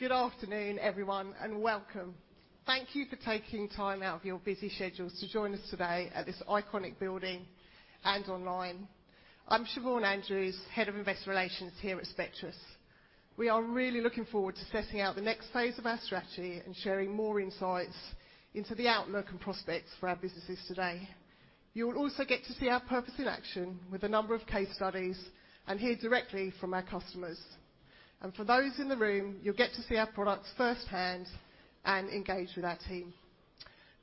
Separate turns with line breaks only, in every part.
Good afternoon, everyone, and welcome. Thank you for taking time out of your busy schedules to join us today at this iconic building and online. I'm Siobhán Andrews, Head of Investor Relations here at Spectris. We are really looking forward to setting out the next phase of our strategy and sharing more insights into the outlook and prospects for our businesses today. You will also get to see our purpose in action with a number of case studies and hear directly from our customers. For those in the room, you'll get to see our products firsthand and engage with our team.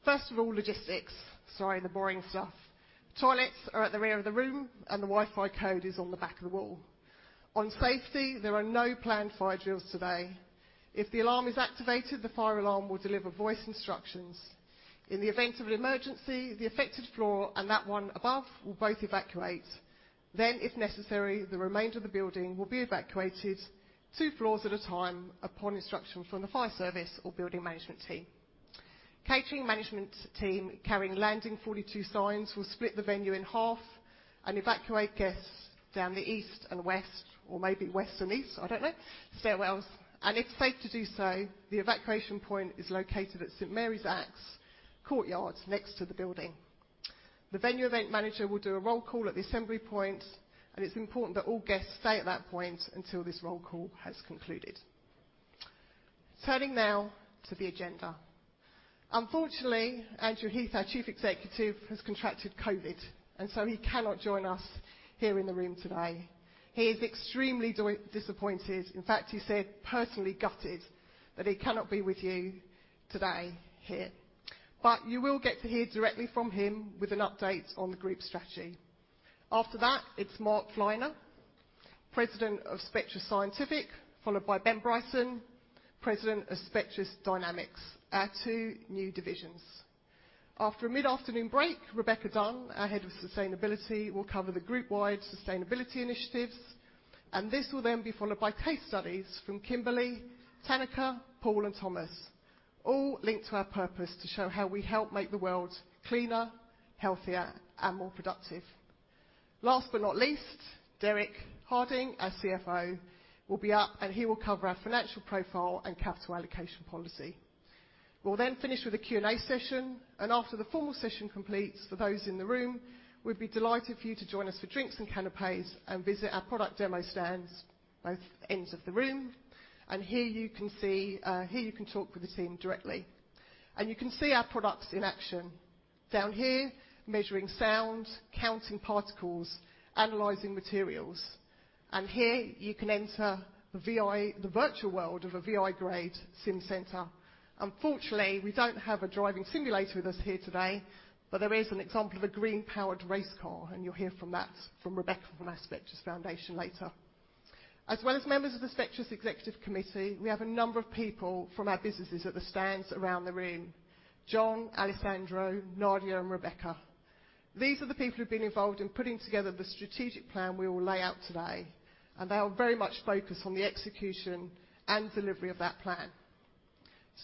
First of all, logistics. Sorry, the boring stuff. Toilets are at the rear of the room, and the Wi-Fi code is on the back of the wall. On safety, there are no planned fire drills today. If the alarm is activated, the fire alarm will deliver voice instructions. In the event of an emergency, the affected floor and that one above will both evacuate. If necessary, the remainder of the building will be evacuated two floors at a time upon instruction from the fire service or building management team. Catering management team carrying Landing-42 signs will split the venue in half and evacuate guests down the east and the west or maybe west and east, I don't know. Stairwells. If safe to do so, the evacuation point is located at St Mary Axe Courtyards next to the building. The venue event manager will do a roll call at the assembly point, and it's important that all guests stay at that point until this roll call has concluded. Turning now to the agenda. Unfortunately, Andrew Heath, our Chief Executive, has contracted COVID, and so he cannot join us here in the room today. He is extremely disappointed. In fact, he said, personally gutted that he cannot be with you today here. You will get to hear directly from him with an update on the group's strategy. After that, it's Mark Fleiner, President of Spectris Scientific, followed by Ben Bryson, President of Spectris Dynamics, our two new divisions. After a mid-afternoon break, Rebecca Dunn, our Head of Sustainability, will cover the group-wide sustainability initiatives, and this will then be followed by case studies from Kimberly, Tanneke, Paul, and Thomas, all linked to our purpose to show how we help make the world cleaner, healthier, and more productive. Last but not least, Derek Harding, our CFO, will be up, and he will cover our financial profile and capital allocation policy. We'll then finish with a Q&A session, and after the formal session completes for those in the room, we'd be delighted for you to join us for drinks and canapés and visit our product demo stands, both ends of the room. Here you can see, here you can talk with the team directly. You can see our products in action. Down here, measuring sound, counting particles, analyzing materials. Here you can enter the VI-grade, the virtual world of a VI-grade SimCenter. Unfortunately, we don't have a driving simulator with us here today, but there is an example of a green powered race car, and you'll hear about that from Rebecca from our Spectris Foundation later. As well as members of the Spectris Executive Committee, we have a number of people from our businesses at the stands around the room. John, Alessandro, Nadia, and Rebecca. These are the people who've been involved in putting together the strategic plan we will lay out today, and they are very much focused on the execution and delivery of that plan.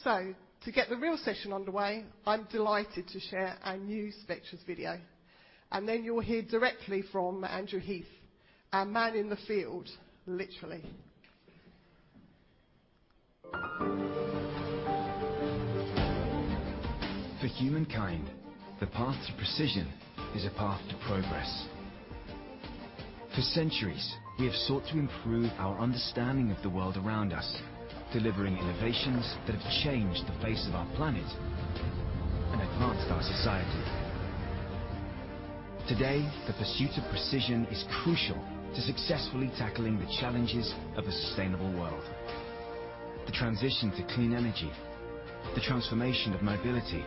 To get the real session underway, I'm delighted to share our new Spectris video. Then you'll hear directly from Andrew Heath, our man in the field, literally.
For humankind, the path to precision is a path to progress. For centuries, we have sought to improve our understanding of the world around us, delivering innovations that have changed the face of our planet and advanced our society. Today, the pursuit of precision is crucial to successfully tackling the challenges of a sustainable world. The transition to clean energy, the transformation of mobility,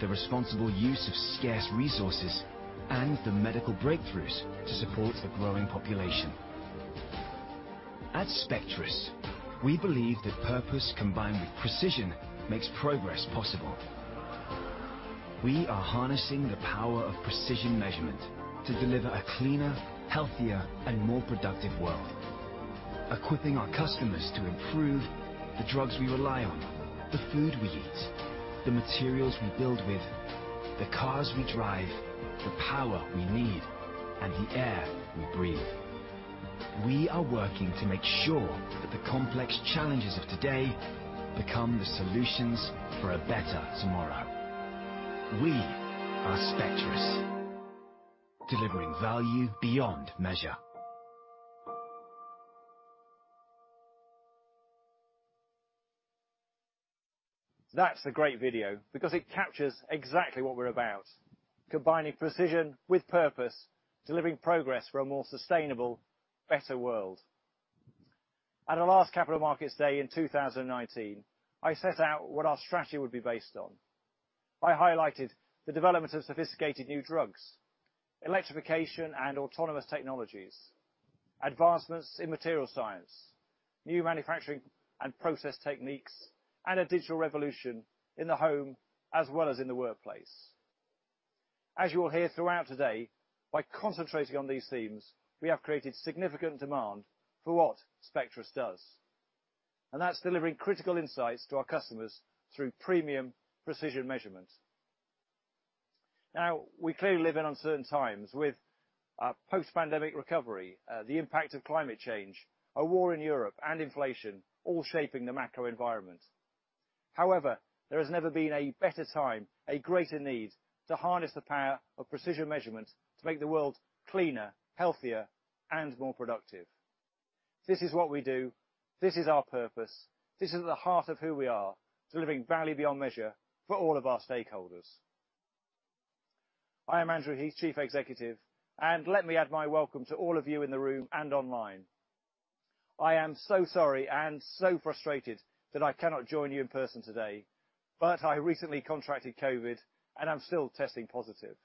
the responsible use of scarce resources, and the medical breakthroughs to support the growing population. At Spectris, we believe that purpose combined with precision makes progress possible. We are harnessing the power of precision measurement to deliver a cleaner, healthier, and more productive world. Equipping our customers to improve the drugs we rely on, the food we eat, the materials we build with, the cars we drive, the power we need, and the air we breathe. We are working to make sure that the complex challenges of today become the solutions for a better tomorrow. We are Spectris, delivering value beyond measure.
That's a great video because it captures exactly what we're about, combining precision with purpose, delivering progress for a more sustainable, better world. At our last Capital Markets Day in 2019, I set out what our strategy would be based on. I highlighted the development of sophisticated new drugs, electrification and autonomous technologies, advancements in material science, new manufacturing and process techniques, and a digital revolution in the home as well as in the workplace. As you will hear throughout today, by concentrating on these themes, we have created significant demand for what Spectris does, and that's delivering critical insights to our customers through premium precision measurements. Now, we clearly live in uncertain times with post-pandemic recovery, the impact of climate change, a war in Europe and inflation all shaping the macro environment. However, there has never been a better time, a greater need to harness the power of precision measurement to make the world cleaner, healthier, and more productive. This is what we do. This is our purpose. This is at the heart of who we are to delivering value beyond measure for all of our stakeholders. I am Andrew Heath, Chief Executive, and let me add my welcome to all of you in the room and online. I am so sorry and so frustrated that I cannot join you in person today, but I recently contracted COVID, and I'm still testing positive.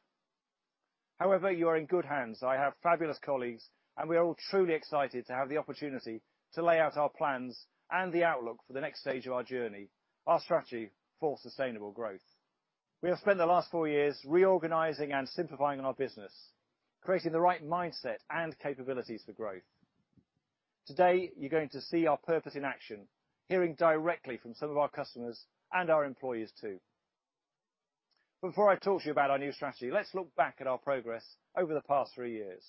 However, you are in good hands. I have fabulous colleagues, and we are all truly excited to have the opportunity to lay out our plans and the outlook for the next stage of our journey, our strategy for sustainable growth. We have spent the last four years reorganizing and simplifying our business, creating the right mindset and capabilities for growth. Today, you're going to see our purpose in action, hearing directly from some of our customers and our employees too. Before I talk to you about our new strategy, let's look back at our progress over the past three years.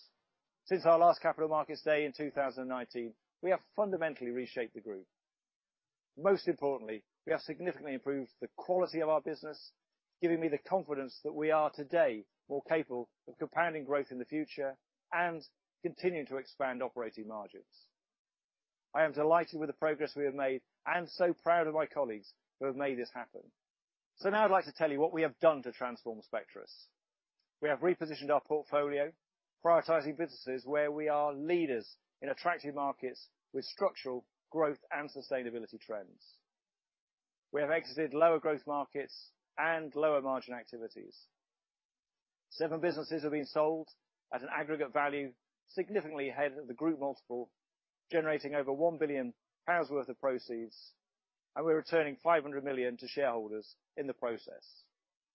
Since our last Capital Markets Day in 2019, we have fundamentally reshaped the group. Most importantly, we have significantly improved the quality of our business, giving me the confidence that we are today more capable of compounding growth in the future and continuing to expand operating margins. I am delighted with the progress we have made, and so proud of my colleagues who have made this happen. Now I'd like to tell you what we have done to transform Spectris. We have repositioned our portfolio, prioritizing businesses where we are leaders in attractive markets with structural growth and sustainability trends. We have exited lower growth markets and lower margin activities. Seven businesses have been sold at an aggregate value, significantly ahead of the group multiple, generating over 1 billion pounds worth of proceeds, and we're returning 500 million to shareholders in the process.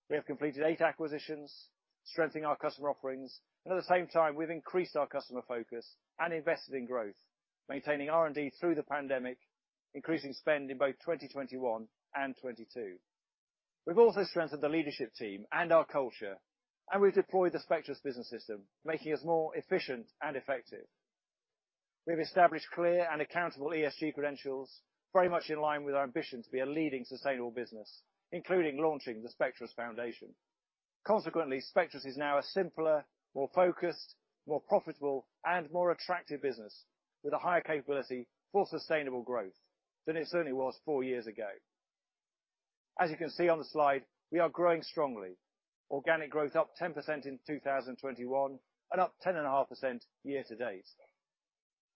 We have completed 8 acquisitions, strengthening our customer offerings. At the same time, we've increased our customer focus and invested in growth, maintaining R&D through the pandemic, increasing spend in both 2021 and 2022. We've also strengthened the leadership team and our culture, and we've deployed the Spectris Business System, making us more efficient and effective. We've established clear and accountable ESG credentials, very much in line with our ambition to be a leading sustainable business, including launching the Spectris Foundation. Consequently, Spectris is now a simpler, more focused, more profitable, and more attractive business with a higher capability for sustainable growth than it certainly was four years ago. As you can see on the slide, we are growing strongly. Organic growth up 10% in 2021 and up 10.5% year-to-date.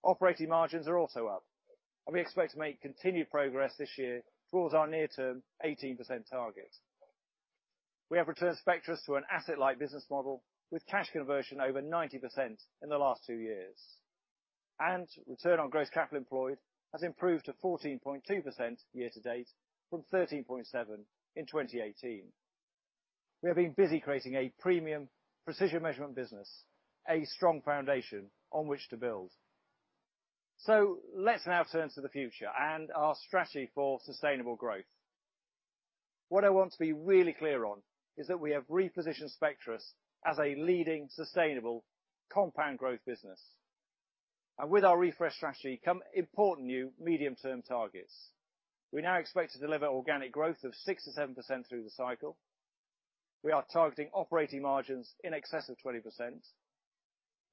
Operating margins are also up, and we expect to make continued progress this year towards our near-term 18% target. We have returned Spectris to an asset-light business model with cash conversion over 90% in the last two years. Return on gross capital employed has improved to 14.2% year-to-date from 13.7% in 2018. We have been busy creating a premium precision measurement business, a strong foundation on which to build. Let's now turn to the future and our strategy for sustainable growth. What I want to be really clear on is that we have repositioned Spectris as a leading sustainable compound growth business. With our refreshed strategy come important new medium-term targets. We now expect to deliver organic growth of 6%-7% through the cycle. We are targeting operating margins in excess of 20%,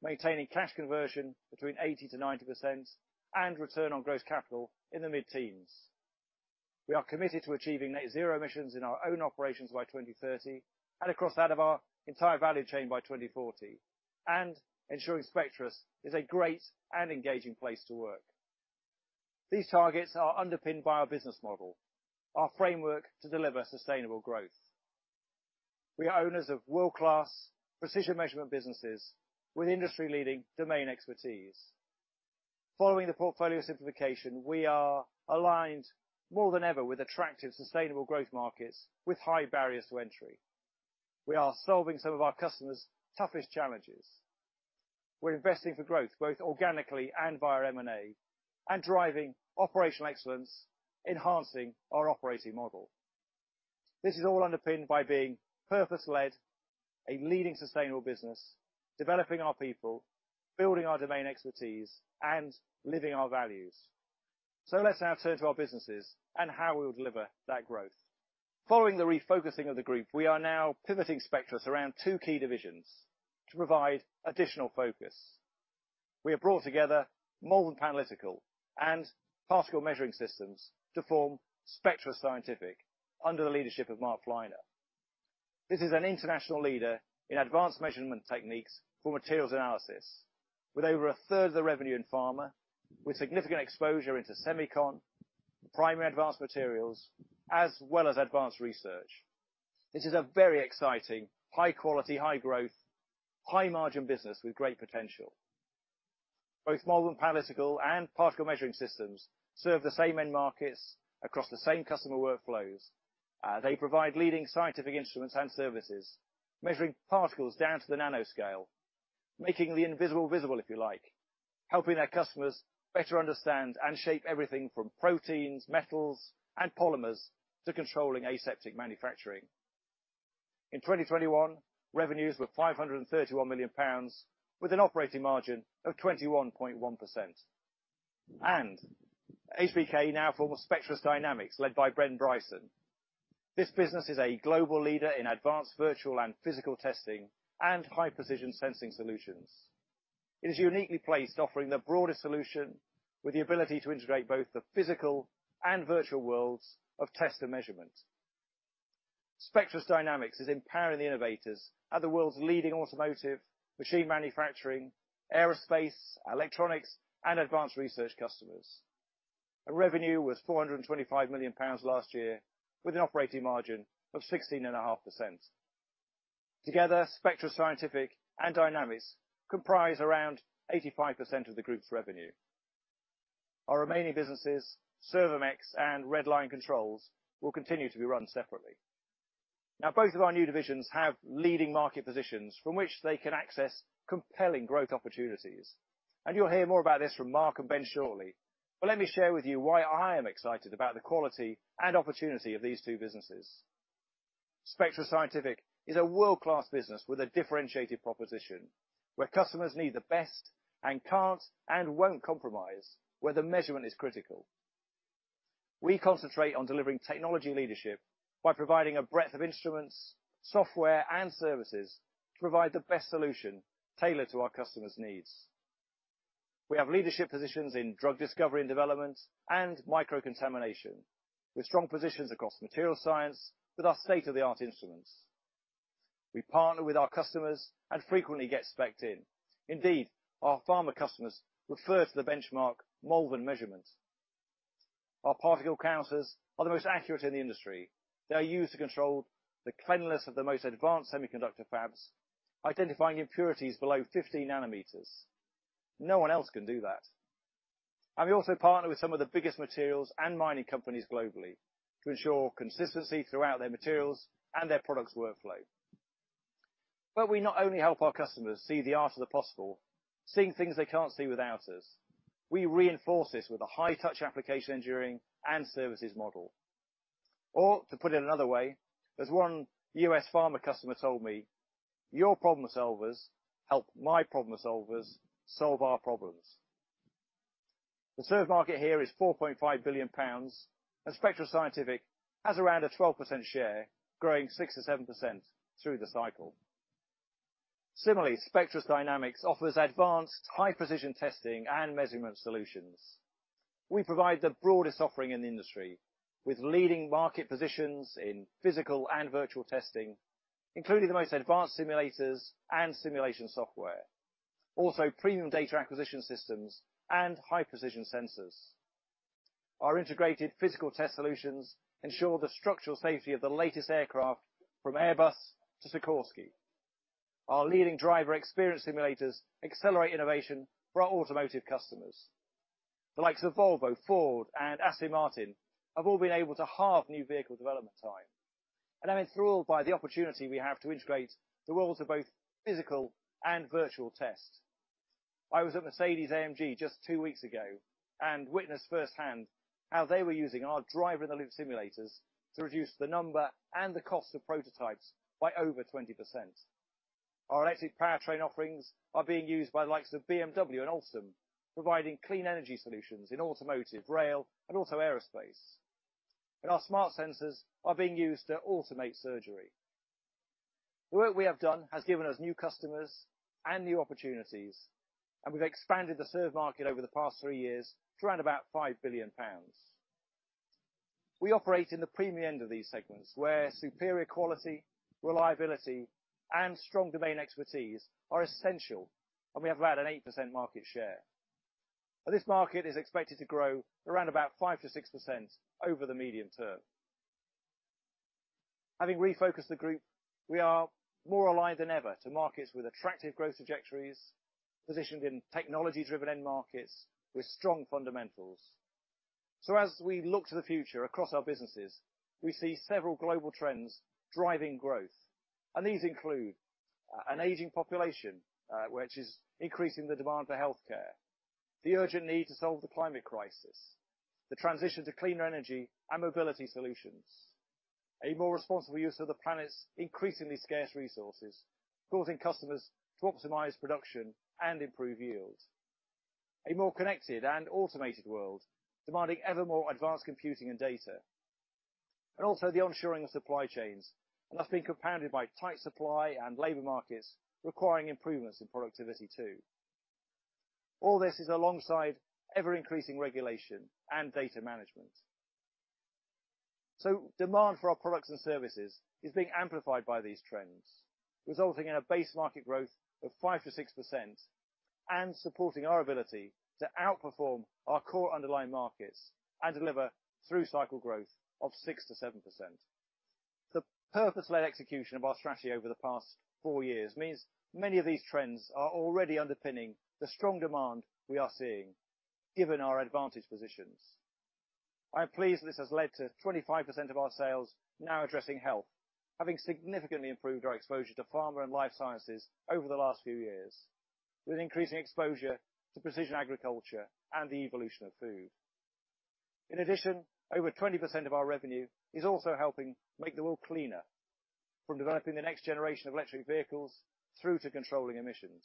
maintaining cash conversion between 80%-90% and return on gross capital in the mid-teens. We are committed to achieving Net Zero emissions in our own operations by 2030 and across that of our entire value chain by 2040 and ensuring Spectris is a great and engaging place to work. These targets are underpinned by our business model, our framework to deliver sustainable growth. We are owners of world-class precision measurement businesses with industry-leading domain expertise. Following the portfolio simplification, we are aligned more than ever with attractive sustainable growth markets with high barriers to entry. We are solving some of our customers' toughest challenges. We're investing for growth, both organically and via M&A, and driving operational excellence, enhancing our operating model. This is all underpinned by being purpose-led, a leading sustainable business, developing our people, building our domain expertise, and living our values. Let's now turn to our businesses and how we will deliver that growth. Following the refocusing of the group, we are now pivoting Spectris around two key divisions to provide additional focus. We have brought together Malvern Panalytical and Particle Measuring Systems to form Spectris Scientific under the leadership of Mark Fleiner. This is an international leader in advanced measurement techniques for materials analysis. With over a third of the revenue in pharma, with significant exposure into semicon, primarily advanced materials, as well as advanced research. This is a very exciting, high quality, high growth, high margin business with great potential. Both Malvern Panalytical and Particle Measuring Systems serve the same end markets across the same customer workflows. They provide leading scientific instruments and services, measuring particles down to the nanoscale. Making the invisible visible, if you like, helping our customers better understand and shape everything from proteins, metals, and polymers, to controlling aseptic manufacturing. In 2021, revenues were 531 million pounds, with an operating margin of 21.1%. HBK now forms Spectris Dynamics, led by Ben Bryson. This business is a global leader in advanced virtual and physical testing, and high precision sensing solutions. It is uniquely placed, offering the broadest solution with the ability to integrate both the physical and virtual worlds of test and measurement. Spectris Dynamics is empowering the innovators at the world's leading automotive, machine manufacturing, aerospace, electronics, and advanced research customers. Our revenue was 425 million pounds last year, with an operating margin of 16.5%. Together, Spectris Scientific and Dynamics comprise around 85% of the group's revenue. Our remaining businesses, Servomex and Red Lion Controls, will continue to be run separately. Now, both of our new divisions have leading market positions from which they can access compelling growth opportunities. You'll hear more about this from Mark and Ben shortly. Let me share with you why I am excited about the quality and opportunity of these two businesses. Spectris Scientific is a world-class business with a differentiated proposition, where customers need the best and can't and won't compromise, where the measurement is critical. We concentrate on delivering technology leadership by providing a breadth of instruments, software, and services to provide the best solution tailored to our customers' needs. We have leadership positions in drug discovery and development and microcontamination, with strong positions across material science with our state-of-the-art instruments. We partner with our customers and frequently get specced in. Indeed, our pharma customers refer to the benchmark Malvern measurement. Our particle counters are the most accurate in the industry. They are used to control the cleanliness of the most advanced semiconductor fabs, identifying impurities below 50 nanometers. No one else can do that. We also partner with some of the biggest materials and mining companies globally to ensure consistency throughout their materials and their products' workflow. We not only help our customers see the art of the possible, seeing things they can't see without us, we reinforce this with a high-touch application engineering and services model. To put it another way, as one U.S. pharma customer told me, "Your problem solvers help my problem solvers solve our problems." The served market here is 4.5 billion pounds, and Spectris Scientific has around a 12% share, growing 6%-7% through the cycle. Similarly, Spectris Dynamics offers advanced high-precision testing and measurement solutions. We provide the broadest offering in the industry with leading market positions in physical and virtual testing, including the most advanced simulators and simulation software, also premium data acquisition systems, and high-precision sensors. Our integrated physical test solutions ensure the structural safety of the latest aircraft from Airbus to Sikorsky. Our leading driver experience simulators accelerate innovation for our automotive customers. The likes of Volvo, Ford, and Aston Martin have all been able to halve new vehicle development time. I'm enthralled by the opportunity we have to integrate the worlds of both physical and virtual tests. I was at Mercedes-AMG just two weeks ago and witnessed firsthand how they were using our driver-in-the-loop simulators to reduce the number and the cost of prototypes by over 20%. Our electric powertrain offerings are being used by the likes of BMW and Alstom, providing clean energy solutions in automotive, rail, and also aerospace. Our smart sensors are being used to automate surgery. The work we have done has given us new customers and new opportunities, and we've expanded the served market over the past three years to around about 5 billion pounds. We operate in the premium end of these segments, where superior quality, reliability, and strong domain expertise are essential, and we have around an 8% market share. This market is expected to grow around about 5%-6% over the medium term. Having refocused the group, we are more aligned than ever to markets with attractive growth trajectories, positioned in technology-driven end markets with strong fundamentals. As we look to the future across our businesses, we see several global trends driving growth. These include an aging population, which is increasing the demand for healthcare, the urgent need to solve the climate crisis, the transition to cleaner energy and mobility solutions, a more responsible use of the planet's increasingly scarce resources, causing customers to optimize production and improve yields, a more connected and automated world demanding ever more advanced computing and data. Also the onshoring of supply chains, and that's been compounded by tight supply and labor markets requiring improvements in productivity too. All this is alongside ever-increasing regulation and data management. Demand for our products and services is being amplified by these trends, resulting in a base market growth of 5%-6% and supporting our ability to outperform our core underlying markets and deliver through-cycle growth of 6%-7%. The purpose-led execution of our strategy over the past four years means many of these trends are already underpinning the strong demand we are seeing, given our advantage positions. I am pleased this has led to 25% of our sales now addressing health, having significantly improved our exposure to pharma and life sciences over the last few years, with increasing exposure to precision agriculture and the evolution of food. In addition, over 20% of our revenue is also helping make the world cleaner, from developing the next generation of electric vehicles, through to controlling emissions.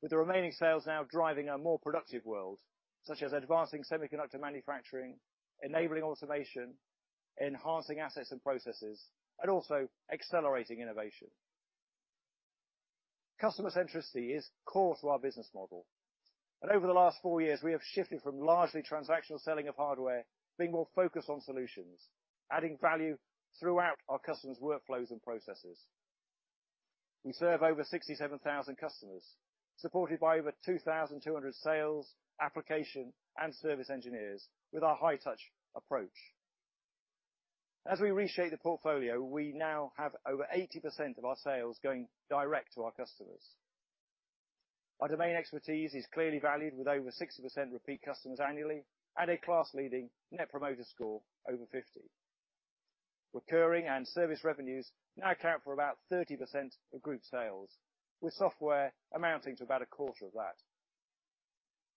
With the remaining sales now driving a more productive world, such as advancing semiconductor manufacturing, enabling automation, enhancing assets and processes, and also accelerating innovation. Customer centricity is core to our business model, and over the last four years, we have shifted from largely transactional selling of hardware, being more focused on solutions, adding value throughout our customers' workflows and processes. We serve over 67,000 customers, supported by over 2,200 sales, application, and service engineers with our high touch approach. As we reshape the portfolio, we now have over 80% of our sales going direct to our customers. Our domain expertise is clearly valued, with over 60% repeat customers annually and a class-leading Net Promoter Score over 50. Recurring and service revenues now account for about 30% of group sales, with software amounting to about a quarter of that.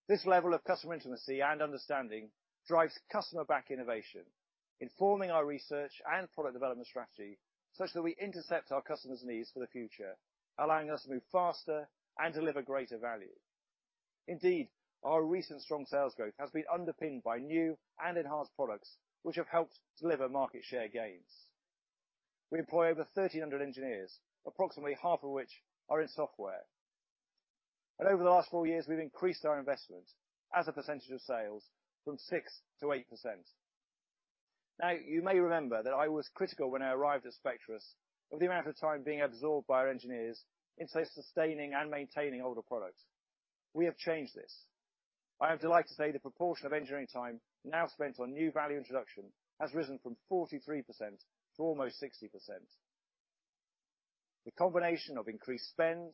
This level of customer intimacy and understanding drives customer-backed innovation, informing our research and product development strategy, such that we intercept our customers' needs for the future, allowing us to move faster and deliver greater value. Indeed, our recent strong sales growth has been underpinned by new and enhanced products, which have helped deliver market share gains. We employ over 1,300 engineers, approximately half of which are in software. Over the last four years, we've increased our investment as a percentage of sales from 6% to 8%. Now, you may remember that I was critical when I arrived at Spectris of the amount of time being absorbed by our engineers into sustaining and maintaining older products. We have changed this. I am delighted to say the proportion of engineering time now spent on new value introduction has risen from 43% to almost 60%. The combination of increased spend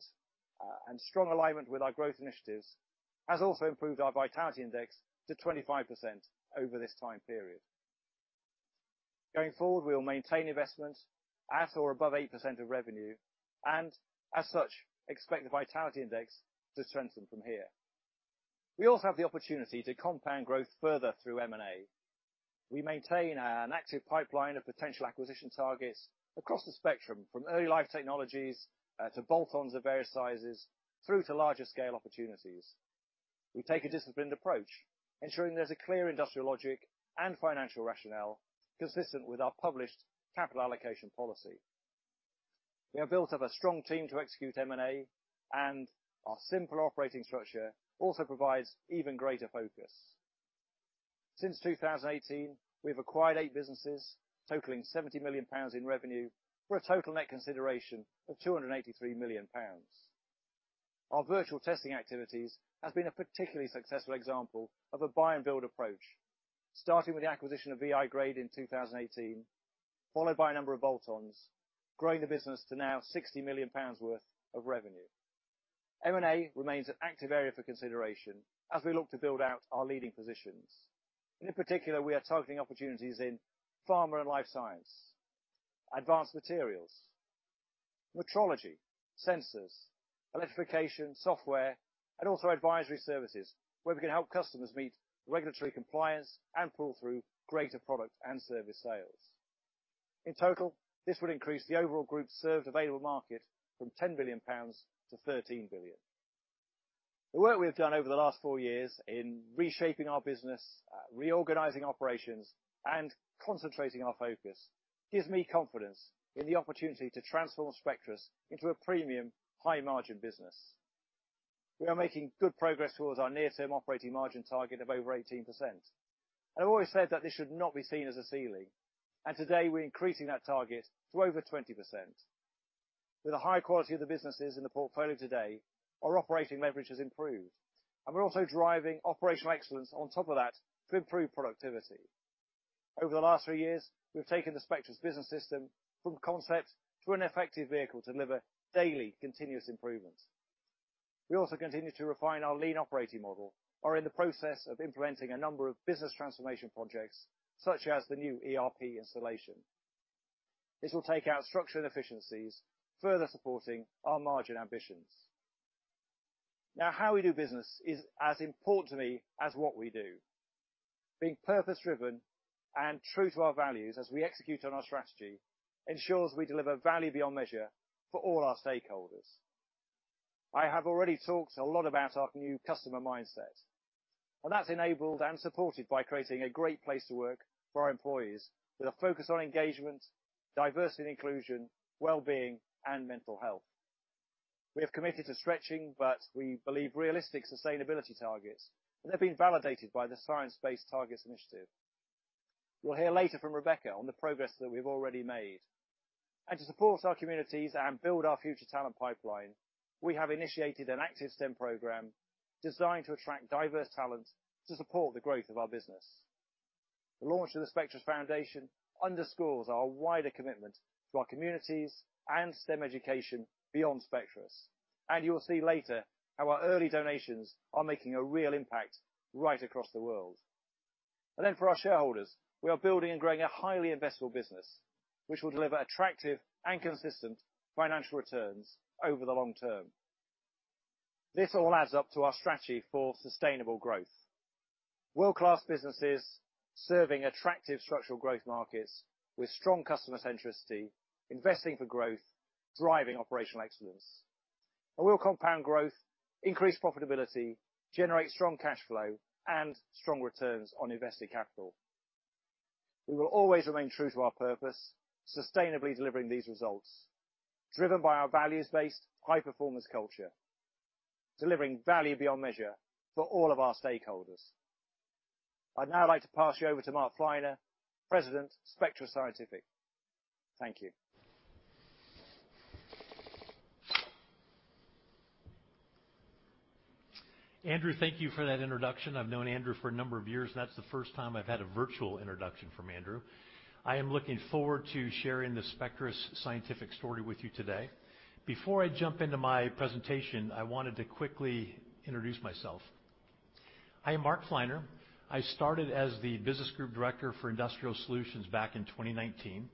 and strong alignment with our growth initiatives has also improved our Vitality Index to 25% over this time period. Going forward, we'll maintain investment at or above 8% of revenue, and as such, expect the Vitality Index to strengthen from here. We also have the opportunity to compound growth further through M&A. We maintain an active pipeline of potential acquisition targets across the spectrum, from early life technologies to bolt-ons of various sizes, through to larger scale opportunities. We take a disciplined approach, ensuring there's a clear industrial logic and financial rationale consistent with our published capital allocation policy. We have built up a strong team to execute M&A, and our simple operating structure also provides even greater focus. Since 2018, we've acquired eight businesses totaling 70 million pounds in revenue for a total net consideration of 283 million pounds. Our virtual testing activities has been a particularly successful example of a buy and build approach. Starting with the acquisition of VI-grade in 2018, followed by a number of bolt-ons, growing the business to now 60 million pounds worth of revenue. M&A remains an active area for consideration as we look to build out our leading positions. In particular, we are targeting opportunities in pharma and life science, advanced materials, metrology, sensors, electrification, software, and also advisory services, where we can help customers meet regulatory compliance and pull through greater product and service sales. In total, this will increase the overall group served available market from 10 billion pounds to 13 billion. The work we've done over the last four years in reshaping our business, reorganizing operations, and concentrating our focus gives me confidence in the opportunity to transform Spectris into a premium high-margin business. We are making good progress towards our near-term operating margin target of over 18%. I've always said that this should not be seen as a ceiling, and today we're increasing that target to over 20%. With the high quality of the businesses in the portfolio today, our operating leverage has improved, and we're also driving operational excellence on top of that to improve productivity. Over the last three years, we've taken the Spectris Business System from concept to an effective vehicle to deliver daily continuous improvement. We also continue to refine our lean operating model. We are in the process of implementing a number of business transformation projects, such as the new ERP installation. This will take out structural inefficiencies, further supporting our margin ambitions. Now, how we do business is as important to me as what we do. Being purpose-driven and true to our values as we execute on our strategy ensures we deliver value beyond measure for all our stakeholders. I have already talked a lot about our new customer mindset, and that's enabled and supported by creating a great place to work for our employees, with a focus on engagement, diversity and inclusion, wellbeing, and mental health. We have committed to stretching, but we believe realistic sustainability targets, and they've been validated by the Science Based Targets initiative. You'll hear later from Rebecca on the progress that we've already made. To support our communities and build our future talent pipeline, we have initiated an active STEM program designed to attract diverse talent to support the growth of our business. The launch of The Spectris Foundation underscores our wider commitment to our communities and STEM education beyond Spectris. You will see later how our early donations are making a real impact right across the world. For our shareholders, we are building and growing a highly investable business which will deliver attractive and consistent financial returns over the long term. This all adds up to our strategy for sustainable growth. World-class businesses serving attractive structural growth markets with strong customer centricity, investing for growth, driving operational excellence, and will compound growth, increase profitability, generate strong cash flow, and strong returns on invested capital. We will always remain true to our purpose, sustainably delivering these results, driven by our values-based high-performance culture, delivering value beyond measure for all of our stakeholders. I'd now like to pass you over to Mark Fleiner, President, Spectris Scientific. Thank you.
Andrew, thank you for that introduction. I've known Andrew for a number of years. That's the first time I've had a virtual introduction from Andrew. I am looking forward to sharing the Spectris Scientific story with you today. Before I jump into my presentation, I wanted to quickly introduce myself. I am Mark Fleiner. I started as the Business Group Director for Industrial Solutions back in 2019,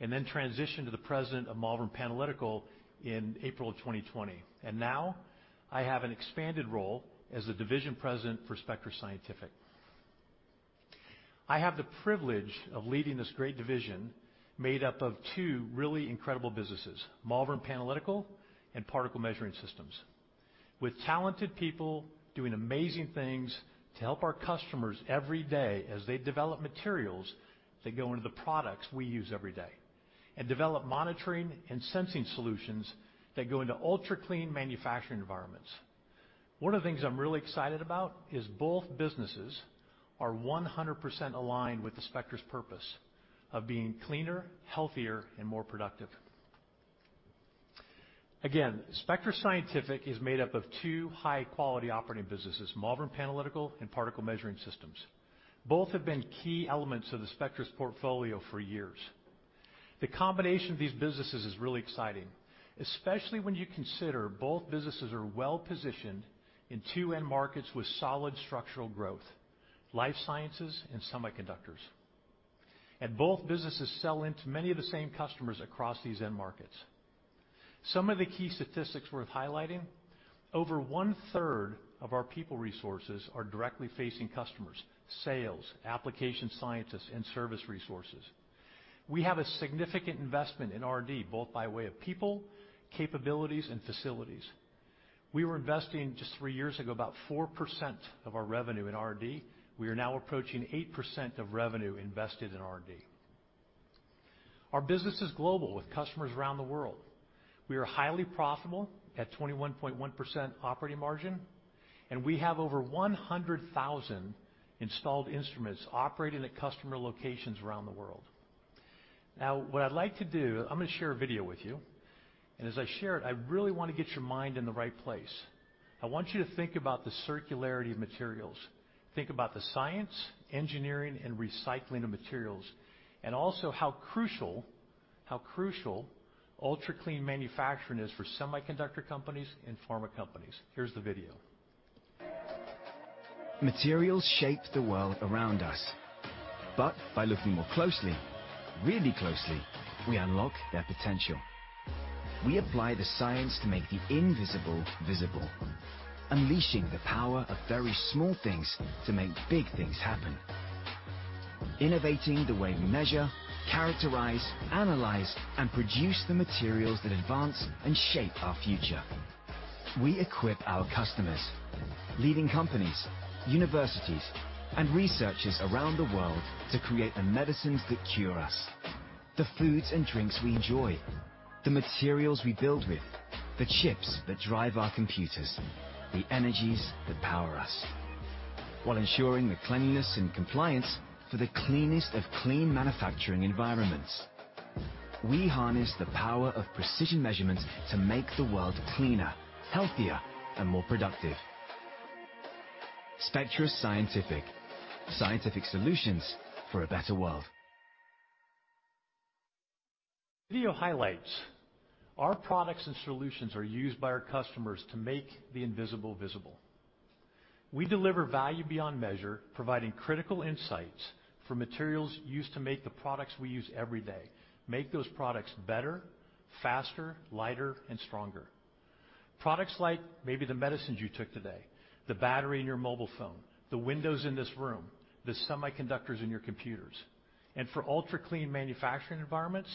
and then transitioned to the President of Malvern Panalytical in April of 2020. Now I have an expanded role as the Division President for Spectris Scientific. I have the privilege of leading this great division made up of two really incredible businesses, Malvern Panalytical and Particle Measuring Systems. With talented people doing amazing things to help our customers every day as they develop materials that go into the products we use every day, and develop monitoring and sensing solutions that go into ultra-clean manufacturing environments. One of the things I'm really excited about is both businesses are 100% aligned with the Spectris purpose of being cleaner, healthier, and more productive. Again, Spectris Scientific is made up of two high-quality operating businesses, Malvern Panalytical and Particle Measuring Systems. Both have been key elements of the Spectris portfolio for years. The combination of these businesses is really exciting, especially when you consider both businesses are well positioned in two end markets with solid structural growth, life sciences and semiconductors. Both businesses sell into many of the same customers across these end markets. Some of the key statistics worth highlighting, over one-third of our people resources are directly facing customers, sales, application scientists, and service resources. We have a significant investment in R&D, both by way of people, capabilities, and facilities. We were investing just three years ago, about 4% of our revenue in R&D. We are now approaching 8% of revenue invested in R&D. Our business is global with customers around the world. We are highly profitable at 21.1% operating margin, and we have over 100,000 installed instruments operating at customer locations around the world. Now, what I'd like to do, I'm gonna share a video with you, and as I share it, I really wanna get your mind in the right place. I want you to think about the circularity of materials. Think about the science, engineering, and recycling of materials, and also how crucial ultra-clean manufacturing is for semiconductor companies and pharma companies. Here's the video.
Materials shape the world around us. By looking more closely, really closely, we unlock their potential. We apply the science to make the invisible visible, unleashing the power of very small things to make big things happen. Innovating the way we measure, characterize, analyze, and produce the materials that advance and shape our future. We equip our customers, leading companies, universities, and researchers around the world to create the medicines that cure us, the foods and drinks we enjoy, the materials we build with, the chips that drive our computers, the energies that power us, while ensuring the cleanliness and compliance for the cleanest of clean manufacturing environments. We harness the power of precision measurements to make the world cleaner, healthier, and more productive. Spectris Scientific. Scientific solutions for a better world.
Video highlights. Our products and solutions are used by our customers to make the invisible visible. We deliver value beyond measure, providing critical insights for materials used to make the products we use every day, make those products better, faster, lighter, and stronger. Products like maybe the medicines you took today, the battery in your mobile phone, the windows in this room, the semiconductors in your computers. For ultra-clean manufacturing environments,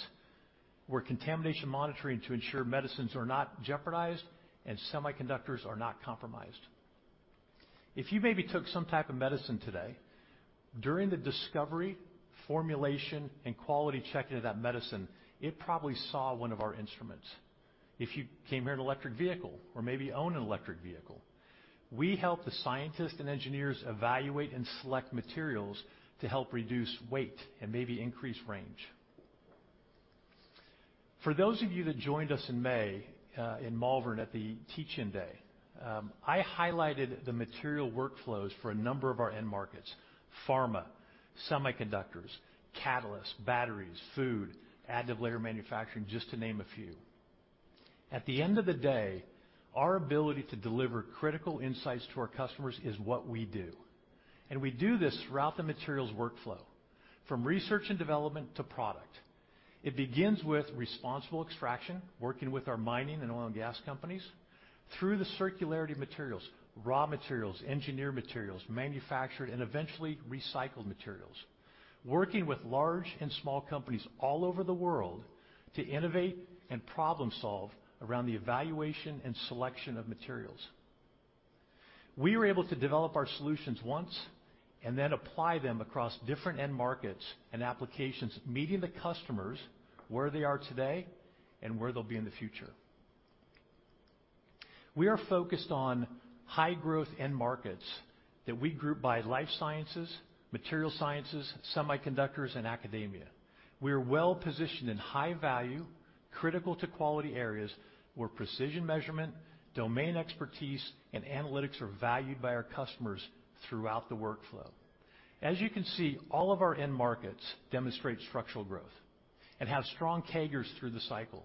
we provide contamination monitoring to ensure medicines are not jeopardized and semiconductors are not compromised. If you maybe took some type of medicine today, during the discovery, formulation, and quality checking of that medicine, it probably saw one of our instruments. If you came here in an electric vehicle or maybe own an electric vehicle, we help the scientists and engineers evaluate and select materials to help reduce weight and maybe increase range. For those of you that joined us in May in Malvern at the Teach-In Day, I highlighted the material workflows for a number of our end markets, pharma, semiconductors, catalysts, batteries, food, additive layer manufacturing, just to name a few. At the end of the day, our ability to deliver critical insights to our customers is what we do. We do this throughout the materials workflow, from research and development to product. It begins with responsible extraction, working with our mining and oil and gas companies, through the circularity of materials, raw materials, engineered materials, manufactured, and eventually recycled materials. Working with large and small companies all over the world to innovate and problem solve around the evaluation and selection of materials. We are able to develop our solutions once and then apply them across different end markets and applications, meeting the customers where they are today and where they'll be in the future. We are focused on high-growth end markets that we group by life sciences, material sciences, semiconductors, and academia. We are well-positioned in high value, critical to quality areas where precision measurement, domain expertise, and analytics are valued by our customers throughout the workflow. As you can see, all of our end markets demonstrate structural growth and have strong CAGRs through the cycle.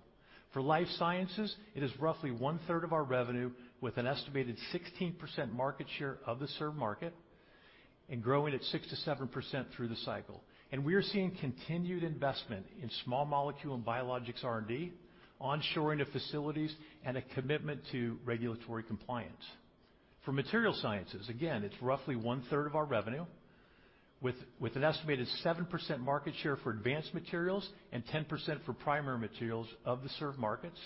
For life sciences, it is roughly 1/3 of our revenue, with an estimated 16% market share of the served market and growing at 6%-7% through the cycle. We are seeing continued investment in small molecule and biologics R&D, onshoring of facilities, and a commitment to regulatory compliance. For material sciences, again, it's roughly 1/3 of our revenue, with an estimated 7% market share for advanced materials and 10% for primary materials of the served markets.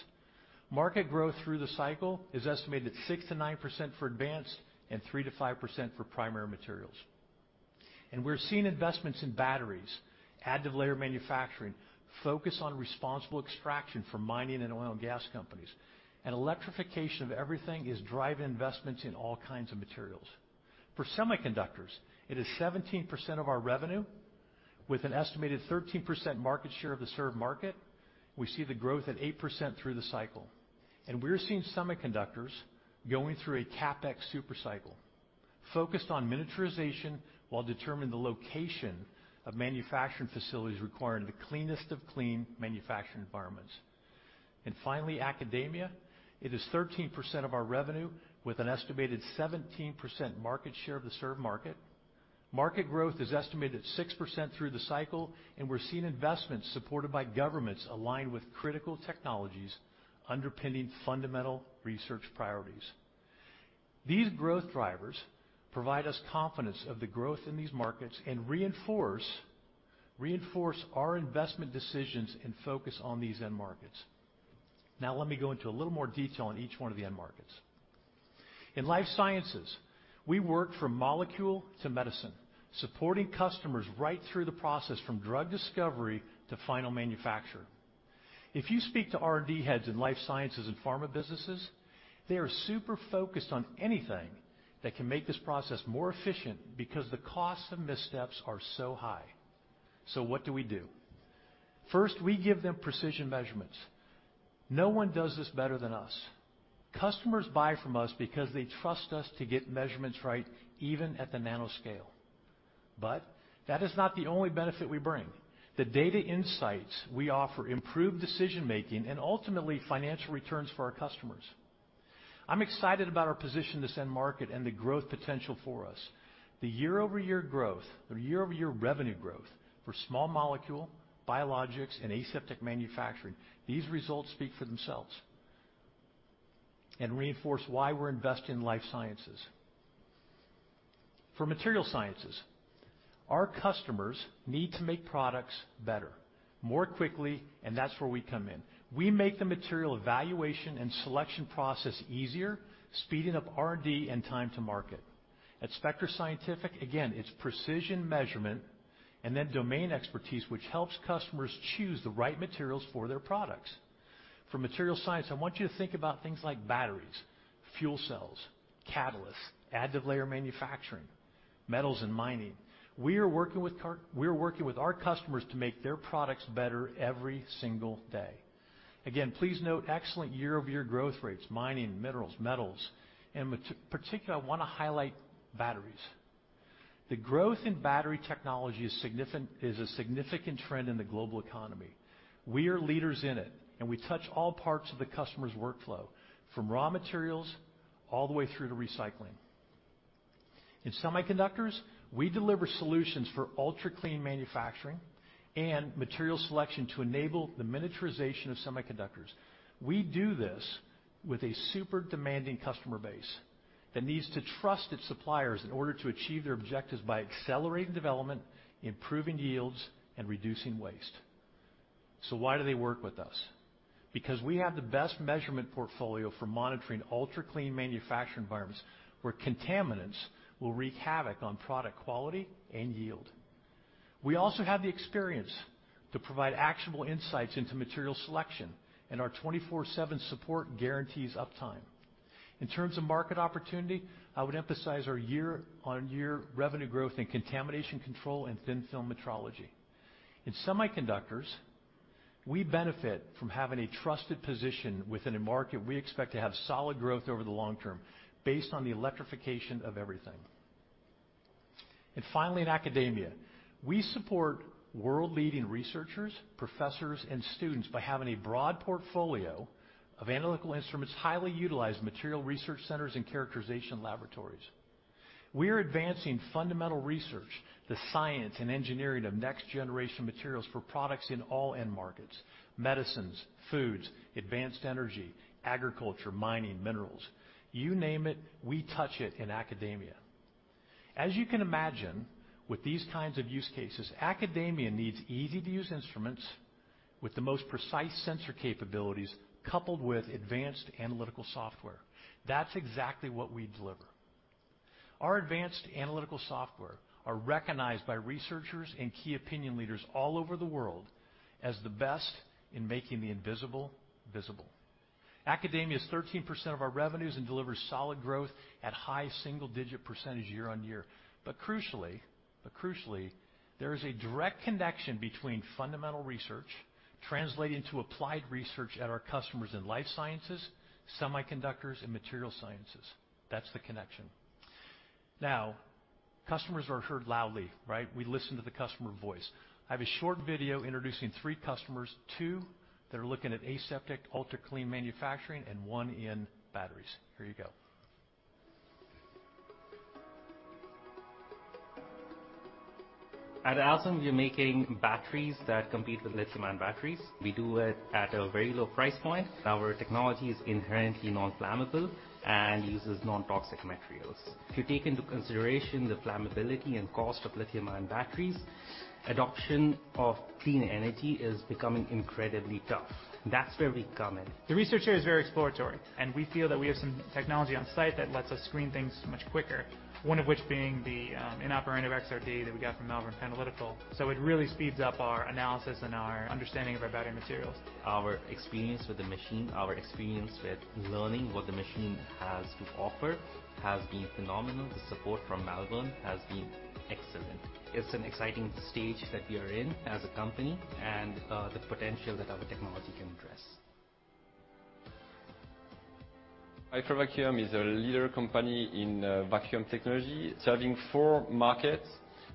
Market growth through the cycle is estimated at 6%-9% for advanced and 3%-5% for primary materials. We're seeing investments in batteries, additive manufacturing, focus on responsible extraction from mining and oil and gas companies. Electrification of everything is driving investments in all kinds of materials. For semiconductors, it is 17% of our revenue with an estimated 13% market share of the served market. We see the growth at 8% through the cycle. We're seeing semiconductors going through a CapEx super cycle, focused on miniaturization while determining the location of manufacturing facilities requiring the cleanest of clean manufacturing environments. Finally, Academia. It is 13% of our revenue, with an estimated 17% market share of the served market. Market growth is estimated at 6% through the cycle, and we're seeing investments supported by governments aligned with critical technologies underpinning fundamental research priorities. These growth drivers provide us confidence of the growth in these markets and reinforce our investment decisions and focus on these end markets. Now, let me go into a little more detail on each one of the end markets. In life sciences, we work from molecule to medicine, supporting customers right through the process from drug discovery to final manufacture. If you speak to R&D heads in life sciences and pharma businesses, they are super focused on anything that can make this process more efficient because the costs of missteps are so high. What do we do? First, we give them precision measurements. No one does this better than us. Customers buy from us because they trust us to get measurements right even at the nanoscale. That is not the only benefit we bring. The data insights we offer improve decision-making and ultimately financial returns for our customers. I'm excited about our position in this end market and the growth potential for us. The year-over-year growth or year-over-year revenue growth for small molecule, biologics, and aseptic manufacturing. These results speak for themselves and reinforce why we're investing in life sciences. For material sciences, our customers need to make products better, more quickly, and that's where we come in. We make the material evaluation and selection process easier, speeding up R&D and time to market. At Spectris Scientific, again, it's precision measurement and then domain expertise, which helps customers choose the right materials for their products. For material science, I want you to think about things like batteries, fuel cells, catalysts, additive layer manufacturing, metals and mining. We are working with our customers to make their products better every single day. Please note excellent year-over-year growth rates, mining, minerals, metals, and particularly, I wanna highlight batteries. The growth in battery technology is significant, is a significant trend in the global economy. We are leaders in it, and we touch all parts of the customer's workflow, from raw materials all the way through to recycling. In semiconductors, we deliver solutions for ultra-clean manufacturing and material selection to enable the miniaturization of semiconductors. We do this with a super demanding customer base that needs to trust its suppliers in order to achieve their objectives by accelerating development, improving yields, and reducing waste. So why do they work with us? Because we have the best measurement portfolio for monitoring ultra-clean manufacturing environments where contaminants will wreak havoc on product quality and yield. We also have the experience to provide actionable insights into material selection, and our 24/7 support guarantees uptime. In terms of market opportunity, I would emphasize our year-on-year revenue growth in contamination control and thin-film metrology. In semiconductors, we benefit from having a trusted position within a market we expect to have solid growth over the long term based on the electrification of everything. Finally, in Academia, we support world-leading researchers, professors, and students by having a broad portfolio of analytical instruments, highly utilized material research centers, and characterization laboratories. We are advancing fundamental research, the science and engineering of next-generation materials for products in all end markets, medicines, foods, advanced energy, agriculture, mining, minerals. You name it, we touch it in Academia. As you can imagine, with these kinds of use cases, Academia needs easy-to-use instruments with the most precise sensor capabilities coupled with advanced analytical software. That's exactly what we deliver. Our advanced analytical software are recognized by researchers and key opinion leaders all over the world as the best in making the invisible, visible. Academia is 13% of our revenues and delivers solid growth at high single-digit percentage year-on-year. Crucially, there is a direct connection between fundamental research translating to applied research at our customers in life sciences, semiconductors, and material sciences. That's the connection. Now, customer voices are heard loudly, right? We listen to the customer voice. I have a short video introducing three customers. Two that are looking at aseptic, ultra-clean manufacturing, and one in batteries. Here you go.
At Altris, we're making batteries that compete with lithium-ion batteries. We do it at a very low price point. Our technology is inherently non-flammable and uses non-toxic materials. If you take into consideration the flammability and cost of lithium-ion batteries, adoption of clean energy is becoming incredibly tough. That's where we come in. The research here is very exploratory, and we feel that we have some technology on site that lets us screen things much quicker, one of which being the in operando XRD that we got from Malvern Panalytical. It really speeds up our analysis and our understanding of our battery materials. Our experience with the machine, our experience with learning what the machine has to offer has been phenomenal. The support from Malvern has been excellent. It's an exciting stage that we are in as a company and the potential that our technology can address. Pfeiffer Vacuum is a leader company in vacuum technology, serving four markets: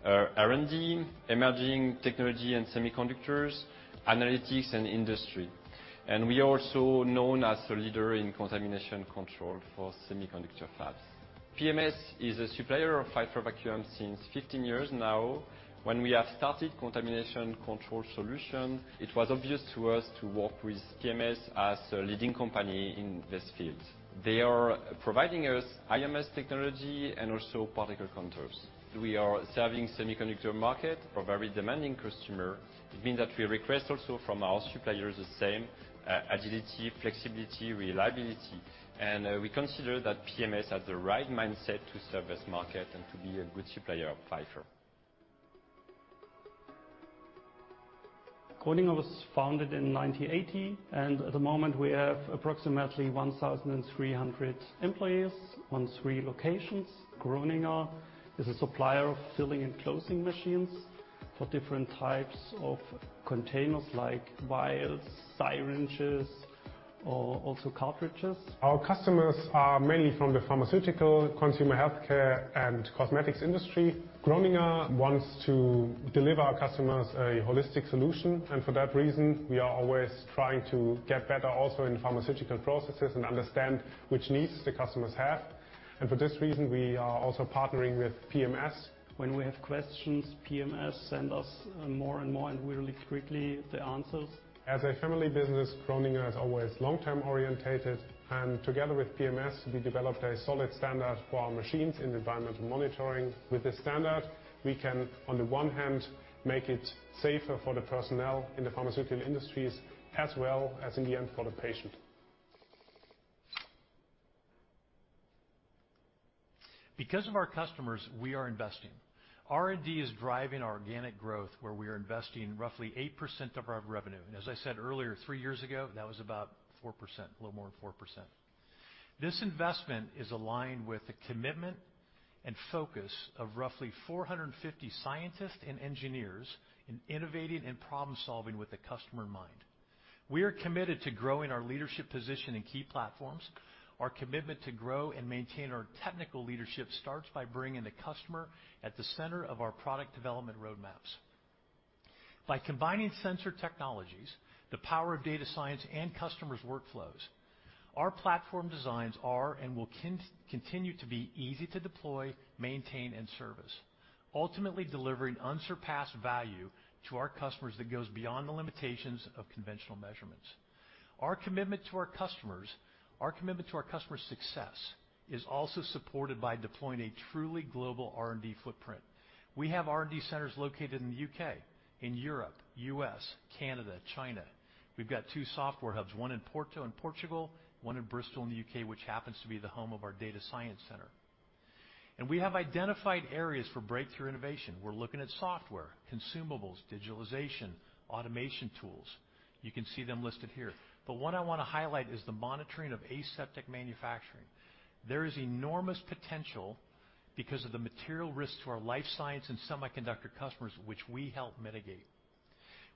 R&D, emerging technology and semiconductors, analytics, and industry. We're also known as a leader in contamination control for semiconductor fabs. PMS is a supplier of Pfeiffer Vacuum since 15 years now. When we have started contamination control solution, it was obvious to us to work with PMS as a leading company in this field. They are providing us IMS technology and also particle counters. We are serving semiconductor market for very demanding customer. It means that we request also from our suppliers the same agility, flexibility, reliability. We consider that PMS has the right mindset to serve this market and to be a good supplier of Pfeiffer. Groninger was founded in 1980, and at the moment we have approximately 1,300 employees on three locations. Groninger is a supplier of filling and closing machines for different types of containers like vials, syringes, or also cartridges. Our customers are mainly from the pharmaceutical, consumer healthcare, and cosmetics industry. Groninger wants to deliver our customers a holistic solution, and for that reason, we are always trying to get better also in pharmaceutical processes and understand which needs the customers have. For this reason, we are also partnering with PMS. When we have questions, PMS send us more and more, and really quickly, the answers. As a family business, Groninger is always long-term oriented, and together with PMS, we developed a solid standard for our machines in environmental monitoring. With this standard, we can, on the one hand, make it safer for the personnel in the pharmaceutical industries as well as in the end for the patient.
Because of our customers, we are investing. R&D is driving our organic growth, where we are investing roughly 8% of our revenue. As I said earlier, three years ago, that was about 4%, a little more than 4%. This investment is aligned with the commitment and focus of roughly 450 scientists and engineers in innovating and problem-solving with the customer in mind. We are committed to growing our leadership position in key platforms. Our commitment to grow and maintain our technical leadership starts by bringing the customer at the center of our product development roadmaps. By combining sensor technologies, the power of data science, and customers' workflows, our platform designs are and will continue to be easy to deploy, maintain, and service, ultimately delivering unsurpassed value to our customers that goes beyond the limitations of conventional measurements. Our commitment to our customers, our commitment to our customers' success, is also supported by deploying a truly global R&D footprint. We have R&D centers located in the U.K., in Europe, U.S., Canada, China. We've got two software hubs, one in Porto in Portugal, one in Bristol in the U.K., which happens to be the home of our data science center. We have identified areas for breakthrough innovation. We're looking at software, consumables, digitalization, automation tools. You can see them listed here. What I wanna highlight is the monitoring of aseptic manufacturing. There is enormous potential because of the material risks to our life science and semiconductor customers, which we help mitigate.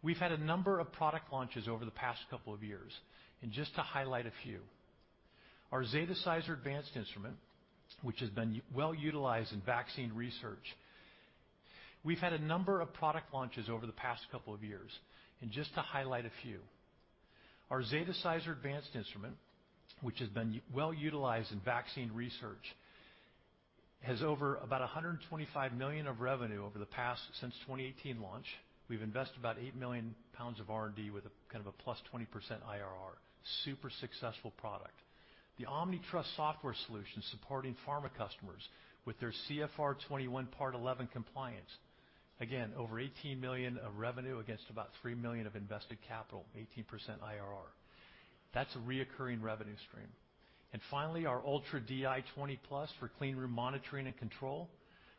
We've had a number of product launches over the past couple of years, and just to highlight a few. Our Zetasizer Advance instrument, which has been well utilized in vaccine research. We've had a number of product launches over the past couple of years, just to highlight a few. Our Zetasizer Advance instrument, which has been well utilized in vaccine research, has over about 125 million of revenue over the past since 2018 launch. We've invested about 8 million pounds of R&D with a kind of a +20% IRR. Super successful product. The OmniTrust software solution supporting pharma customers with their 21 CFR Part 11 compliance. Again, over 18 million of revenue against about 3 million of invested capital, 18% IRR. That's a recurring revenue stream. Finally, our Ultra DI 20+ for cleanroom monitoring and control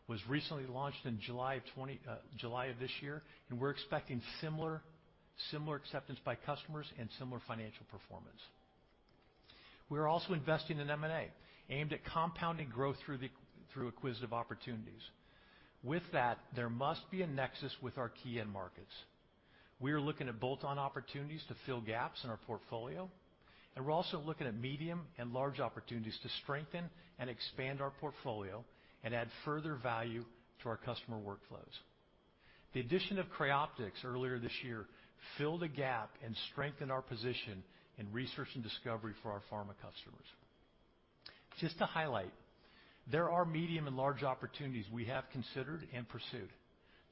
was recently launched in July of this year, and we're expecting similar acceptance by customers and similar financial performance. We are also investing in M&A aimed at compounding growth through acquisitive opportunities. With that, there must be a nexus with our key end markets. We are looking at bolt-on opportunities to fill gaps in our portfolio, and we're also looking at medium and large opportunities to strengthen and expand our portfolio and add further value to our customer workflows. The addition of Creoptix earlier this year filled a gap and strengthened our position in research and discovery for our pharma customers. Just to highlight, there are medium and large opportunities we have considered and pursued.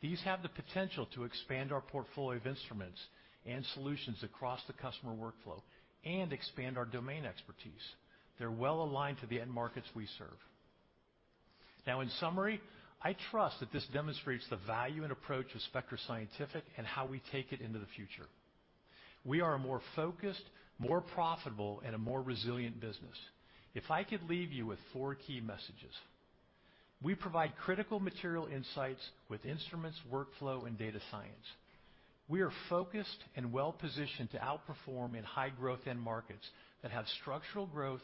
These have the potential to expand our portfolio of instruments and solutions across the customer workflow and expand our domain expertise. They're well-aligned to the end markets we serve. Now in summary, I trust that this demonstrates the value and approach of Spectris Scientific and how we take it into the future. We are a more focused, more profitable, and a more resilient business. If I could leave you with four key messages. We provide critical material insights with instruments, workflow, and data science. We are focused and well-positioned to outperform in high growth end markets that have structural growth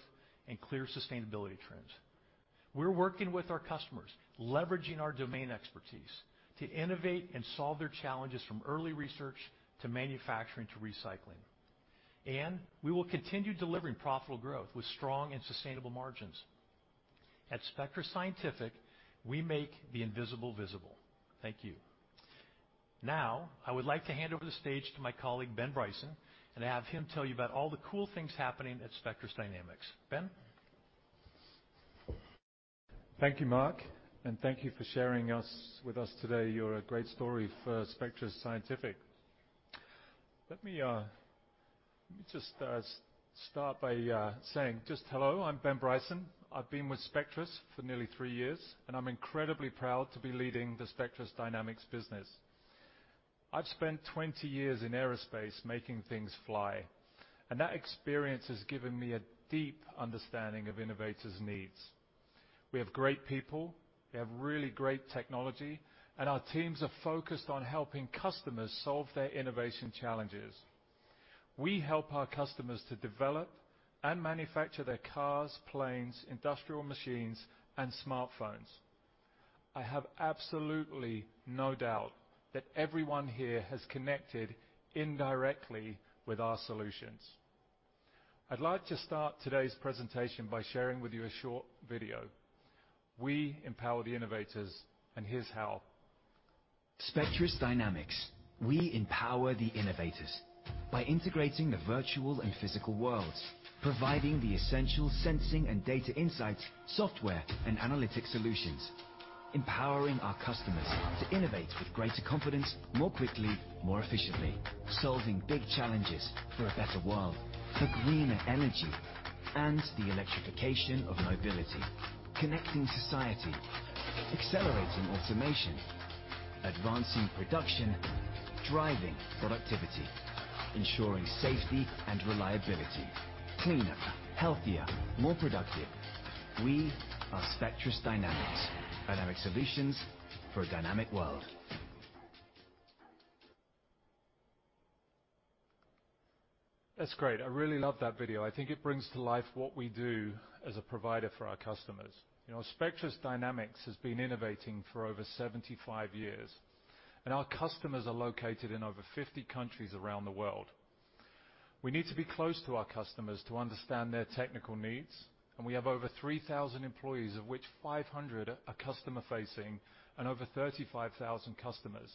and clear sustainability trends. We're working with our customers, leveraging our domain expertise to innovate and solve their challenges from early research to manufacturing to recycling. We will continue delivering profitable growth with strong and sustainable margins. At Spectris Scientific, we make the invisible visible. Thank you. Now, I would like to hand over the stage to my colleague, Ben Bryson, and have him tell you about all the cool things happening at Spectris Dynamics. Ben?
Thank you, Mark, and thank you for sharing with us today your great story for Spectris Scientific. Let me just start by saying just hello. I'm Ben Bryson. I've been with Spectris for nearly three years, and I'm incredibly proud to be leading the Spectris Dynamics business. I've spent 20 years in aerospace making things fly, and that experience has given me a deep understanding of innovators' needs. We have great people, we have really great technology, and our teams are focused on helping customers solve their innovation challenges. We help our customers to develop and manufacture their cars, planes, industrial machines, and smartphones. I have absolutely no doubt that everyone here has connected indirectly with our solutions. I'd like to start today's presentation by sharing with you a short video. We empower the innovators, and here's how.
Spectris Dynamics. We empower the innovators by integrating the virtual and physical worlds, providing the essential sensing and data insights, software, and analytic solutions. Empowering our customers to innovate with greater confidence more quickly, more efficiently. Solving big challenges for a better world, for greener energy, and the electrification of mobility. Connecting society, accelerating automation, advancing production, driving productivity, ensuring safety and reliability. Cleaner, healthier, more productive. We are Spectris Dynamics. Dynamic solutions for a dynamic world.
That's great. I really love that video. I think it brings to life what we do as a provider for our customers. You know, Spectris Dynamics has been innovating for over 75 years, and our customers are located in over 50 countries around the world. We need to be close to our customers to understand their technical needs, and we have over 3,000 employees, of which 500 are customer-facing and over 35,000 customers.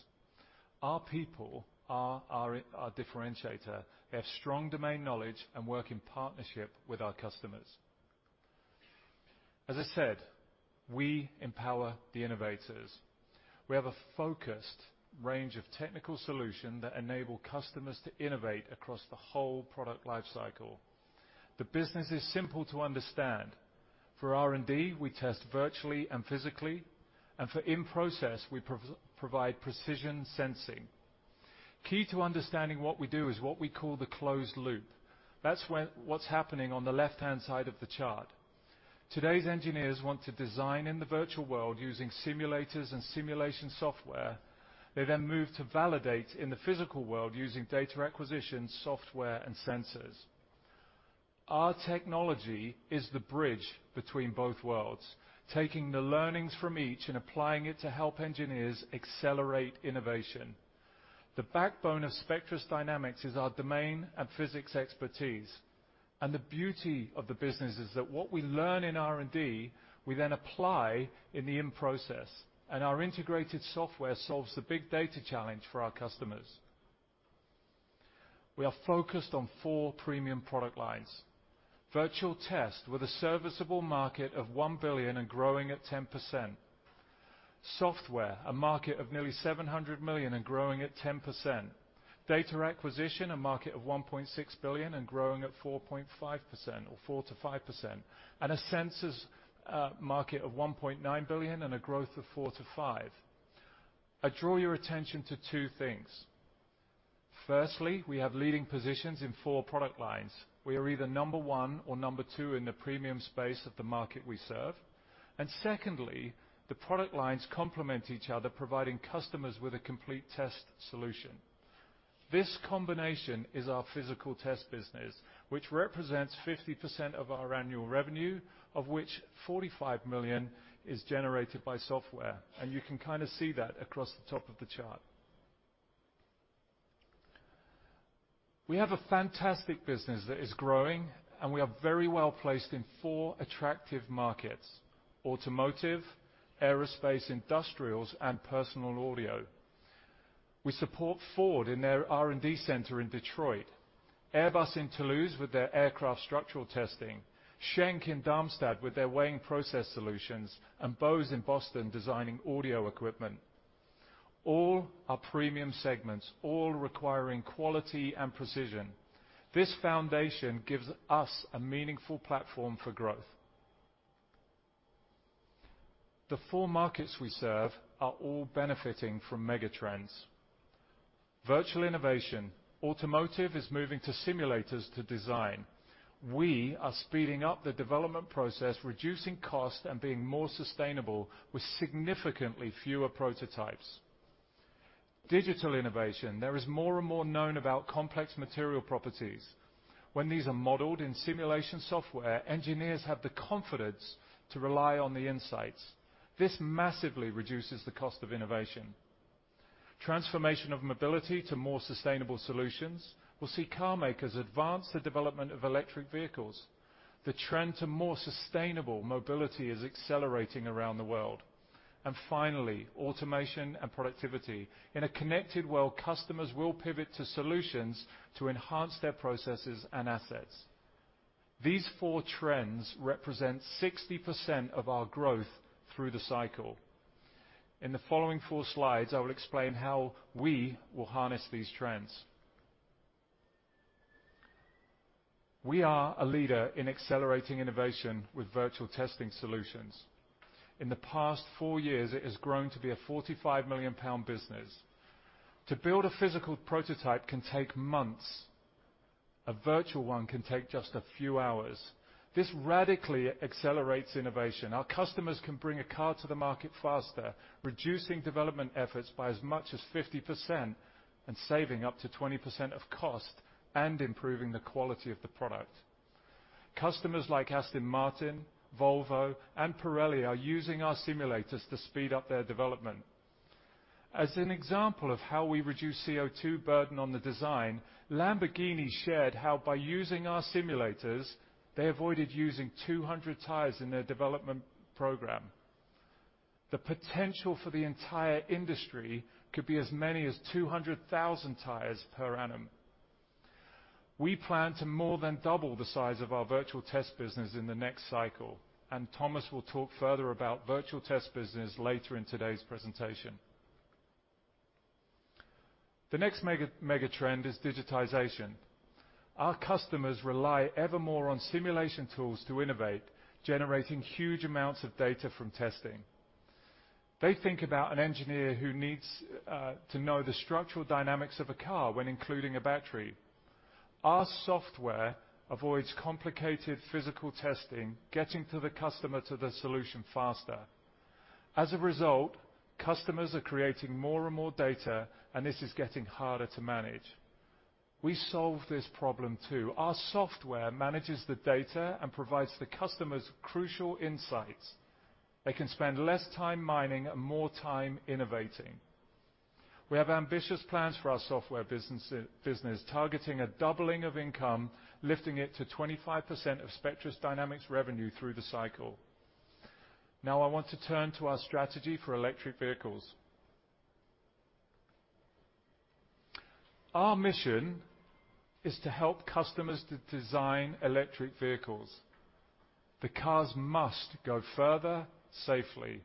Our people are our differentiator. They have strong domain knowledge and work in partnership with our customers. As I said, we empower the innovators. We have a focused range of technical solution that enable customers to innovate across the whole product life cycle. The business is simple to understand. For R&D, we test virtually and physically, and for in-process, we provide precision sensing. Key to understanding what we do is what we call the closed loop. That's what's happening on the left-hand side of the chart. Today's engineers want to design in the virtual world using simulators and simulation software. They then move to validate in the physical world using data acquisition software and sensors. Our technology is the bridge between both worlds, taking the learnings from each and applying it to help engineers accelerate innovation. The backbone of Spectris Dynamics is our domain and physics expertise. The beauty of the business is that what we learn in R&D, we then apply in the in process, and our integrated software solves the big data challenge for our customers. We are focused on four premium product lines: virtual test with a serviceable market of 1 billion and growing at 10%, software, a market of nearly 700 million and growing at 10%, data acquisition, a market of 1.6 billion and growing at 4.5% or 4%-5%, and sensors, market of 1.9 billion and a growth of 4%-5%. I draw your attention to two things. Firstly, we have leading positions in four product lines. We are either number one or number two in the premium space of the market we serve. Secondly, the product lines complement each other, providing customers with a complete test solution. This combination is our physical test business, which represents 50% of our annual revenue, of which 45 million is generated by software. You can kind of see that across the top of the chart. We have a fantastic business that is growing, and we are very well placed in four attractive markets: automotive, aerospace, industrials and personal audio. We support Ford in their R&D center in Detroit, Airbus in Toulouse with their aircraft structural testing, Schenck in Darmstadt with their weighing process solutions, and Bose in Boston designing audio equipment. All are premium segments, all requiring quality and precision. This foundation gives us a meaningful platform for growth. The four markets we serve are all benefiting from mega trends. Virtual innovation. Automotive is moving to simulators to design. We are speeding up the development process, reducing cost and being more sustainable with significantly fewer prototypes. Digital innovation. There is more and more known about complex material properties. When these are modeled in simulation software, engineers have the confidence to rely on the insights. This massively reduces the cost of innovation. Transformation of mobility to more sustainable solutions will see car makers advance the development of electric vehicles. The trend to more sustainable mobility is accelerating around the world. Finally, automation and productivity. In a connected world, customers will pivot to solutions to enhance their processes and assets. These four trends represent 60% of our growth through the cycle. In the following four slides, I will explain how we will harness these trends. We are a leader in accelerating innovation with virtual testing solutions. In the past four years, it has grown to be a 45 million pound business. To build a physical prototype can take months. A virtual one can take just a few hours. This radically accelerates innovation. Our customers can bring a car to the market faster, reducing development efforts by as much as 50% and saving up to 20% of cost and improving the quality of the product. Customers like Aston Martin, Volvo, and Pirelli are using our simulators to speed up their development. As an example of how we reduce CO2 burden on the design, Lamborghini shared how, by using our simulators, they avoided using 200 tires in their development program. The potential for the entire industry could be as many as 200,000 tires per annum. We plan to more than double the size of our virtual test business in the next cycle, and Thomas Lippok will talk further about virtual test business later in today's presentation. The next mega trend is digitization. Our customers rely evermore on simulation tools to innovate, generating huge amounts of data from testing. They think about an engineer who needs to know the structural dynamics of a car when including a battery. Our software avoids complicated physical testing, getting to the customer to the solution faster. As a result, customers are creating more and more data, and this is getting harder to manage. We solve this problem too. Our software manages the data and provides the customers crucial insights. They can spend less time mining and more time innovating. We have ambitious plans for our software business, targeting a doubling of income, lifting it to 25% of Spectris Dynamics revenue through the cycle. Now I want to turn to our strategy for electric vehicles. Our mission is to help customers to design electric vehicles. The cars must go further safely.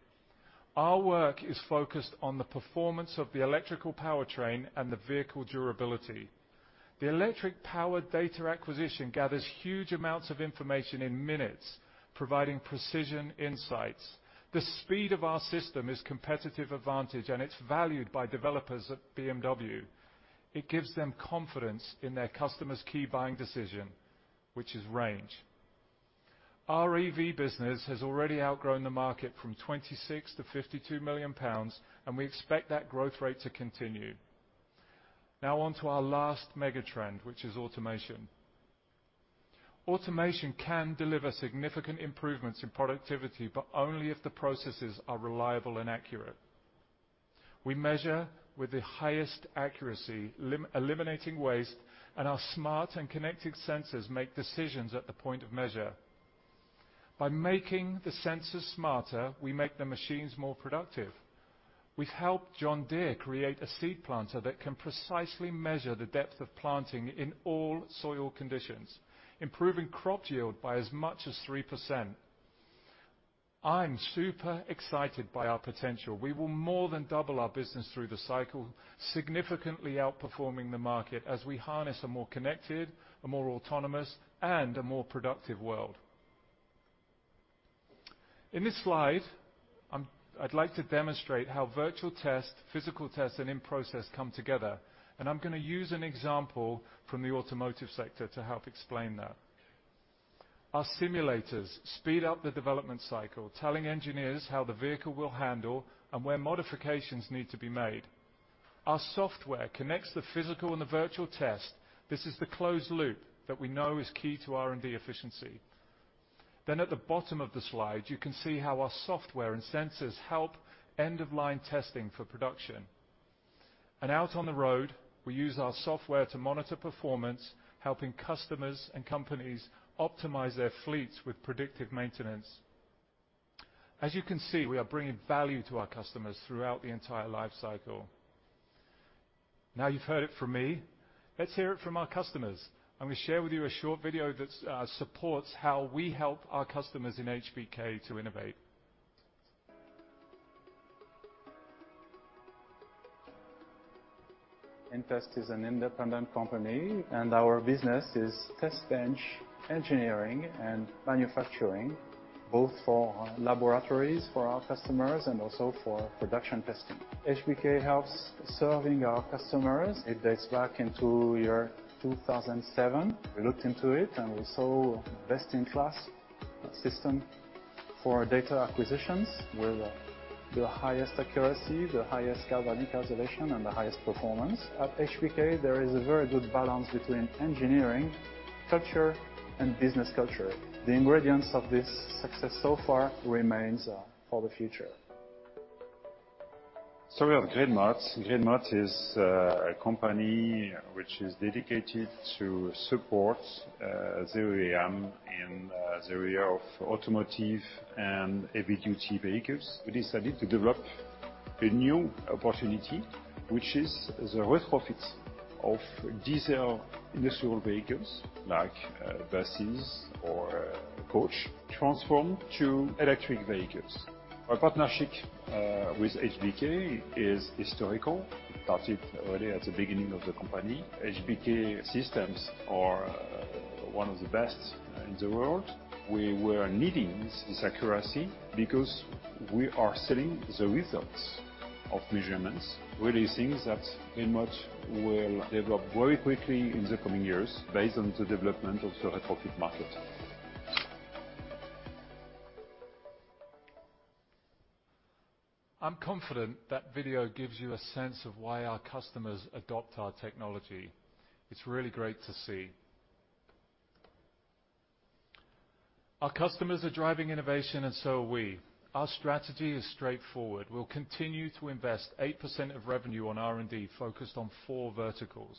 Our work is focused on the performance of the electrical powertrain and the vehicle durability. The electric powered data acquisition gathers huge amounts of information in minutes, providing precision insights. The speed of our system is competitive advantage, and it's valued by developers at BMW. It gives them confidence in their customers' key buying decision, which is range. Our EV business has already outgrown the market from 26 million-52 million pounds, and we expect that growth rate to continue. Now on to our last mega trend, which is automation. Automation can deliver significant improvements in productivity, but only if the processes are reliable and accurate. We measure with the highest accuracy, eliminating waste, and our smart and connected sensors make decisions at the point of measure. By making the sensors smarter, we make the machines more productive. We've helped John Deere create a seed planter that can precisely measure the depth of planting in all soil conditions, improving crop yield by as much as 3%. I'm super excited by our potential. We will more than double our business through the cycle, significantly outperforming the market as we harness a more connected, a more autonomous, and a more productive world. In this slide, I'd like to demonstrate how virtual test, physical test, and in-process come together, and I'm gonna use an example from the automotive sector to help explain that. Our simulators speed up the development cycle, telling engineers how the vehicle will handle and where modifications need to be made. Our software connects the physical and the virtual test. This is the closed loop that we know is key to R&D efficiency. At the bottom of the slide, you can see how our software and sensors help end-of-line testing for production. Out on the road, we use our software to monitor performance, helping customers and companies optimize their fleets with predictive maintenance. As you can see, we are bringing value to our customers throughout the entire life cycle. Now you've heard it from me, let's hear it from our customers. I'm gonna share with you a short video that supports how we help our customers in HBK to innovate.
inTest is an independent company, and our business is test bench engineering and manufacturing, both for laboratories, for our customers, and also for production testing. HBK helps serving our customers. It dates back into year 2007. We looked into it, and we saw best-in-class system for data acquisitions with the highest accuracy, the highest galvanic isolation, and the highest performance. At HBK, there is a very good balance between engineering culture and business culture. The ingredients of this success so far remains for the future. We are Greenmot. Greenmot is a company which is dedicated to support zero emission in the area of automotive and heavy-duty vehicles. We decided to develop a new opportunity, which is the retrofits of diesel industrial vehicles like buses or coach transformed to electric vehicles. Our partnership with HBK is historical. It started early at the beginning of the company. HBK systems are one of the best in the world. We were needing this accuracy because we are selling the results of measurements. Really things that Greenmot will develop very quickly in the coming years based on the development of the retrofit market.
I'm confident that video gives you a sense of why our customers adopt our technology. It's really great to see. Our customers are driving innovation, and so are we. Our strategy is straightforward. We'll continue to invest 8% of revenue on R&D focused on four verticals.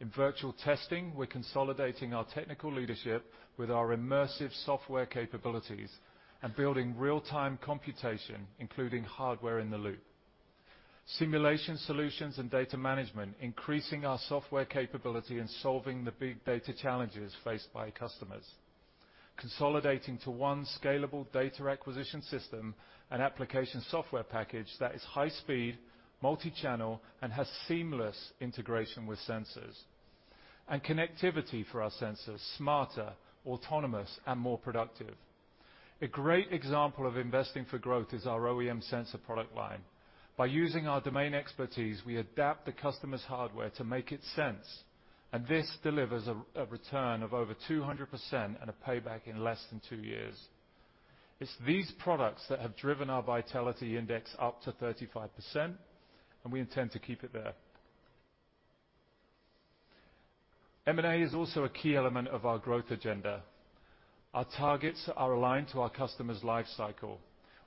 In virtual testing, we're consolidating our technical leadership with our immersive software capabilities and building real-time computation, including Hardware-in-the-Loop. Simulation solutions and data management, increasing our software capability, and solving the big data challenges faced by customers. Consolidating to one scalable data acquisition system, an application software package that is high speed, multichannel, and has seamless integration with sensors. Connectivity for our sensors, smarter, autonomous, and more productive. A great example of investing for growth is our OEM sensor product line. By using our domain expertise, we adapt the customer's hardware to make it sense, and this delivers a return of over 200% and a payback in less than two years. It's these products that have driven our Vitality Index up to 35%, and we intend to keep it there. M&A is also a key element of our growth agenda. Our targets are aligned to our customer's life cycle.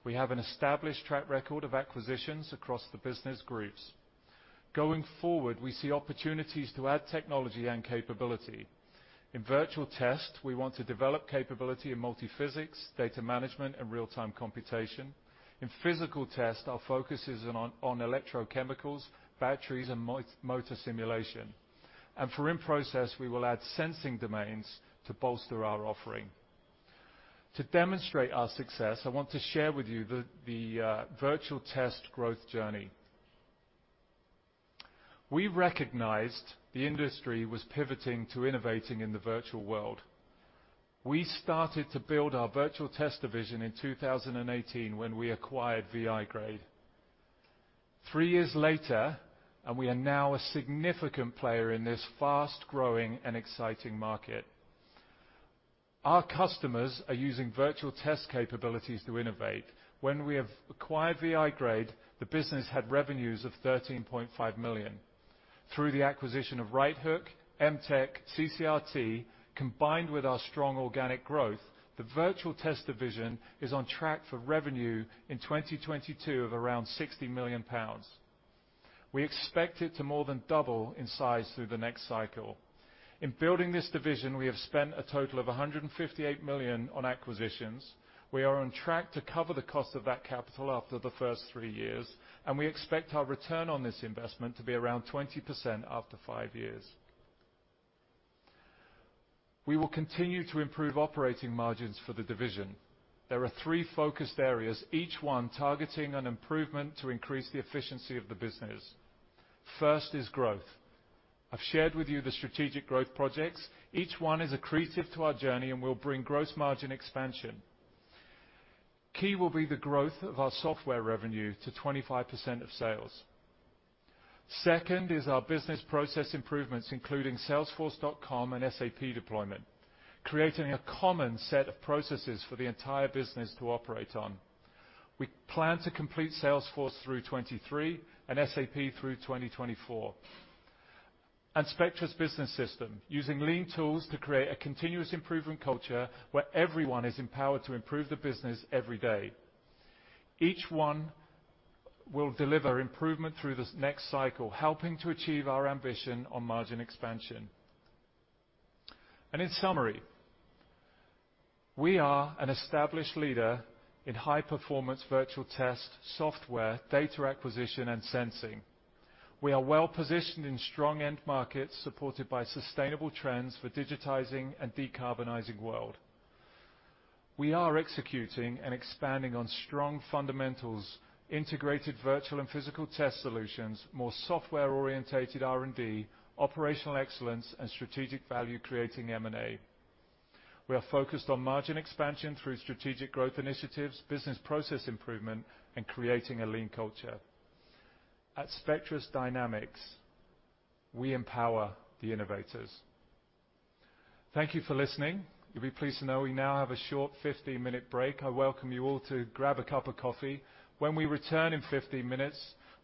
We have an established track record of acquisitions across the business groups. Going forward, we see opportunities to add technology and capability. In virtual test, we want to develop capability in multiphysics, data management, and real-time computation. In physical test, our focus is on electrochemicals, batteries, and motor simulation. For in-process, we will add sensing domains to bolster our offering. To demonstrate our success, I want to share with you virtual test growth journey. We recognized the industry was pivoting to innovating in the virtual world. We started to build our virtual test division in 2018 when we acquired VI-grade. Three years later, we are now a significant player in this fast-growing and exciting market. Our customers are using virtual test capabilities to innovate. When we acquired VI-grade, the business had revenues of 13.5 million. Through the acquisition of RightHook, IMTEC, CCRT, combined with our strong organic growth, the virtual test division is on track for revenue in 2022 of around 60 million pounds. We expect it to more than double in size through the next cycle. In building this division, we have spent a total of 158 million on acquisitions. We are on track to cover the cost of that capital after the first three years, and we expect our return on this investment to be around 20% after five years. We will continue to improve operating margins for the division. There are three focused areas, each one targeting an improvement to increase the efficiency of the business. First is growth. I've shared with you the strategic growth projects. Each one is accretive to our journey and will bring gross margin expansion. Key will be the growth of our software revenue to 25% of sales. Second is our business process improvements, including Salesforce.com and SAP deployment, creating a common set of processes for the entire business to operate on. We plan to complete Salesforce through 2023 and SAP through 2024. Spectris Business System, using lean tools to create a continuous improvement culture where everyone is empowered to improve the business every day. Each one will deliver improvement through this next cycle, helping to achieve our ambition on margin expansion. In summary, we are an established leader in high-performance virtual test, software, data acquisition, and sensing. We are well-positioned in strong end markets, supported by sustainable trends for digitizing and decarbonizing world. We are executing and expanding on strong fundamentals, integrated virtual and physical test solutions, more software-oriented R&D, operational excellence, and strategic value creating M&A. We are focused on margin expansion through strategic growth initiatives, business process improvement, and creating a lean culture. At Spectris Dynamics, we empower the innovators. Thank you for listening. You'll be pleased to know we now have a short 15-minute break. I welcome you all to grab a cup of coffee. When we return in 15 minutes,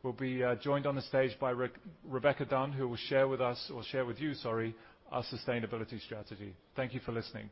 we'll be joined on the stage by Rebecca Dunn, who will share with us, or share with you, sorry, our sustainability strategy. Thank you for listening.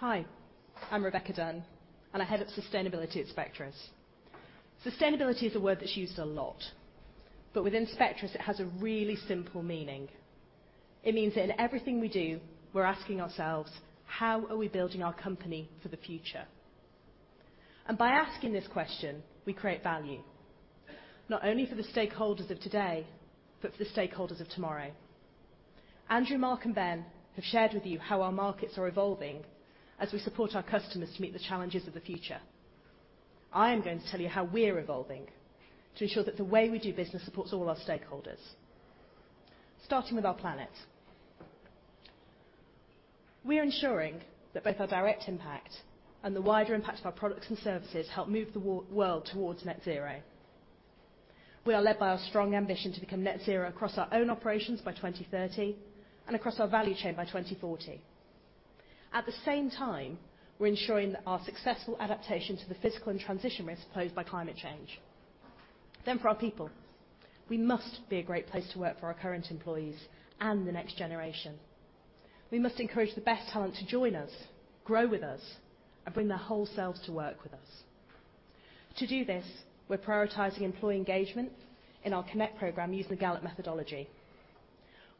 Hi, I'm Rebecca Dunn, and I head up Sustainability at Spectris. Sustainability is a word that's used a lot, but within Spectris it has a really simple meaning. It means in everything we do, we're asking ourselves, "How are we building our company for the future?" By asking this question, we create value, not only for the stakeholders of today, but for the stakeholders of tomorrow. Andrew, Mark, and Ben have shared with you how our markets are evolving as we support our customers to meet the challenges of the future. I am going to tell you how we're evolving to ensure that the way we do business supports all our stakeholders, starting with our planet. We're ensuring that both our direct impact and the wider impact of our products and services help move the world towards Net Zero. We are led by our strong ambition to become Net Zero across our own operations by 2030, and across our value chain by 2040. At the same time, we're ensuring that our successful adaptation to the physical and transition risk posed by climate change. For our people, we must be a great place to work for our current employees and the next generation. We must encourage the best talent to join us, grow with us, and bring their whole selves to work with us. To do this, we're prioritizing employee engagement in our Connect program using the Gallup methodology.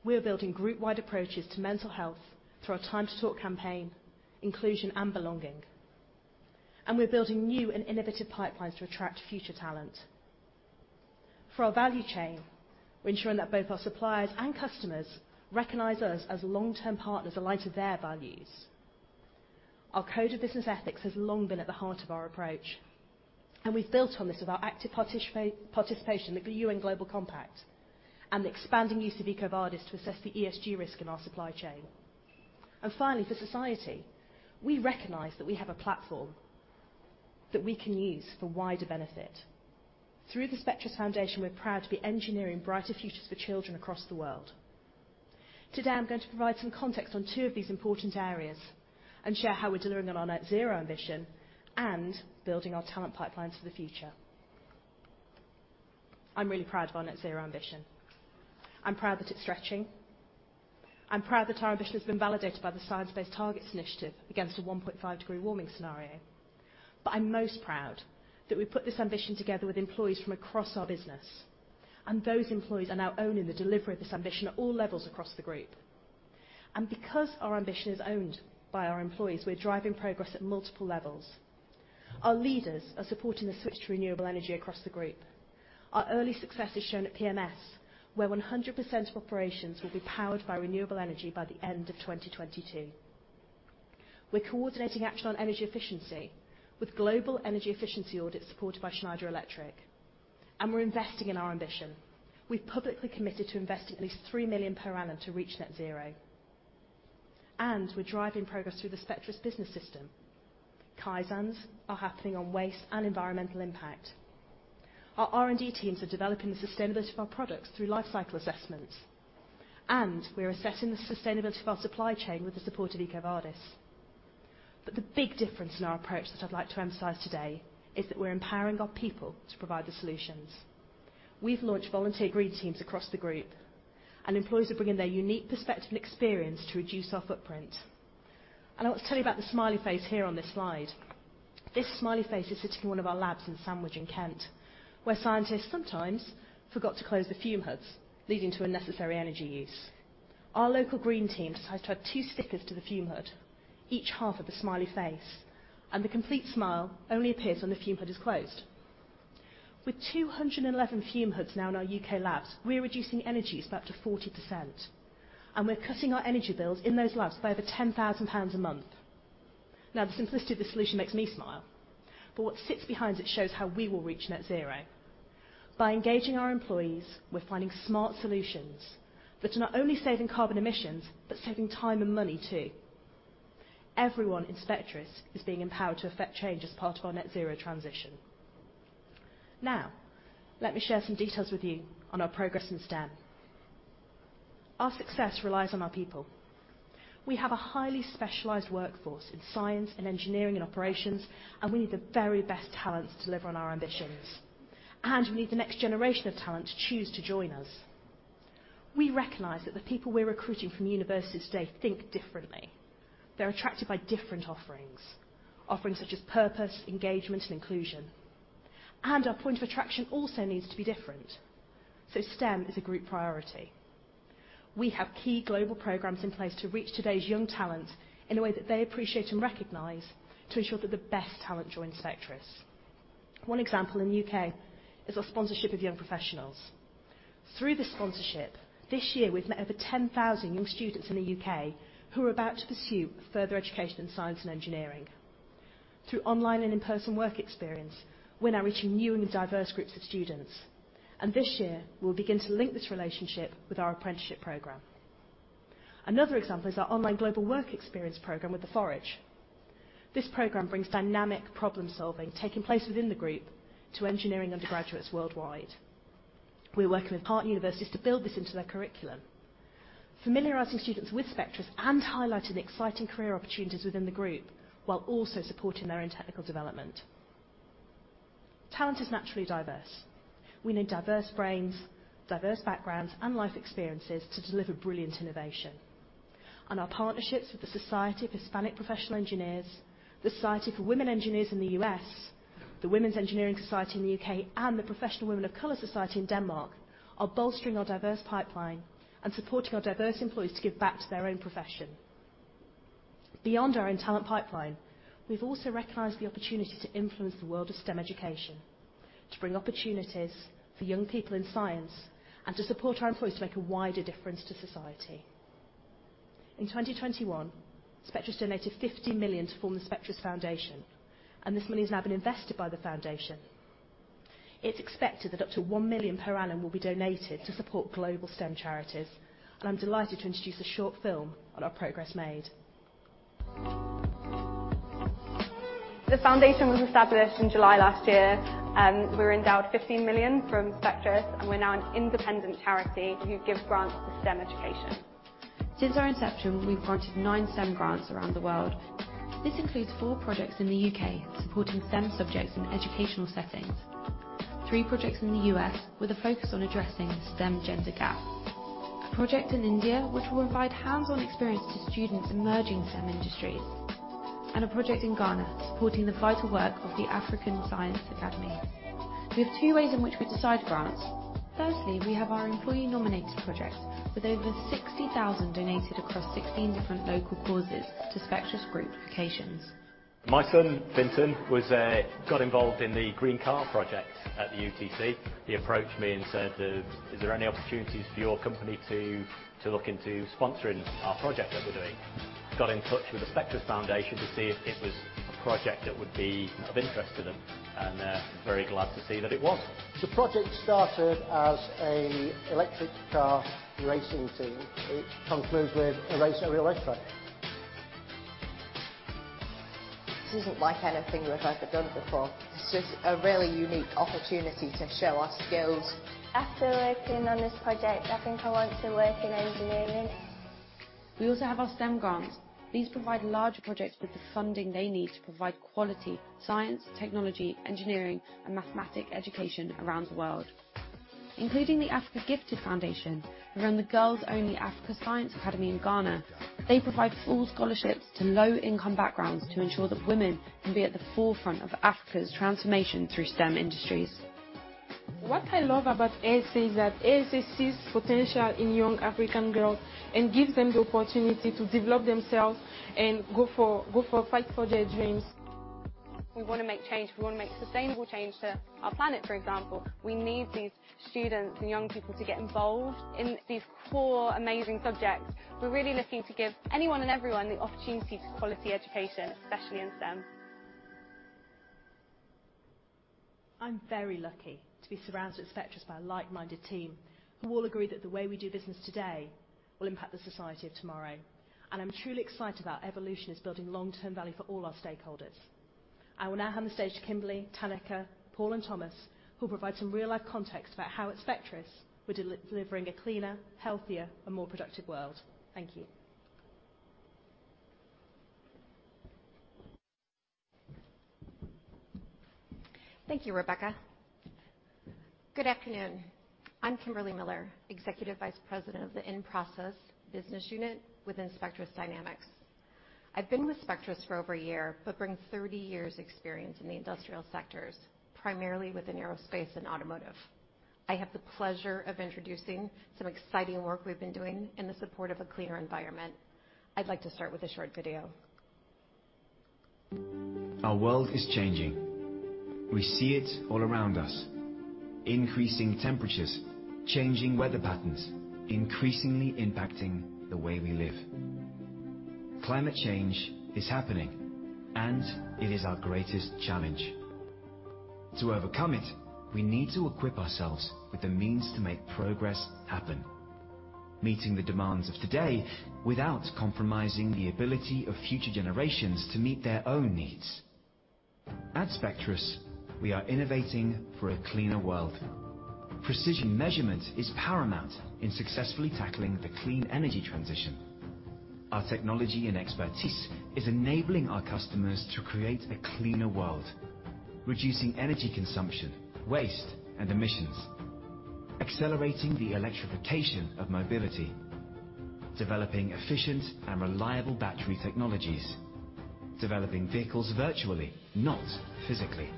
We're building group-wide approaches to mental health through our Time to Talk campaign, inclusion and belonging, and we're building new and innovative pipelines to attract future talent. For our value chain, we're ensuring that both our suppliers and customers recognize us as long-term partners in light of their values. Our code of business ethics has long been at the heart of our approach, and we've built on this with our active participation in the UN Global Compact, and the expanding use of EcoVadis to assess the ESG risk in our supply chain. Finally, for society, we recognize that we have a platform that we can use for wider benefit. Through the Spectris Foundation, we're proud to be engineering brighter futures for children across the world. Today, I'm going to provide some context on two of these important areas and share how we're delivering on our Net Zero ambition and building our talent pipeline to the future. I'm really proud of our Net Zero ambition. I'm proud that it's stretching, I'm proud that our ambition has been validated by the Science Based Targets initiative against a 1.5-degree warming scenario. I'm most proud that we put this ambition together with employees from across our business, and those employees are now owning the delivery of this ambition at all levels across the group. Because our ambition is owned by our employees, we're driving progress at multiple levels. Our leaders are supporting the switch to renewable energy across the group. Our early success is shown at PMS, where 100% of operations will be powered by renewable energy by the end of 2022. We're coordinating action on energy efficiency with global energy efficiency audits supported by Schneider Electric, and we're investing in our ambition. We've publicly committed to investing at least 3 million per annum to reach Net Zero, and we're driving progress through the Spectris Business System. Kaizens are happening on waste and environmental impact. Our R&D teams are developing the sustainability of our products through lifecycle assessments, and we're assessing the sustainability of our supply chain with the support of EcoVadis. The big difference in our approach that I'd like to emphasize today is that we're empowering our people to provide the solutions. We've launched volunteer green teams across the group, and employees are bringing their unique perspective and experience to reduce our footprint. I want to tell you about the smiley face here on this slide. This smiley face is sitting in one of our labs in Sandwich in Kent, where scientists sometimes forgot to close the fume hoods, leading to unnecessary energy use. Our local green team decided to add two stickers to the fume hood, each half of the smiley face, and the complete smile only appears when the fume hood is closed. With 211 fume hoods now in our U.K. labs, we're reducing energy use by up to 40%, and we're cutting our energy bills in those labs by over 10,000 pounds a month. Now, the simplicity of this solution makes me smile, but what sits behind it shows how we will reach Net Zero. By engaging our employees, we're finding smart solutions that are not only saving carbon emissions, but saving time and money too. Everyone in Spectris is being empowered to affect change as part of our Net Zero transition. Now, let me share some details with you on our progress in STEM. Our success relies on our people. We have a highly specialized workforce in science and engineering and operations, and we need the very best talents to deliver on our ambitions. We need the next generation of talent to choose to join us. We recognize that the people we're recruiting from universities today think differently. They're attracted by different offerings. Offerings such as purpose, engagement, and inclusion. Our point of attraction also needs to be different, so STEM is a group priority. We have key global programs in place to reach today's young talent in a way that they appreciate and recognize to ensure that the best talent joins Spectris. One example in the U.K. is our sponsorship of young professionals. Through this sponsorship, this year we've met over 10,000 young students in the U.K. who are about to pursue further education in science and engineering. Through online and in-person work experience, we're now reaching new and diverse groups of students, and this year we'll begin to link this relationship with our apprenticeship program. Another example is our online global work experience program with Forage. This program brings dynamic problem-solving taking place within the group to engineering undergraduates worldwide. We're working with partner universities to build this into their curriculum, familiarizing students with Spectris and highlighting the exciting career opportunities within the group while also supporting their own technical development. Talent is naturally diverse. We need diverse brains, diverse backgrounds, and life experiences to deliver brilliant innovation, and our partnerships with the Society of Hispanic Professional Engineers, the Society of Women Engineers in the U.S., The Women's Engineering Society in the U.K., and the Professional Women of Color Network in Denmark are bolstering our diverse pipeline and supporting our diverse employees to give back to their own profession. Beyond our own talent pipeline, we've also recognized the opportunity to influence the world of STEM education, to bring opportunities for young people in science, and to support our employees to make a wider difference to society. In 2021, Spectris donated 50 million to form the Spectris Foundation, and this money has now been invested by the foundation. It's expected that up to 1 million per annum will be donated to support global STEM charities, and I'm delighted to introduce a short film on our progress made.
The foundation was established in July last year, we're endowed 15 million from Spectris, and we're now an independent charity who gives grants to STEM education. Since our inception, we've granted nine STEM grants around the world. This includes four projects in the U.K. supporting STEM subjects in educational settings. Three projects in the U.S. with a focus on addressing the STEM gender gap. A project in India which will provide hands-on experience to students emerging STEM industries. A project in Ghana supporting the vital work of the African Science Academy. We have two ways in which we decide grants. Firstly, we have our employee-nominated projects with over 60,000 donated across 16 different local causes to Spectris group locations. My son, Vinton, got involved in the green car project at the UTC. He approached me and said, "Is there any opportunities for your company to look into sponsoring our project that we're doing?" Got in touch with the Spectris Foundation to see if it was a project that would be of interest to them, and they're very glad to see that it was. The project started as an electric car racing team. It concludes with a race at a real race track. This isn't like anything we've ever done before. It's just a really unique opportunity to show our skills. After working on this project, I think I want to work in engineering. We also have our STEM grants. These provide larger projects with the funding they need to provide quality science, technology, engineering, and mathematics education around the world, including the African Gifted Foundation, who run the girls only African Science Academy in Ghana. They provide full scholarships to low-income backgrounds to ensure that women can be at the forefront of Africa's transformation through STEM industries. What I love about ASA is that ASA sees potential in young African girls and gives them the opportunity to develop themselves and go for fight for their dreams. We wanna make change. We wanna make sustainable change to our planet, for example. We need these students and young people to get involved in these core amazing subjects. We're really looking to give anyone and everyone the opportunity to a quality education, especially in STEM.
I'm very lucky to be surrounded at Spectris by a like-minded team who all agree that the way we do business today will impact the society of tomorrow, and I'm truly excited about evolution and building long-term value for all our stakeholders. I will now hand the stage to Kimberly, Tanneke, Paul, and Thomas, who will provide some real-life context about how at Spectris we're delivering a cleaner, healthier, and more productive world. Thank you.
Thank you, Rebecca. Good afternoon. I'm Kimberly Miller, Executive Vice President of the In-Process Business Unit within Spectris Dynamics. I've been with Spectris for over a year but bring 30 years' experience in the industrial sectors, primarily within aerospace and automotive. I have the pleasure of introducing some exciting work we've been doing in the support of a cleaner environment. I'd like to start with a short video.
Our world is changing. We see it all around us. Increasing temperatures, changing weather patterns, increasingly impacting the way we live. Climate change is happening, and it is our greatest challenge. To overcome it, we need to equip ourselves with the means to make progress happen. Meeting the demands of today without compromising the ability of future generations to meet their own needs. At Spectris, we are innovating for a cleaner world. Precision measurement is paramount in successfully tackling the clean energy transition. Our technology and expertise is enabling our customers to create a cleaner world, reducing energy consumption, waste, and emissions, accelerating the electrification of mobility, developing efficient and reliable battery technologies, developing vehicles virtually, not physically,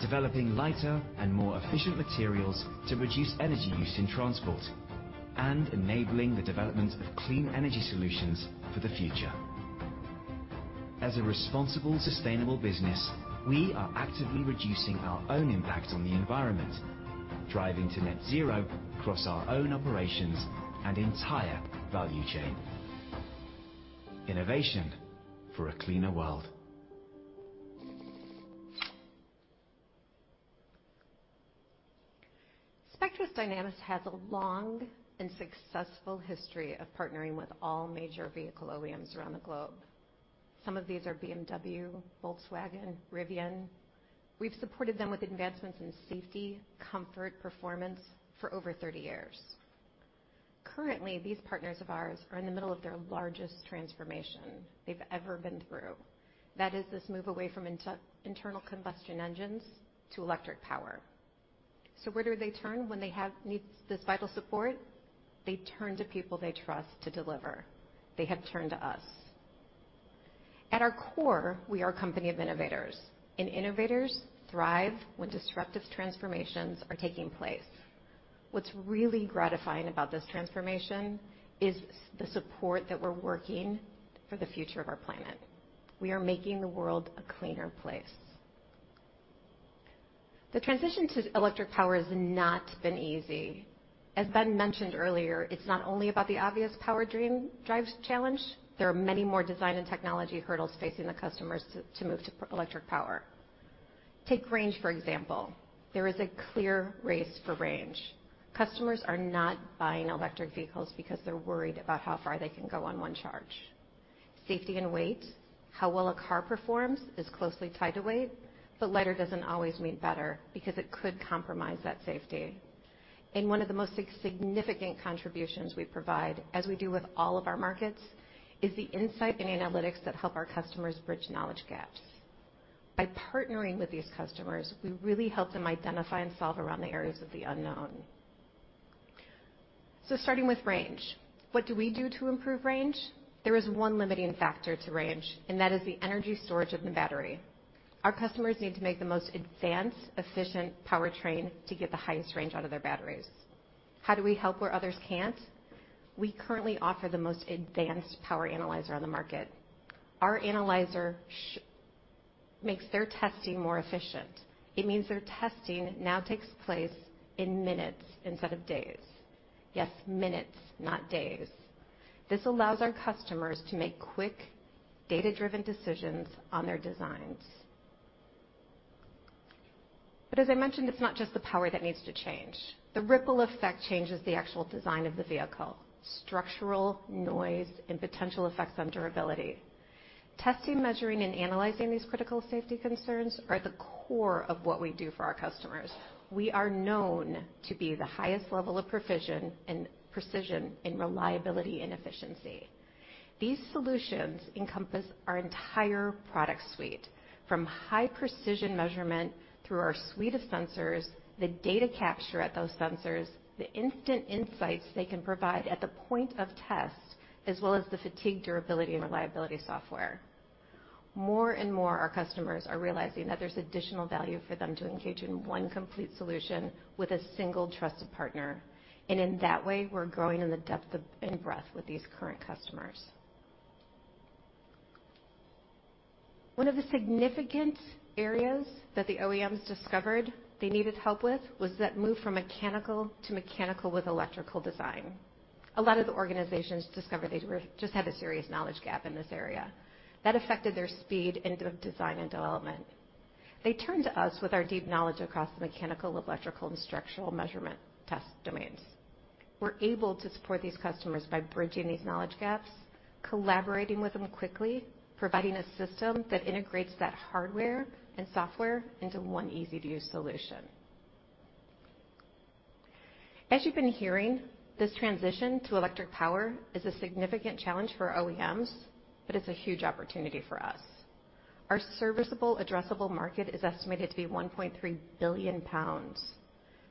developing lighter and more efficient materials to reduce energy use in transport, and enabling the development of clean energy solutions for the future. As a responsible, sustainable business, we are actively reducing our own impact on the environment, driving to Net Zero across our own operations and entire value chain. Innovation for a cleaner world.
Spectris Dynamics has a long and successful history of partnering with all major vehicle OEMs around the globe. Some of these are BMW, Volkswagen, Rivian. We've supported them with advancements in safety, comfort, performance for over 30 years. Currently, these partners of ours are in the middle of their largest transformation they've ever been through. That is this move away from internal combustion engines to electric power. Where do they turn when they have need this vital support? They turn to people they trust to deliver. They have turned to us. At our core, we are a company of innovators, and innovators thrive when disruptive transformations are taking place. What's really gratifying about this transformation is the support that we're working for the future of our planet. We are making the world a cleaner place. The transition to electric power has not been easy. Ben mentioned earlier, it's not only about the obvious powertrain design challenges, there are many more design and technology hurdles facing the customers to move to electric power. Take range, for example. There is a clear race for range. Customers are not buying electric vehicles because they're worried about how far they can go on one charge. Safety and weight, how well a car performs is closely tied to weight, but lighter doesn't always mean better because it could compromise that safety. One of the most significant contributions we provide, as we do with all of our markets, is the insight and analytics that help our customers bridge knowledge gaps. By partnering with these customers, we really help them identify and solve around the areas of the unknown. Starting with range, what do we do to improve range? There is one limiting factor to range, and that is the energy storage of the battery. Our customers need to make the most advanced, efficient powertrain to get the highest range out of their batteries. How do we help where others can't? We currently offer the most advanced power analyzer on the market. Our analyzer makes their testing more efficient. It means their testing now takes place in minutes instead of days. Yes, minutes, not days. This allows our customers to make quick, data-driven decisions on their designs. As I mentioned, it's not just the power that needs to change. The ripple effect changes the actual design of the vehicle, structural, noise, and potential effects on durability. Testing, measuring, and analyzing these critical safety concerns are at the core of what we do for our customers. We are known to be the highest level of precision in reliability and efficiency. These solutions encompass our entire product suite, from high-precision measurement through our suite of sensors, the data capture at those sensors, the instant insights they can provide at the point of test, as well as the fatigue durability and reliability software. More and more, our customers are realizing that there's additional value for them to engage in one complete solution with a single trusted partner. In that way, we're growing in the depth and breadth with these current customers. One of the significant areas that the OEMs discovered they needed help with was that move from mechanical to mechanical with electrical design. A lot of the organizations discovered they just had a serious knowledge gap in this area. That affected their speed and design and development. They turned to us with our deep knowledge across mechanical, electrical, and structural measurement test domains. We're able to support these customers by bridging these knowledge gaps, collaborating with them quickly, providing a system that integrates that hardware and software into one easy-to-use solution. As you've been hearing, this transition to electric power is a significant challenge for OEMs, but it's a huge opportunity for us. Our serviceable addressable market is estimated to be 1.3 billion pounds.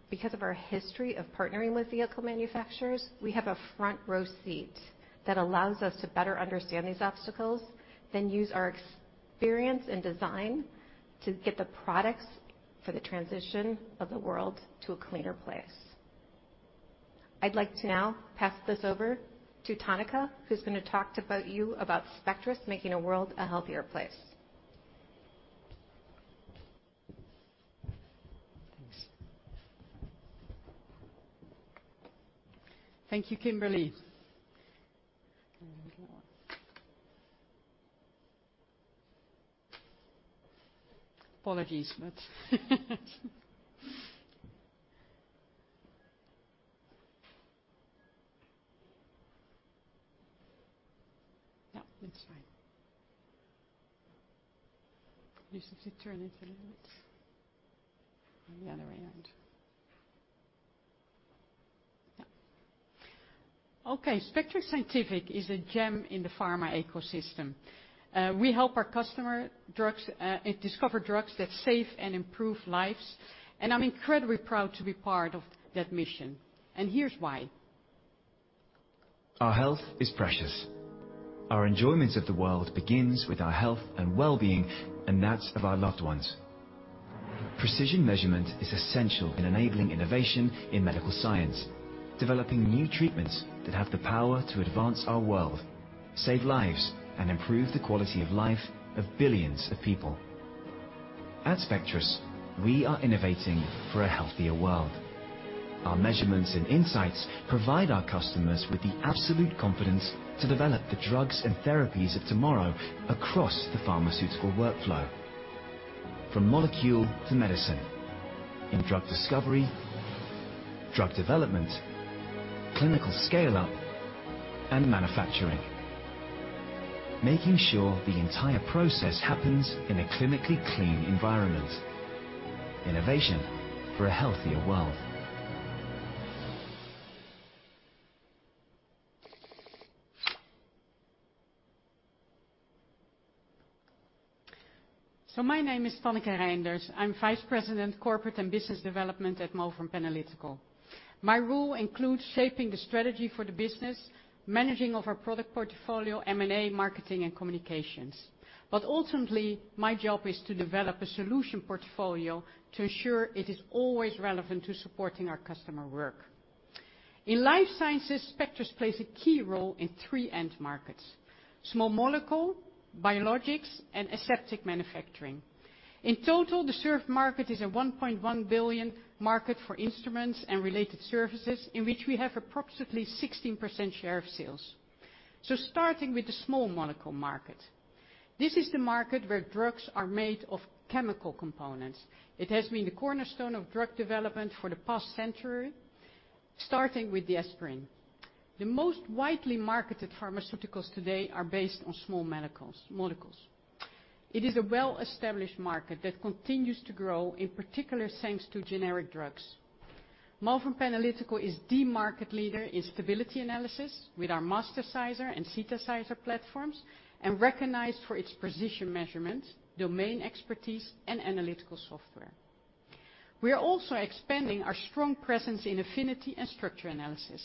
Because of our history of partnering with vehicle manufacturers, we have a front row seat that allows us to better understand these obstacles, then use our experience, and design to get the products for the transition of the world to a cleaner place. I'd like to now pass this over to Tanneke, who's gonna talk about Spectris making a world a healthier place.
Thanks. Thank you, Kimberly. One more. Apologies, but that's fine. You should turn it a little bit the other way around. Yeah. Okay. Spectris Scientific is a gem in the pharma ecosystem. We help our customers discover drugs that save and improve lives. I'm incredibly proud to be part of that mission, and here's why.
Our health is precious. Our enjoyment of the world begins with our health and well-being, and that of our loved ones. Precision measurement is essential in enabling innovation in medical science. Developing new treatments that have the power to advance our world, save lives, and improve the quality of life of billions of people. At Spectris, we are innovating for a healthier world. Our measurements and insights provide our customers with the absolute confidence to develop the drugs and therapies of tomorrow across the pharmaceutical workflow from molecule to medicine, in drug discovery, drug development, clinical scale-up, and manufacturing. Making sure the entire process happens in a clinically clean environment. Innovation for a healthier world.
My name is Tanneke Reinders. I'm Vice President, Corporate and Business Development at Malvern Panalytical. My role includes shaping the strategy for the business, managing of our product portfolio, M&A, marketing, and communications. Ultimately, my job is to develop a solution portfolio to ensure it is always relevant to supporting our customer work. In life sciences, Spectris plays a key role in three end markets: small molecule, biologics, and aseptic manufacturing. In total, the served market is a 1.1 billion market for instruments and related services, in which we have approximately 16% share of sales. Starting with the small molecule market. This is the market where drugs are made of chemical components. It has been the cornerstone of drug development for the past century, starting with the aspirin. The most widely marketed pharmaceuticals today are based on small molecules. It is a well-established market that continues to grow, in particular, thanks to generic drugs. Malvern Panalytical is the market leader in stability analysis with our Mastersizer and Zetasizer platforms, and recognized for its precision measurement, domain expertise, and analytical software. We are also expanding our strong presence in affinity and structure analysis.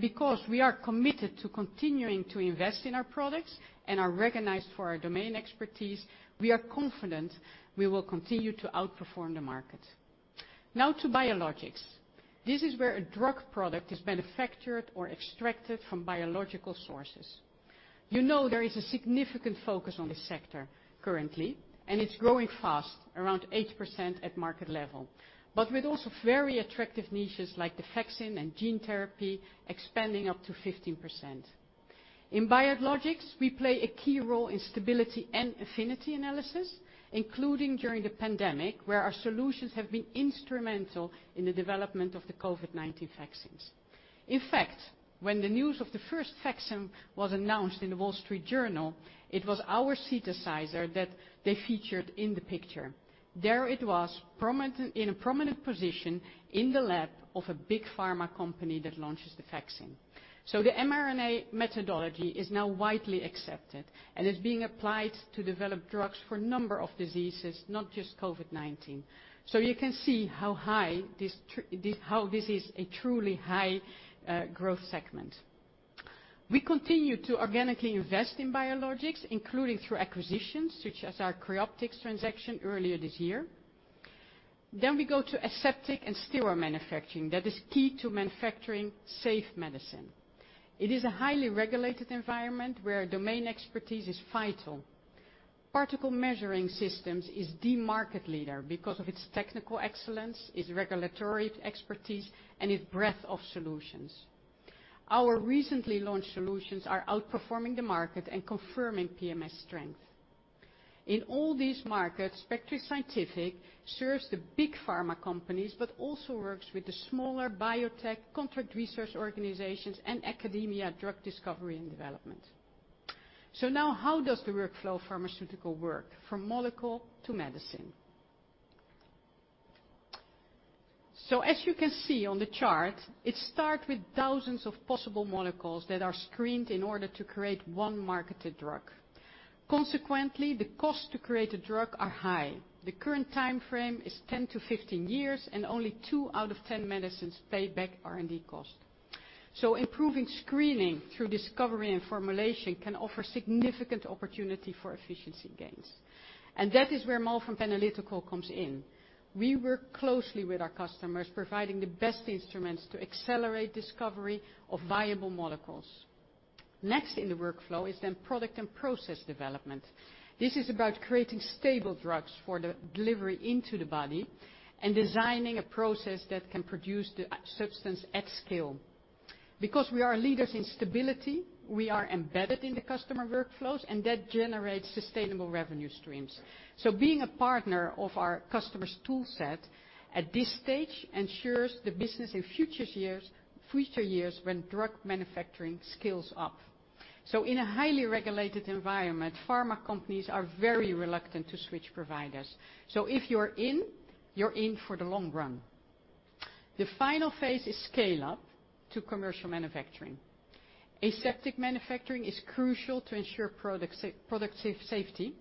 Because we are committed to continuing to invest in our products and are recognized for our domain expertise, we are confident we will continue to outperform the market. Now to biologics. This is where a drug product is manufactured or extracted from biological sources. You know, there is a significant focus on this sector currently, and it's growing fast, around 8% at market level. With also very attractive niches like the vaccine and gene therapy expanding up to 15%. In biologics, we play a key role in stability and affinity analysis, including during the pandemic, where our solutions have been instrumental in the development of the COVID-19 vaccines. In fact, when the news of the first vaccine was announced in The Wall Street Journal, it was our Zetasizer that they featured in the picture. There it was in a prominent position in the lab of a big pharma company that launches the vaccine. The mRNA methodology is now widely accepted and is being applied to develop drugs for a number of diseases, not just COVID-19. You can see how this is a truly high growth segment. We continue to organically invest in biologics, including through acquisitions such as our Creoptix transaction earlier this year. We go to aseptic and sterile manufacturing. That is key to manufacturing safe medicine. It is a highly regulated environment where domain expertise is vital. Particle Measuring Systems is the market leader because of its technical excellence, its regulatory expertise, and its breadth of solutions. Our recently launched solutions are outperforming the market and confirming PMS strength. In all these markets, Spectris Scientific serves the big pharma companies, but also works with the smaller biotech contract research organizations and academia, drug discovery, and development. Now how does the pharmaceutical workflow work from molecule to medicine? As you can see on the chart, it starts with thousands of possible molecules that are screened in order to create one marketed drug. Consequently, the cost to create a drug is high. The current timeframe is 10-15 years, and only two out of 10 medicines pay back R&D costs. Improving screening through discovery and formulation can offer significant opportunity for efficiency gains. That is where Malvern Panalytical comes in. We work closely with our customers, providing the best instruments to accelerate discovery of viable molecules. Next in the workflow is then product and process development. This is about creating stable drugs for the delivery into the body and designing a process that can produce the substance at scale. Because we are leaders in stability, we are embedded in the customer workflows, and that generates sustainable revenue streams. Being a partner of our customers tool set at this stage ensures the business in future years when drug manufacturing scales up. In a highly regulated environment, pharma companies are very reluctant to switch providers. If you're in, you're in for the long run. The final phase is scale up to commercial manufacturing. Aseptic manufacturing is crucial to ensure product safety,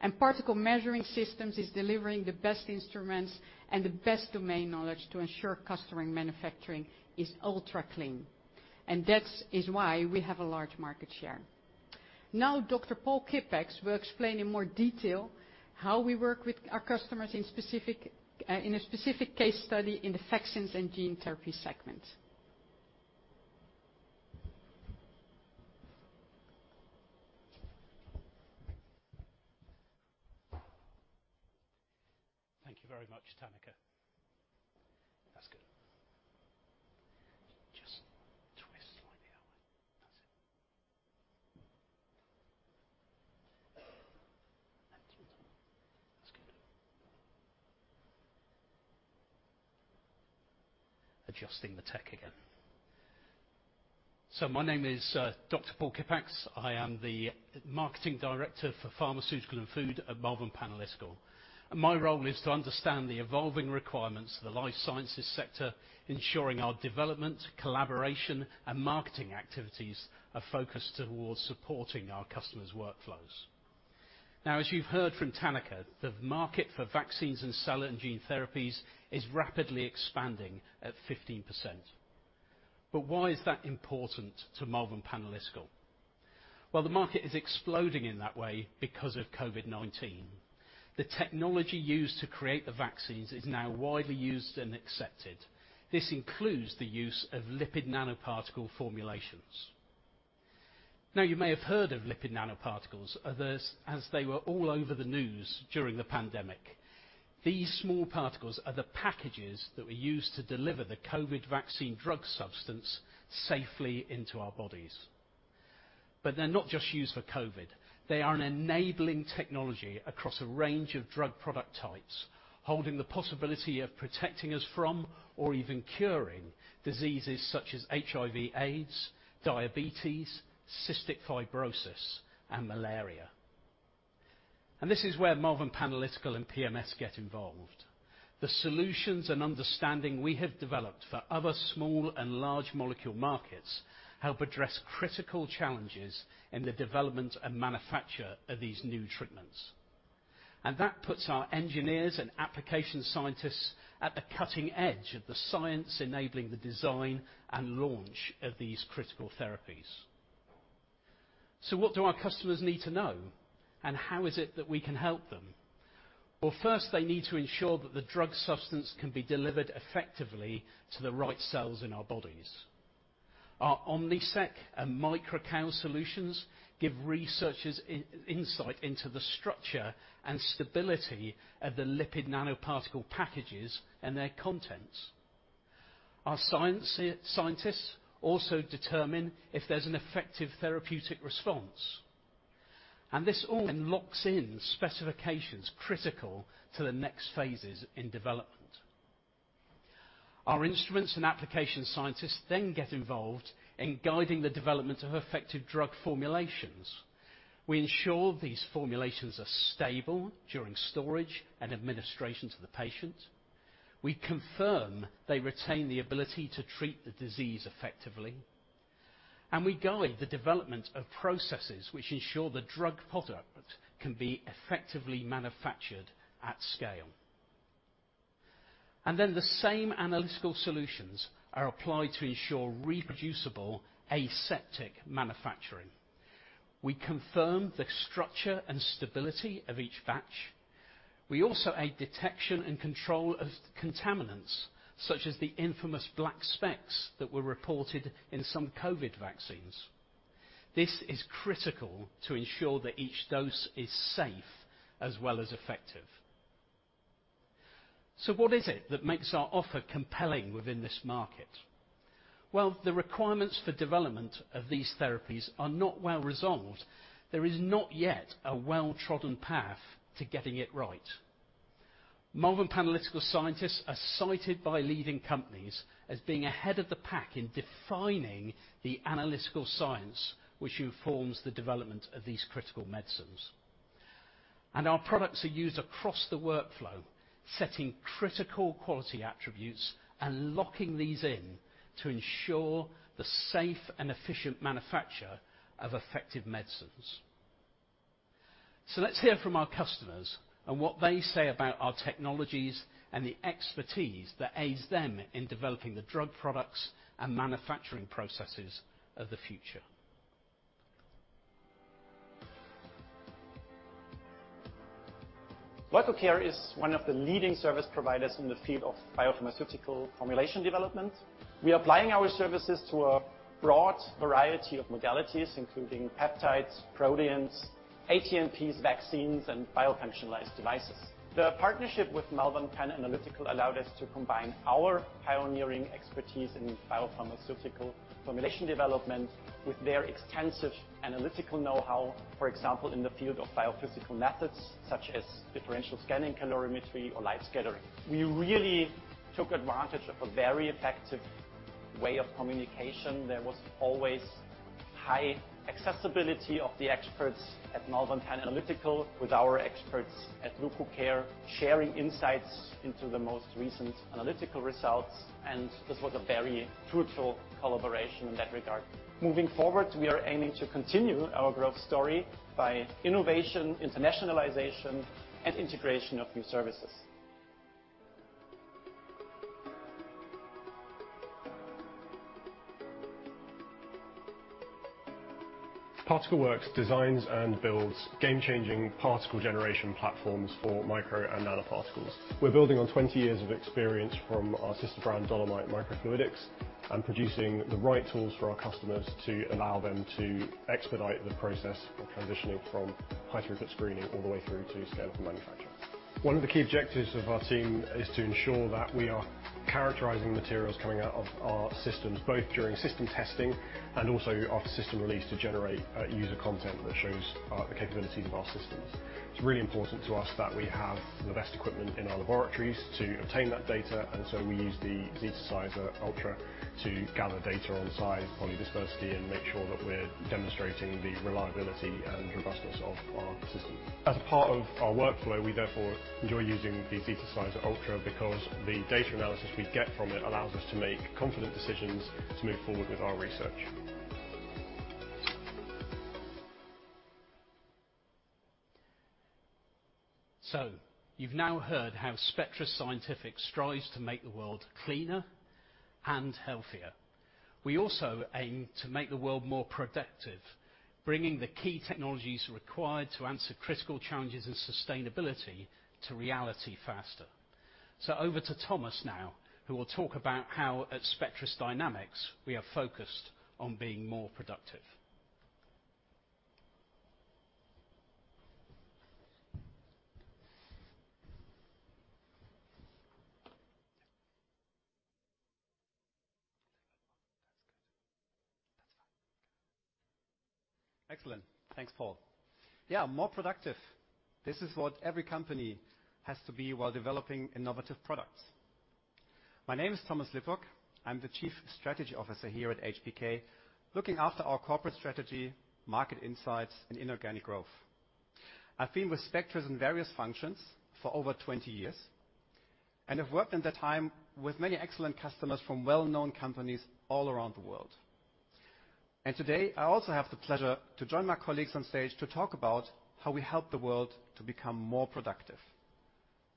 and Particle Measuring Systems is delivering the best instruments and the best domain knowledge to ensure customer manufacturing is ultra clean, and that's why we have a large market share. Now, Dr. Paul Kippax will explain in more detail how we work with our customers in a specific case study in the vaccines and gene therapy segment.
Thank you very much, Tanneke. That's good. Just twist slightly that way. That's it. That's good. Adjusting the tech again. My name is, Dr. Paul Kippax. I am the marketing director for pharmaceutical and food at Malvern Panalytical. My role is to understand the evolving requirements of the life sciences sector, ensuring our development, collaboration, and marketing activities are focused towards supporting our customers' workflows. Now, as you've heard from Tanneke, the market for vaccines and cell and gene therapies is rapidly expanding at 15%. Why is that important to Malvern Panalytical? Well, the market is exploding in that way because of COVID-19. The technology used to create the vaccines is now widely used and accepted. This includes the use of lipid nanoparticle formulations. Now, you may have heard of lipid nanoparticles as they were all over the news during the pandemic. These small particles are the packages that were used to deliver the COVID vaccine drug substance safely into our bodies. They're not just used for COVID. They are an enabling technology across a range of drug product types, holding the possibility of protecting us from or even curing diseases such as HIV AIDS, diabetes, cystic fibrosis, and malaria. This is where Malvern Panalytical and PMS get involved. The solutions and understanding we have developed for other small and large molecule markets help address critical challenges in the development and manufacture of these new treatments. That puts our engineers and application scientists at the cutting edge of the science enabling the design and launch of these critical therapies. What do our customers need to know, and how is it that we can help them? Well, first, they need to ensure that the drug substance can be delivered effectively to the right cells in our bodies. Our OMNISEC and MicroCal solutions give researchers insight into the structure and stability of the lipid nanoparticle packages and their contents. Our scientists also determine if there's an effective therapeutic response. This all then locks in specifications critical to the next phases in development. Our instruments and application scientists then get involved in guiding the development of effective drug formulations. We ensure these formulations are stable during storage and administration to the patient. We confirm they retain the ability to treat the disease effectively, and we guide the development of processes which ensure the drug product can be effectively manufactured at scale. The same analytical solutions are applied to ensure reproducible aseptic manufacturing. We confirm the structure and stability of each batch. We also aid detection and control of contaminants, such as the infamous black specks that were reported in some COVID vaccines. This is critical to ensure that each dose is safe as well as effective. What is it that makes our offer compelling within this market? Well, the requirements for development of these therapies are not well resolved. There is not yet a well-trodden path to getting it right. Malvern Panalytical scientists are cited by leading companies as being ahead of the pack in defining the analytical science which informs the development of these critical medicines. Our products are used across the workflow, setting critical quality attributes and locking these in to ensure the safe and efficient manufacture of effective medicines. Let's hear from our customers and what they say about our technologies and the expertise that aids them in developing the drug products and manufacturing processes of the future.
Leukocare is one of the leading service providers in the field of biopharmaceutical formulation development. We are applying our services to a broad variety of modalities, including peptides, proteins, ATMPs, vaccines, and bio-functionalized devices. The partnership with Malvern Panalytical allowed us to combine our pioneering expertise in biopharmaceutical formulation development with their extensive analytical know-how, for example, in the field of biophysical methods such as differential scanning calorimetry or light scattering. We really took advantage of a very effective way of communication. There was always high accessibility of the experts at Malvern Panalytical with our experts at Leukocare, sharing insights into the most recent analytical results, and this was a very fruitful collaboration in that regard. Moving forward, we are aiming to continue our growth story by innovation, internationalization, and integration of new services. Particle Works designs and builds game-changing particle generation platforms for micro and nanoparticles. We're building on 20 years of experience from our sister brand, Dolomite Microfluidics, and producing the right tools for our customers to allow them to expedite the process of transitioning from high-throughput screening all the way through to scale for manufacture. One of the key objectives of our team is to ensure that we are characterizing materials coming out of our systems, both during system testing and also after system release to generate user content that shows the capabilities of our systems. It's really important to us that we have the best equipment in our laboratories to obtain that data, and so we use the Zetasizer Ultra to gather data on size, polydispersity, and make sure that we're demonstrating the reliability and robustness of our systems. As part of our workflow, we therefore enjoy using the Zetasizer Ultra because the data analysis we get from it allows us to make confident decisions to move forward with our research.
You've now heard how Spectris Scientific strives to make the world cleaner and healthier. We also aim to make the world more productive, bringing the key technologies required to answer critical challenges and sustainability to reality faster. Over to Thomas now who will talk about how at Spectris Dynamics we are focused on being more productive.
Excellent. Thanks, Paul. Yeah, more productive. This is what every company has to be while developing innovative products. My name is Thomas Lippok. I'm the Chief Strategy Officer here at HBK, looking after our corporate strategy, market insights, and inorganic growth. I've been with Spectris in various functions for over 20 years, and I've worked in that time with many excellent customers from well-known companies all around the world. Today, I also have the pleasure to join my colleagues on stage to talk about how we help the world to become more productive.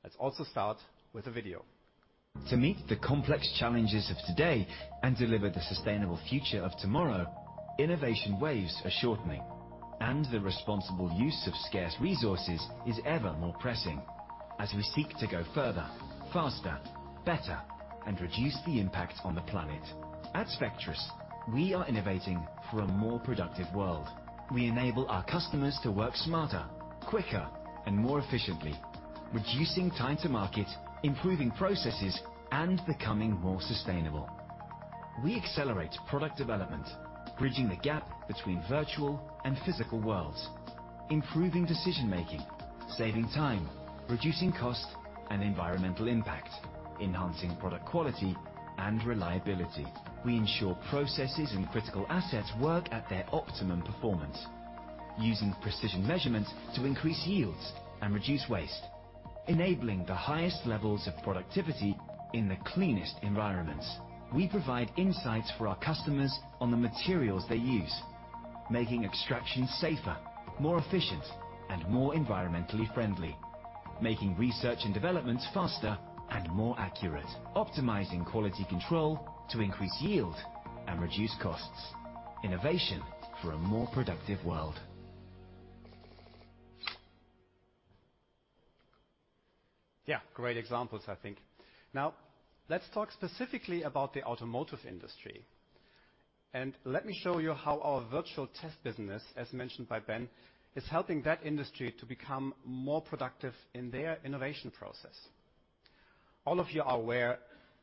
Let's also start with a video.
To meet the complex challenges of today and deliver the sustainable future of tomorrow, innovation waves are shortening, and the responsible use of scarce resources is ever more pressing as we seek to go further, faster, better, and reduce the impact on the planet. At Spectris, we are innovating for a more productive world. We enable our customers to work smarter, quicker, and more efficiently, reducing time to market, improving processes, and becoming more sustainable. We accelerate product development, bridging the gap between virtual and physical worlds, improving decision-making, saving time, reducing cost and environmental impact, enhancing product quality and reliability. We ensure processes and critical assets work at their optimum performance, using precision measurements to increase yields and reduce waste, enabling the highest levels of productivity in the cleanest environments. We provide insights for our customers on the materials they use, making extraction safer, more efficient, and more environmentally friendly, making research and development faster and more accurate, optimizing quality control to increase yield and reduce costs. Innovation for a more productive world.
Yeah, great examples, I think. Now, let's talk specifically about the automotive industry. Let me show you how our virtual test business, as mentioned by Ben, is helping that industry to become more productive in their innovation process. All of you are aware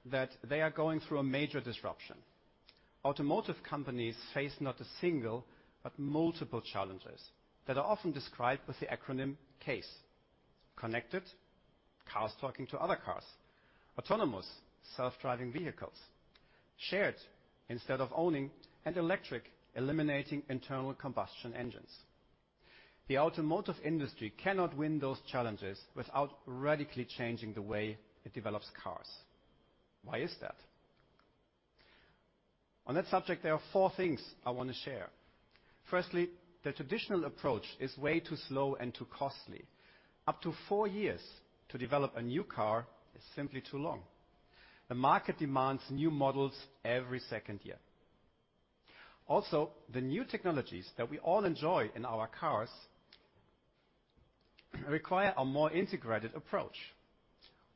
that they are going through a major disruption. Automotive companies face not a single but multiple challenges that are often described with the acronym CASE. Connected, cars talking to other cars. Autonomous, self-driving vehicles. Shared, instead of owning. And electric, eliminating internal combustion engines. The automotive industry cannot win those challenges without radically changing the way it develops cars. Why is that? On that subject, there are four things I wanna share. Firstly, the traditional approach is way too slow and too costly. Up to four years to develop a new car is simply too long. The market demands new models every second year. Also, the new technologies that we all enjoy in our cars require a more integrated approach.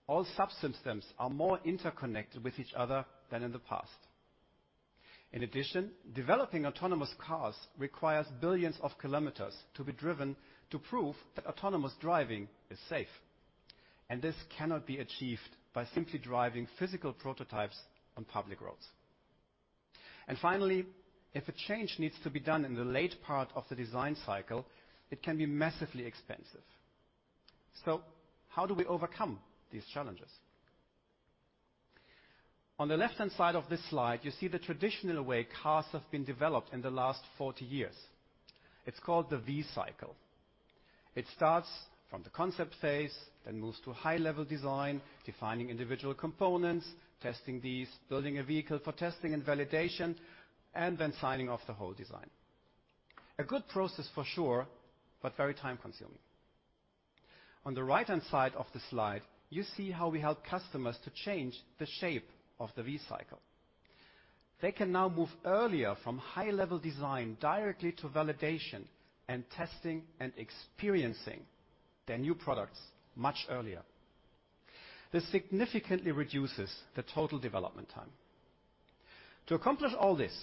All subsystems are more interconnected with each other than in the past. In addition, developing autonomous cars requires billions of kilometers to be driven to prove that autonomous driving is safe, and this cannot be achieved by simply driving physical prototypes on public roads. Finally, if a change needs to be done in the late part of the design cycle, it can be massively expensive. How do we overcome these challenges? On the left-hand side of this slide, you see the traditional way cars have been developed in the last 40 years. It's called the V-cycle. It starts from the concept phase, then moves to high-level design, defining individual components, testing these, building a vehicle for testing and validation, and then signing off the whole design. A good process for sure, but very time-consuming. On the right-hand side of the slide, you see how we help customers to change the shape of the V-cycle. They can now move earlier from high-level design directly to validation and testing and experiencing their new products much earlier. This significantly reduces the total development time. To accomplish all this,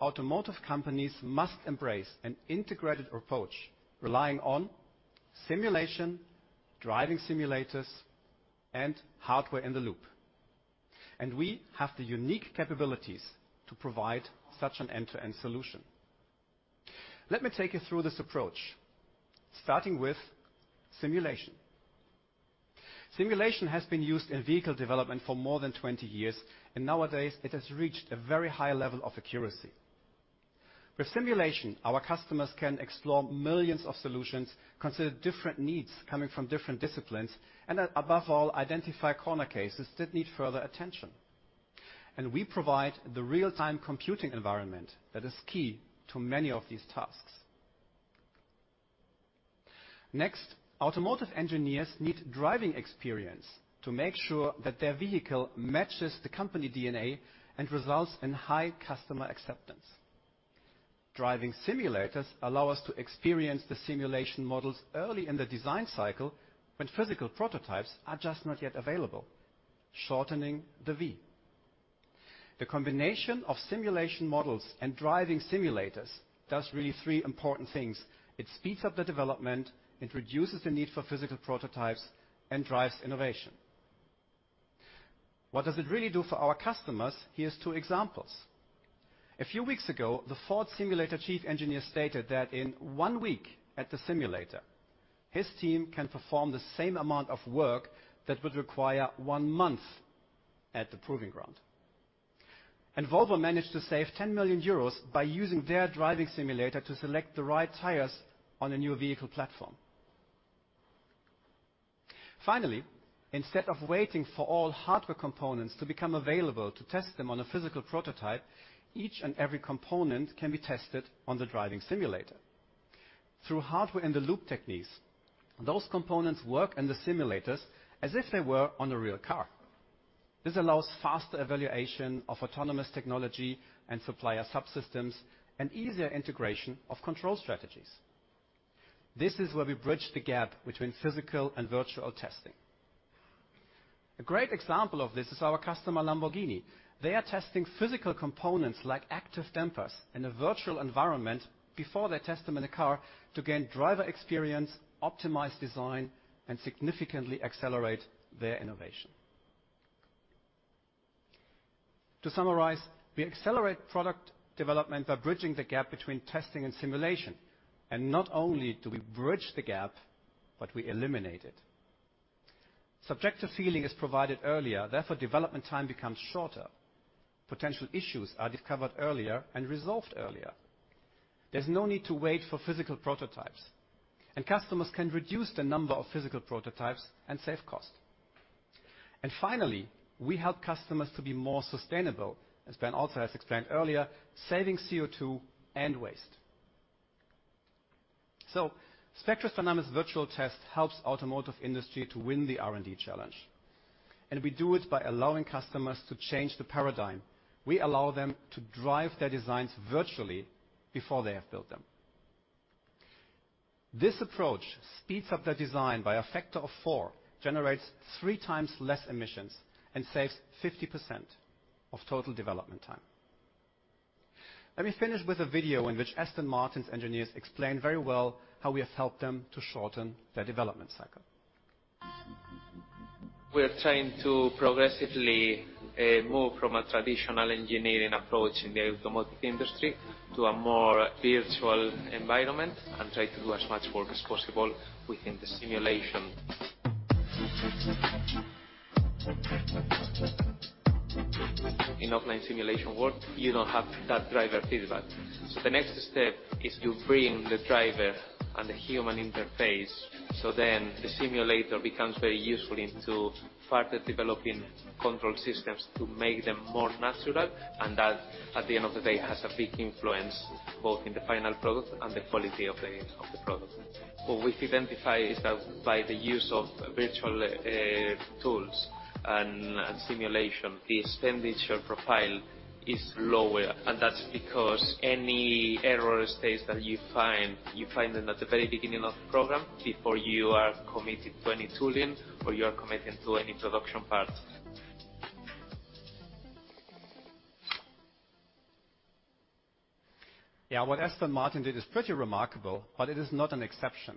automotive companies must embrace an integrated approach, relying on simulation, driving simulators, and Hardware-in-the-Loop, and we have the unique capabilities to provide such an end-to-end solution. Let me take you through this approach, starting with simulation. Simulation has been used in vehicle development for more than 20 years, and nowadays it has reached a very high level of accuracy. With simulation, our customers can explore millions of solutions, consider different needs coming from different disciplines, and above all, identify corner cases that need further attention. We provide the real-time computing environment that is key to many of these tasks. Next, automotive engineers need driving experience to make sure that their vehicle matches the company DNA and results in high customer acceptance. Driving simulators allow us to experience the simulation models early in the design cycle when physical prototypes are just not yet available, shortening the V-cycle. The combination of simulation models and driving simulators does really three important things. It speeds up the development, it reduces the need for physical prototypes, and drives innovation. What does it really do for our customers? Here are two examples. A few weeks ago, the Ford simulator chief engineer stated that in one week at the simulator, his team can perform the same amount of work that would require one month at the proving ground. Volvo managed to save 10 million euros by using their driving simulator to select the right tires on a new vehicle platform. Finally, instead of waiting for all hardware components to become available to test them on a physical prototype, each and every component can be tested on the driving simulator. Through hardware-in-the-Loop techniques, those components work in the simulators as if they were on a real car. This allows faster evaluation of autonomous technology and supplier subsystems and easier integration of control strategies. This is where we bridge the gap between physical and virtual testing. A great example of this is our customer, Lamborghini. They are testing physical components like active dampers in a virtual environment before they test them in a car to gain driver experience, optimize design, and significantly accelerate their innovation. To summarize, we accelerate product development by bridging the gap between testing and simulation, and not only do we bridge the gap, but we eliminate it. Subjective feeling is provided earlier, therefore development time becomes shorter. Potential issues are discovered earlier and resolved earlier. There's no need to wait for physical prototypes, and customers can reduce the number of physical prototypes and save cost. Finally, we help customers to be more sustainable, as Ben also has explained earlier, saving CO2 and waste. Spectris Dynamics virtual test helps automotive industry to win the R&D challenge, and we do it by allowing customers to change the paradigm. We allow them to drive their designs virtually before they have built them. This approach speeds up their design by a factor of four, generates 3x less emissions, and saves 50% of total development time. Let me finish with a video in which Aston Martin's engineers explain very well how we have helped them to shorten their development cycle.
We are trying to progressively move from a traditional engineering approach in the automotive industry to a more virtual environment and try to do as much work as possible within the simulation. In offline simulation work, you don't have that driver feedback. The next step is to bring the driver and the human interface, so then the simulator becomes very useful into further developing control systems to make them more natural, and that, at the end of the day, has a big influence both in the final product and the quality of the product. What we've identified is that by the use of virtual tools and simulation, the expenditure profile is lower. That's because any error states that you find, you find them at the very beginning of the program before you are committed to any tooling or you are committed to any production part.
Yeah, what Aston Martin did is pretty remarkable, but it is not an exception.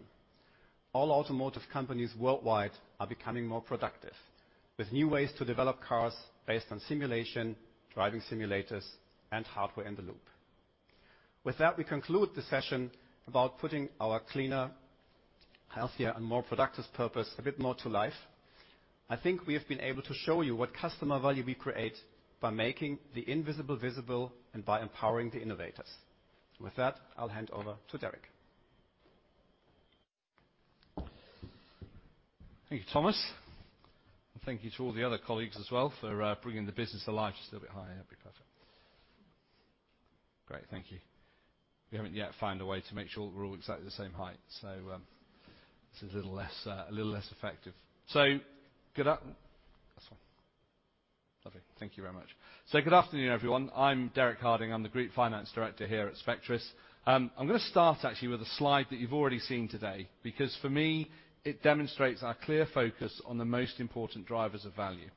All automotive companies worldwide are becoming more productive with new ways to develop cars based on simulation, driving simulators, and Hardware-in-the-Loop. With that, we conclude the session about putting our cleaner, healthier, and more productive purpose a bit more to life. I think we have been able to show you what customer value we create by making the invisible visible and by empowering the innovators. With that, I'll hand over to Derek.
Thank you, Thomas. Thank you to all the other colleagues as well for bringing the business alive. Just a little bit higher that'd be perfect. Great, thank you. We haven't yet found a way to make sure we're all exactly the same height, so this is a little less effective. This one. Lovely. Thank you very much. Good afternoon, everyone. I'm Derek Harding. I'm the Group Finance Director here at Spectris. I'm gonna start actually with a slide that you've already seen today because for me it demonstrates our clear focus on the most important drivers of value.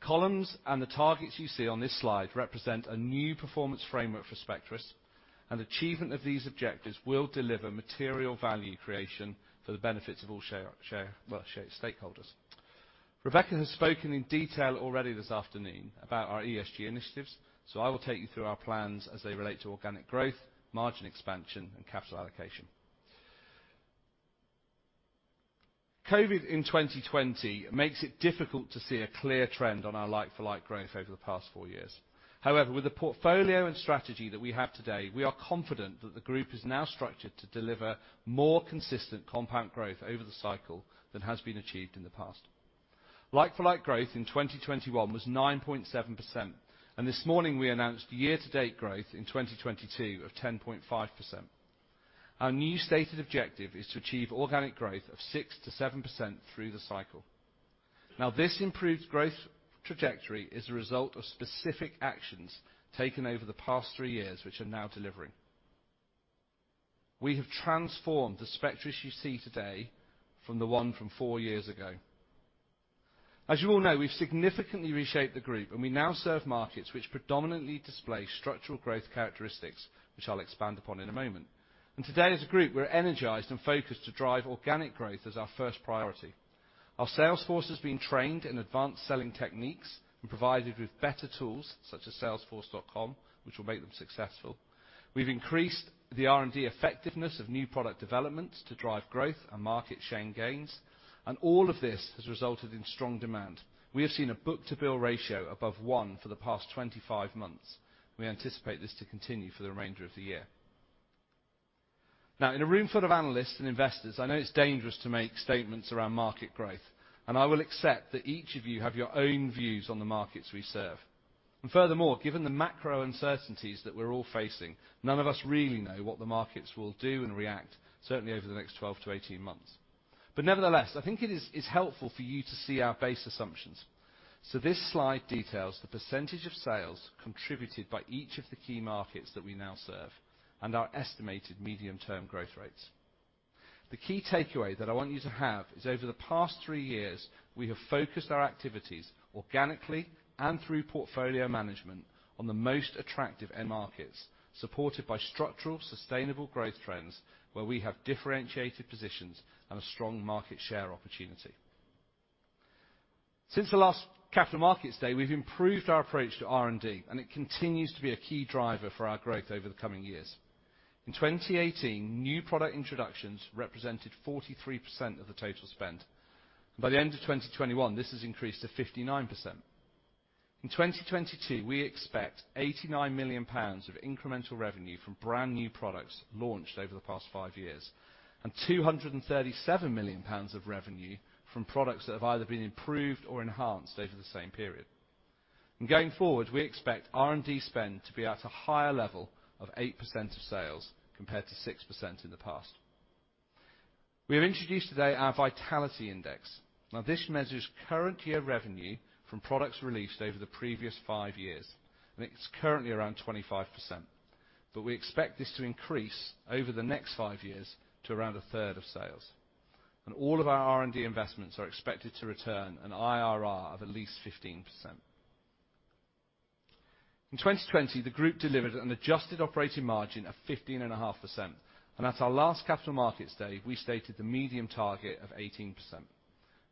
The columns and the targets you see on this slide represent a new performance framework for Spectris, and achievement of these objectives will deliver material value creation for the benefits of all stakeholders. Rebecca has spoken in detail already this afternoon about our ESG initiatives, so I will take you through our plans as they relate to organic growth, margin expansion, and capital allocation. COVID in 2020 makes it difficult to see a clear trend on our like-for-like growth over the past four years. However, with the portfolio and strategy that we have today, we are confident that the group is now structured to deliver more consistent compound growth over the cycle than has been achieved in the past. Like-for-like growth in 2021 was 9.7%, and this morning we announced year-to-date growth in 2022 of 10.5%. Our new stated objective is to achieve organic growth of 6%-7% through the cycle. Now, this improved growth trajectory is a result of specific actions taken over the past three years, which are now delivering. We have transformed the Spectris you see today from the one from four years ago. As you all know, we've significantly reshaped the group, and we now serve markets which predominantly display structural growth characteristics, which I'll expand upon in a moment. Today, as a group, we're energized and focused to drive organic growth as our first priority. Our sales force has been trained in advanced selling techniques and provided with better tools such as Salesforce.com, which will make them successful. We've increased the R&D effectiveness of new product development to drive growth and market share gains, and all of this has resulted in strong demand. We have seen a book-to-bill ratio above one for the past 25 months. We anticipate this to continue for the remainder of the year. Now in a room full of analysts and investors, I know it's dangerous to make statements around market growth, and I will accept that each of you have your own views on the markets we serve. Furthermore, given the macro uncertainties that we're all facing, none of us really know what the markets will do and react, certainly over the next 12-18 months. Nevertheless, I think it is helpful for you to see our base assumptions. This slide details the percentage of sales contributed by each of the key markets that we now serve and our estimated medium-term growth rates. The key takeaway that I want you to have is over the past three years, we have focused our activities organically and through portfolio management on the most attractive end markets, supported by structural sustainable growth trends where we have differentiated positions and a strong market share opportunity. Since the last Capital Markets Day, we've improved our approach to R&D, and it continues to be a key driver for our growth over the coming years. In 2018, new product introductions represented 43% of the total spend. By the end of 2021, this has increased to 59%. In 2022, we expect GBP 89 million of incremental revenue from brand-new products launched over the past 5 years, and 237 million pounds of revenue from products that have either been improved or enhanced over the same period. Going forward, we expect R&D spend to be at a higher level of 8% of sales, compared to 6% in the past. We have introduced today our Vitality Index. Now, this measures current year revenue from products released over the previous five years, and it's currently around 25%. We expect this to increase over the next five years to around a third of sales. All of our R&D investments are expected to return an IRR of at least 15%. In 2020, the group delivered an adjusted operating margin of 15.5%, and at our last Capital Markets Day, we stated the medium target of 18%.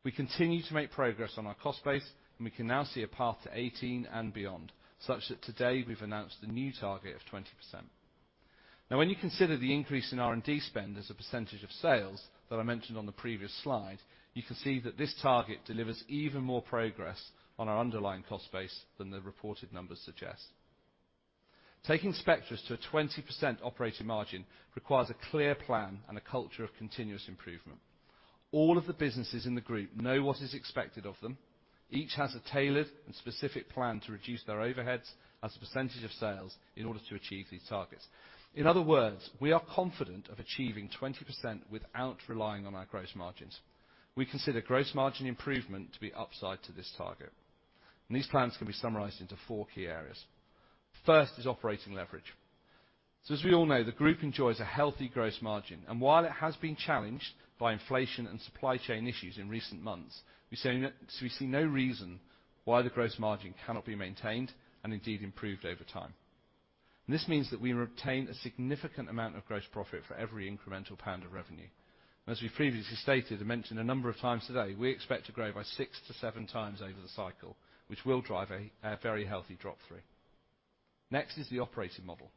We continue to make progress on our cost base, and we can now see a path to 18% and beyond, such that today we've announced a new target of 20%. Now, when you consider the increase in R&D spend as a percentage of sales that I mentioned on the previous slide, you can see that this target delivers even more progress on our underlying cost base than the reported numbers suggest. Taking Spectris to a 20% operating margin requires a clear plan and a culture of continuous improvement. All of the businesses in the group know what is expected of them. Each has a tailored and specific plan to reduce their overheads as a percentage of sales in order to achieve these targets. In other words, we are confident of achieving 20% without relying on our gross margins. We consider gross margin improvement to be upside to this target. These plans can be summarized into four key areas. First is operating leverage. As we all know, the group enjoys a healthy gross margin, and while it has been challenged by inflation and supply chain issues in recent months, we see no reason why the gross margin cannot be maintained and indeed improved over time. This means that we retain a significant amount of gross profit for every incremental GBP 1 of revenue. As we previously stated and mentioned a number of times today, we expect to grow by 6x-7x over the cycle, which will drive a very healthy drop-through. Next is the operating model.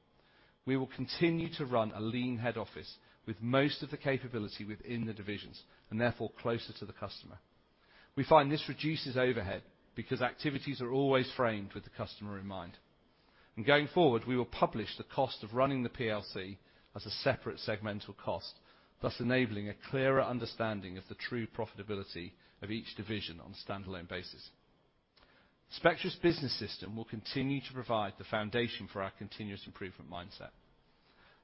We will continue to run a lean head office with most of the capability within the divisions, and therefore closer to the customer. We find this reduces overhead because activities are always framed with the customer in mind. Going forward, we will publish the cost of running the PLC as a separate segmental cost, thus enabling a clearer understanding of the true profitability of each division on a standalone basis. Spectris Business System will continue to provide the foundation for our continuous improvement mindset.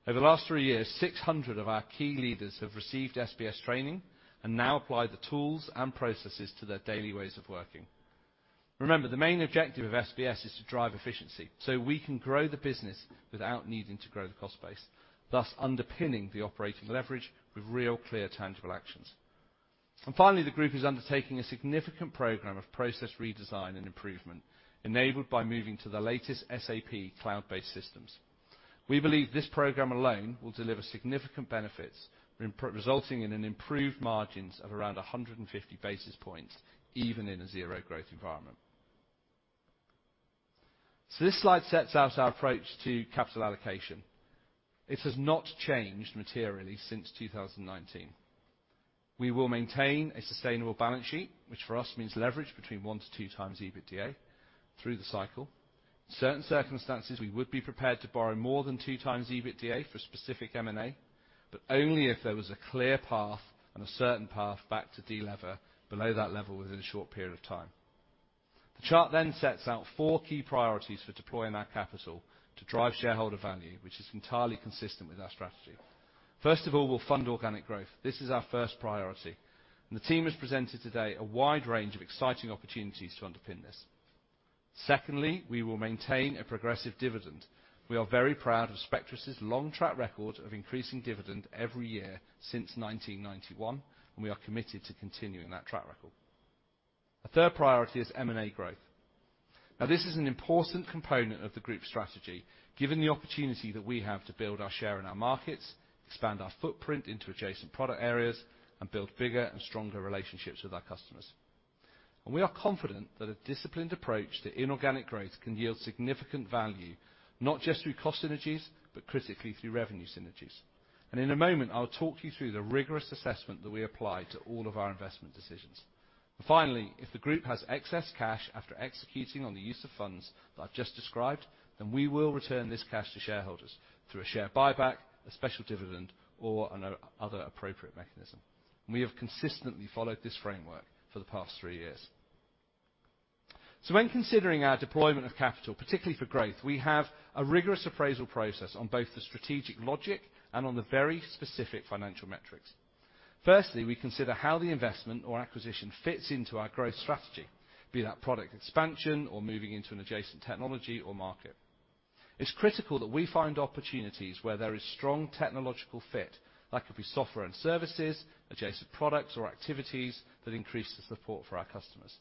Over the last three years, 600 of our key leaders have received SBS training and now apply the tools and processes to their daily ways of working. Remember, the main objective of SBS is to drive efficiency so we can grow the business without needing to grow the cost base, thus underpinning the operating leverage with real clear, tangible actions. Finally, the group is undertaking a significant program of process redesign and improvement, enabled by moving to the latest SAP cloud-based systems. We believe this program alone will deliver significant benefits resulting in improved margins of around 150 basis points even in a zero growth environment. This slide sets out our approach to capital allocation. It has not changed materially since 2019. We will maintain a sustainable balance sheet, which for us means leverage between 1x-2x EBITDA through the cycle. Certain circumstances, we would be prepared to borrow more than 2x EBITDA for specific M&A, but only if there was a clear path and a certain path back to delever below that level within a short period of time. The chart then sets out four key priorities for deploying our capital to drive shareholder value, which is entirely consistent with our strategy. First of all, we'll fund organic growth. This is our first priority, and the team has presented today a wide range of exciting opportunities to underpin this. Secondly, we will maintain a progressive dividend. We are very proud of Spectris's long track record of increasing dividend every year since 1991, and we are committed to continuing that track record. A third priority is M&A growth. Now, this is an important component of the group strategy, given the opportunity that we have to build our share in our markets, expand our footprint into adjacent product areas, and build bigger and stronger relationships with our customers. We are confident that a disciplined approach to inorganic growth can yield significant value, not just through cost synergies, but critically through revenue synergies. In a moment, I'll talk you through the rigorous assessment that we apply to all of our investment decisions. Finally, if the group has excess cash after executing on the use of funds that I've just described, then we will return this cash to shareholders through a share buyback, a special dividend, or on another appropriate mechanism. We have consistently followed this framework for the past three years. When considering our deployment of capital, particularly for growth, we have a rigorous appraisal process on both the strategic logic and on the very specific financial metrics. Firstly, we consider how the investment or acquisition fits into our growth strategy, be that product expansion or moving into an adjacent technology or market. It's critical that we find opportunities where there is strong technological fit that could be software and services, adjacent products or activities that increase the support for our customers.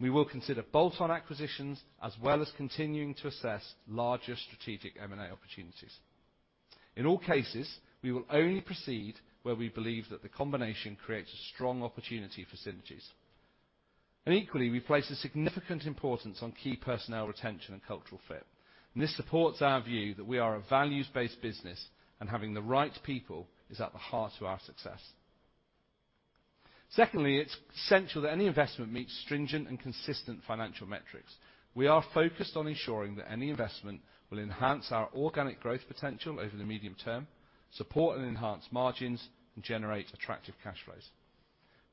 We will consider bolt-on acquisitions as well as continuing to assess larger strategic M&A opportunities. In all cases, we will only proceed where we believe that the combination creates a strong opportunity for synergies. Equally, we place a significant importance on key personnel retention and cultural fit, and this supports our view that we are a values-based business, and having the right people is at the heart of our success. Secondly, it's essential that any investment meets stringent and consistent financial metrics. We are focused on ensuring that any investment will enhance our organic growth potential over the medium term, support and enhance margins, and generate attractive cash flows.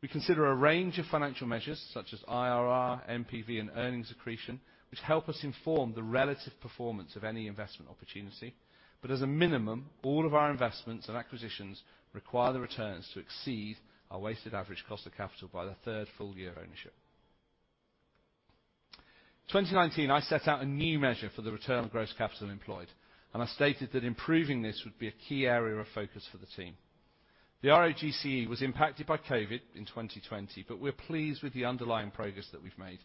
We consider a range of financial measures such as IRR, NPV, and earnings accretion, which help us inform the relative performance of any investment opportunity. As a minimum, all of our investments and acquisitions require the returns to exceed our weighted average cost of capital by the third full year of ownership. 2019, I set out a new measure for the return on gross capital employed, and I stated that improving this would be a key area of focus for the team. The ROGCE was impacted by COVID in 2020, but we're pleased with the underlying progress that we've made.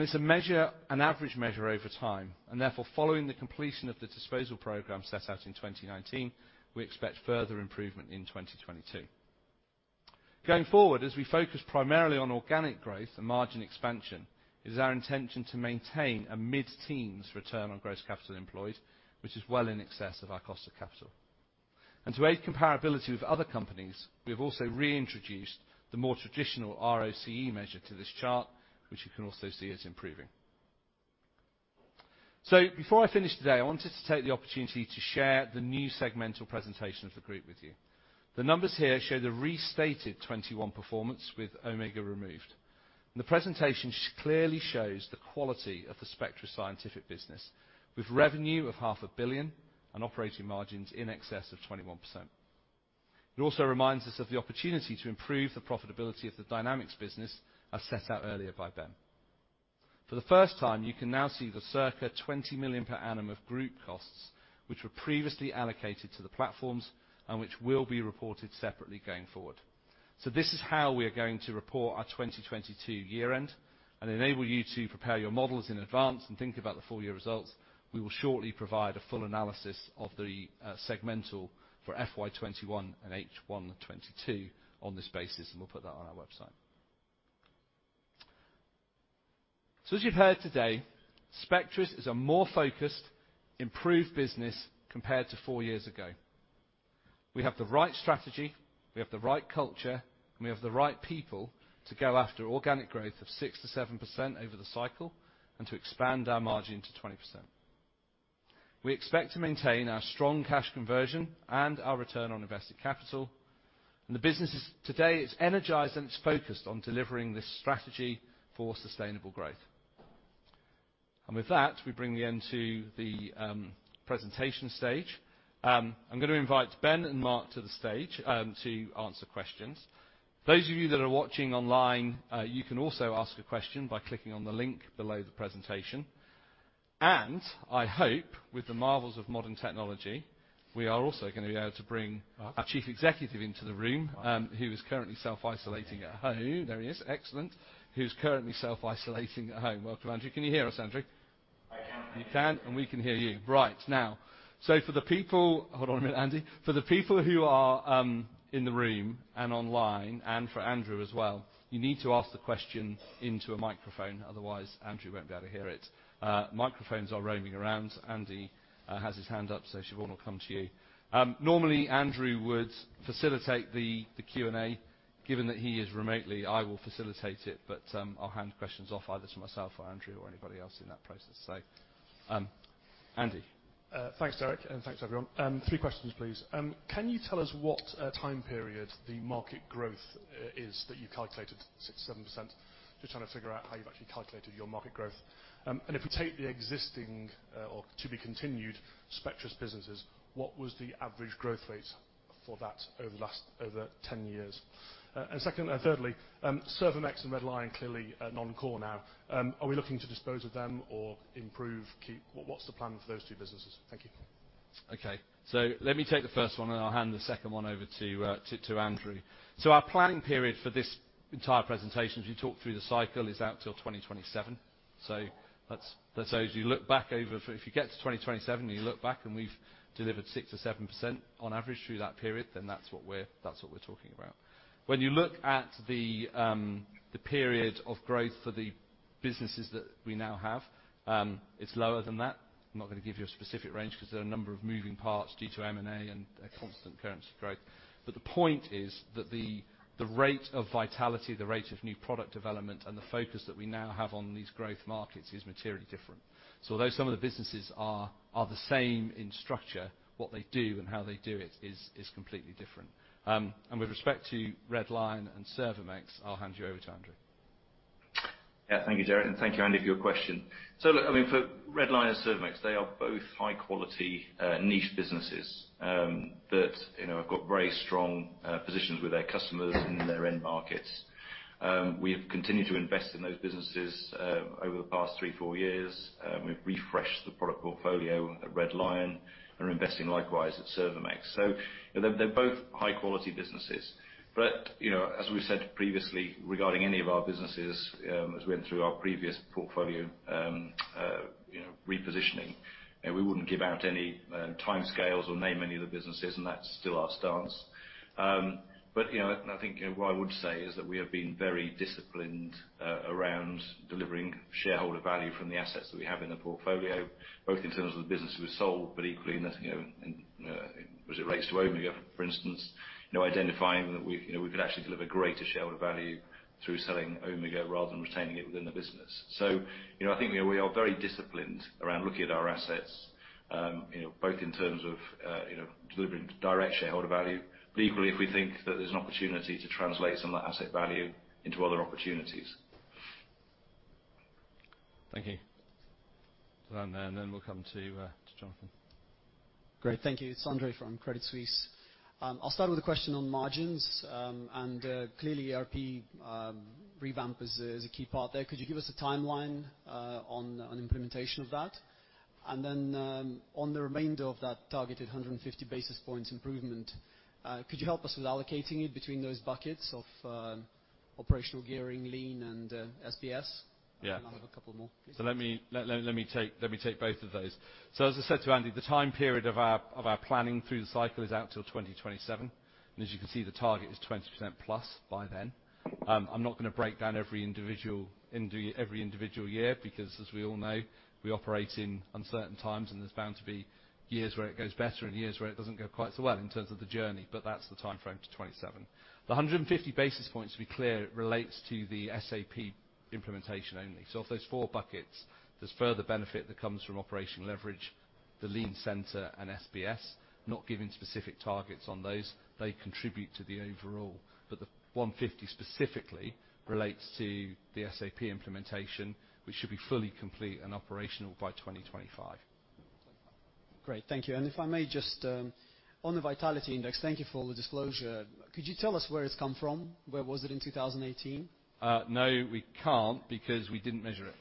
It's a measure, an average measure over time, and therefore, following the completion of the disposal program set out in 2019, we expect further improvement in 2022. Going forward, as we focus primarily on organic growth and margin expansion, it is our intention to maintain a mid-teens return on gross capital employed, which is well in excess of our cost of capital. To aid comparability with other companies, we have also reintroduced the more traditional ROCE measure to this chart, which you can also see is improving. Before I finish today, I wanted to take the opportunity to share the new segmental presentation of the group with you. The numbers here show the restated 2021 performance with Omega Engineering removed. The presentation clearly shows the quality of the Spectris Scientific business with revenue of half a billion and operating margins in excess of 21%. It also reminds us of the opportunity to improve the profitability of the Dynamics business as set out earlier by Ben. For the first time, you can now see the circa 20 million per annum of group costs, which were previously allocated to the platforms and which will be reported separately going forward. This is how we are going to report our 2022 year end and enable you to prepare your models in advance and think about the full year results. We will shortly provide a full analysis of the segmental for FY 2021 and H1 2022 on this basis, and we'll put that on our website. As you've heard today, Spectris is a more focused, improved business compared to four years ago. We have the right strategy, we have the right culture, and we have the right people to go after organic growth of 6%-7% over the cycle and to expand our margin to 20%. We expect to maintain our strong cash conversion and our return on invested capital. The business is energized today, and it's focused on delivering this strategy for sustainable growth. With that, we bring the end to the presentation stage. I'm gonna invite Ben and Mark to the stage to answer questions. Those of you that are watching online, you can also ask a question by clicking on the link below the presentation. I hope with the marvels of modern technology, we are also gonna be able to bring our chief executive into the room, who is currently self-isolating at home. There he is. Excellent. Who's currently self-isolating at home. Welcome, Andrew. Can you hear us, Andrew?
I can.
You can, and we can hear you. Right now. For the people. Hold on a minute, Andy. For the people who are in the room and online and for Andrew as well, you need to ask the question into a microphone. Otherwise, Andrew won't be able to hear it. Microphones are roaming around. Andy has his hand up, so Siobhán will come to you. Normally, Andrew would facilitate the Q&A. Given that he is remotely, I will facilitate it, but I'll hand questions off either to myself or Andrew or anybody else in that process. Andy.
Thanks, Derek, and thanks everyone. Three questions, please. Can you tell us what time period the market growth is that you calculated 6%-7%? Just trying to figure out how you've actually calculated your market growth. If we take the existing or to be continued Spectris businesses, what was the average growth rate for that over 10 years? Thirdly, Servomex and Red Lion clearly are non-core now. Are we looking to dispose of them or improve, keep? What's the plan for those two businesses? Thank you.
Okay. Let me take the first one, and I'll hand the second one over to Andrew. Our planning period for this entire presentation, as we talked through the cycle, is out till 2027. Let's say if you get to 2027 and you look back and we've delivered 6%-7% on average through that period, then that's what we're talking about. When you look at the period of growth for the businesses that we now have, it's lower than that. I'm not gonna give you a specific range because there are a number of moving parts due to M&A and a constant currency growth. The point is that the rate of vitality, the rate of new product development, and the focus that we now have on these growth markets is materially different. Although some of the businesses are the same in structure, what they do and how they do it is completely different. With respect to Red Lion and Servomex, I'll hand you over to Andrew.
Yeah. Thank you, Derek, and thank you, Andy, for your question. Look, I mean, for Red Lion and Servomex, they are both high-quality, niche businesses that, you know, have got very strong positions with their customers in their end markets. We have continued to invest in those businesses over the past 3-4 years. We've refreshed the product portfolio at Red Lion and are investing likewise at Servomex. They're both high-quality businesses. You know, as we've said previously regarding any of our businesses, as we went through our previous portfolio, you know, repositioning, we wouldn't give out any timescales or name any of the businesses, and that's still our stance. You know, and I think what I would say is that we have been very disciplined around delivering shareholder value from the assets that we have in the portfolio, both in terms of the business we sold, but equally, you know, as it relates to Omega, for instance. You know, identifying that we, you know, we could actually deliver greater shareholder value through selling Omega rather than retaining it within the business. You know, I think, you know, we are very disciplined around looking at our assets, you know, both in terms of, you know, delivering direct shareholder value, but equally, if we think that there's an opportunity to translate some of that asset value into other opportunities.
Thank you. We'll come to Jonathan.
Great. Thank you. It's Andre from Credit Suisse. I'll start with a question on margins, and clearly, ERP revamp is a key part there. Could you give us a timeline on implementation of that? Then, on the remainder of that targeted 150 basis points improvement, could you help us with allocating it between those buckets of operational gearing, lean, and SBS?
Yeah.
I have a couple more, please.
Let me take both of those. As I said to Andy, the time period of our planning through the cycle is out till 2027. As you can see, the target is 20%+ by then. I'm not gonna break down every individual year because as we all know, we operate in uncertain times, and there's bound to be years where it goes better and years where it doesn't go quite so well in terms of the journey, but that's the timeframe to 2027. The 150 basis points, to be clear, relates to the SAP implementation only. Of those four buckets, there's further benefit that comes from operational leverage, the lead center and SBS, not giving specific targets on those. They contribute to the overall. The 150 specifically relates to the SAP implementation, which should be fully complete and operational by 2025.
Great. Thank you. If I may just, on the Vitality Index, thank you for the disclosure. Could you tell us where it's come from? Where was it in 2018?
No, we can't because we didn't measure it.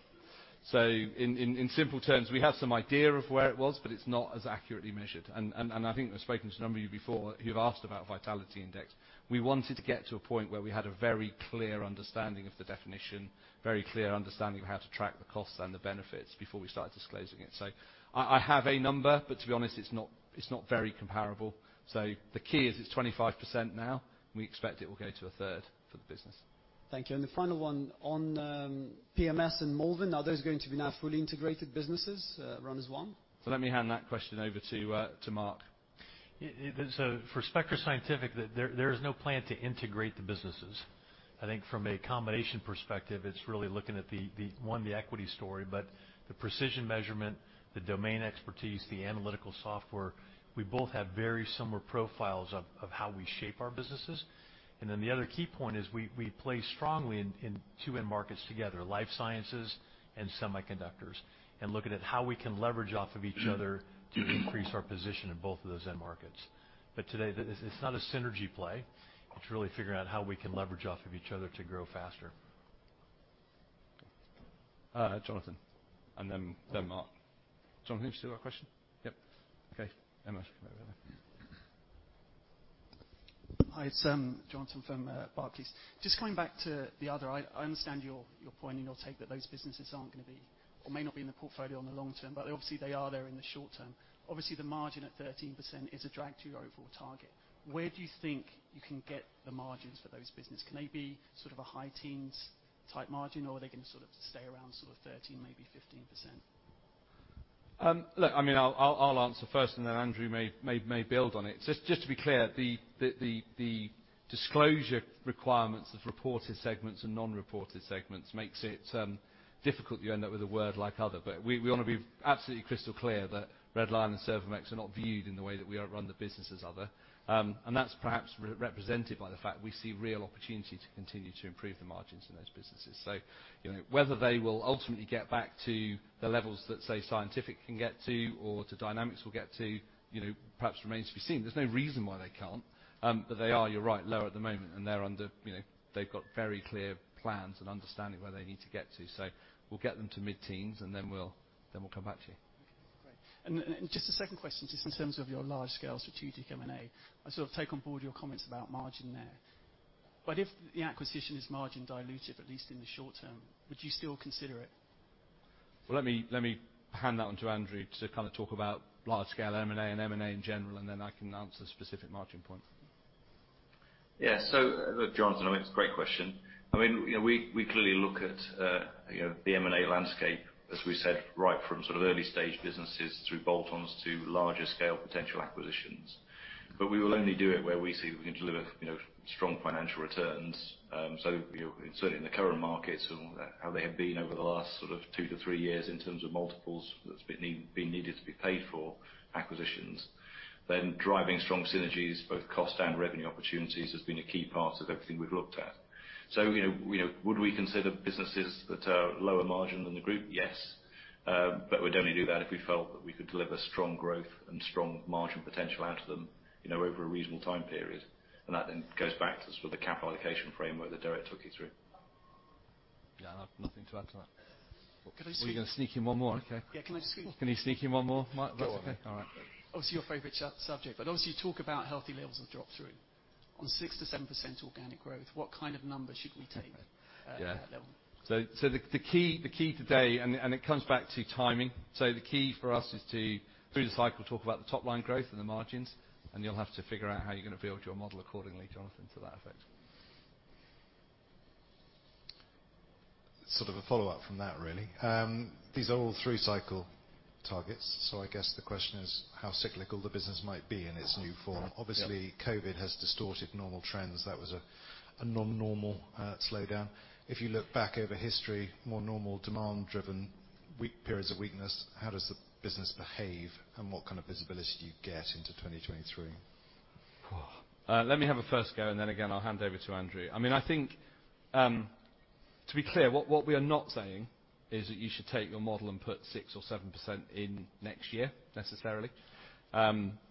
In simple terms, we have some idea of where it was, but it's not as accurately measured. I think I've spoken to a number of you before, you've asked about Vitality Index. We wanted to get to a point where we had a very clear understanding of the definition, very clear understanding of how to track the costs and the benefits before we started disclosing it. I have a number, but to be honest, it's not very comparable. The key is it's 25% now, and we expect it will go to a third for the business.
Thank you. The final one on PMS and Malvern, are those going to be now fully integrated businesses, run as one?
Let me hand that question over to Mark.
For Spectris Scientific, there is no plan to integrate the businesses. I think from a combination perspective, it's really looking at the equity story, but the precision measurement, the domain expertise, the analytical software, we both have very similar profiles of how we shape our businesses. The other key point is we play strongly in two end markets together, life sciences and semiconductors. Looking at how we can leverage off of each other to increase our position in both of those end markets. Today, it's not a synergy play. It's really figuring out how we can leverage off of each other to grow faster.
Jonathan, and then Mark. Jonathan, do you still have a question? Yep. Okay.
Hi, it's Jonathan from Barclays. Just coming back to the other. I understand your point and your take that those businesses aren't gonna be or may not be in the portfolio in the long term, but obviously they are there in the short term. Obviously, the margin at 13% is a drag to your overall target. Where do you think you can get the margins for those businesses? Can they be sort of a high teens type margin or are they gonna sort of stay around sort of 13%, maybe 15%?
Look, I mean, I'll answer first and then Andrew may build on it. Just to be clear, the disclosure requirements of reported segments and non-reported segments makes it difficult. You end up with a word like other, but we wanna be absolutely crystal clear that Red Lion and Servomex are not viewed in the way that we run the business as other. That's perhaps represented by the fact we see real opportunity to continue to improve the margins in those businesses. You know, whether they will ultimately get back to the levels that, say, Scientific can get to or to Dynamics will get to, you know, perhaps remains to be seen. There's no reason why they can't, but they are, you're right, lower at the moment, and they're under, you know. They've got very clear plans and understanding where they need to get to. We'll get them to mid-teens, and then we'll come back to you.
Okay, great. Just a second question, just in terms of your large scale strategic M&A. I sort of take on board your comments about margin there. If the acquisition is margin dilutive, at least in the short term, would you still consider it?
Well, let me hand that one to Andrew to kind of talk about large scale M&A and M&A in general, and then I can answer the specific margin point.
Yeah. Jonathan, I mean, it's a great question. I mean, you know, we clearly look at, you know, the M&A landscape, as we said, right from sort of early stage businesses through bolt-ons to larger scale potential acquisitions. We will only do it where we see we can deliver, you know, strong financial returns. You know, certainly in the current markets and how they have been over the last sort of 2-3 years in terms of multiples that's been needed to be paid for acquisitions, then driving strong synergies, both cost and revenue opportunities, has been a key part of everything we've looked at. You know, would we consider businesses that are lower margin than the group? Yes. We'd only do that if we felt that we could deliver strong growth and strong margin potential out of them, you know, over a reasonable time period. That then goes back to the sort of capital allocation framework that Derek took you through.
Yeah, I have nothing to add to that.
Could I just-
Oh, you're gonna sneak in one more. Okay.
Yeah. Can I just.
Can you sneak in one more, Mark?
Go on then.
All right.
Obviously, your favorite sub-subject, but obviously you talk about healthy levels of drop-through. On 6%-7% organic growth, what kind of number should we take at that level?
The key today and it comes back to timing. The key for us is to, through the cycle, talk about the top line growth and the margins, and you'll have to figure out how you're gonna build your model accordingly, Jonathan, to that effect.
Sort of a follow-up from that really. These are all three cycle targets, so I guess the question is how cyclical the business might be in its new form.
Yeah.
Obviously, COVID has distorted normal trends. That was a non-normal slowdown. If you look back over history, more normal demand-driven weak periods of weakness, how does the business behave and what kind of visibility do you get into 2023?
Whoa. Let me have a first go, and then again, I'll hand over to Andrew. I mean, I think, to be clear, what we are not saying is that you should take your model and put 6% or 7% in next year necessarily,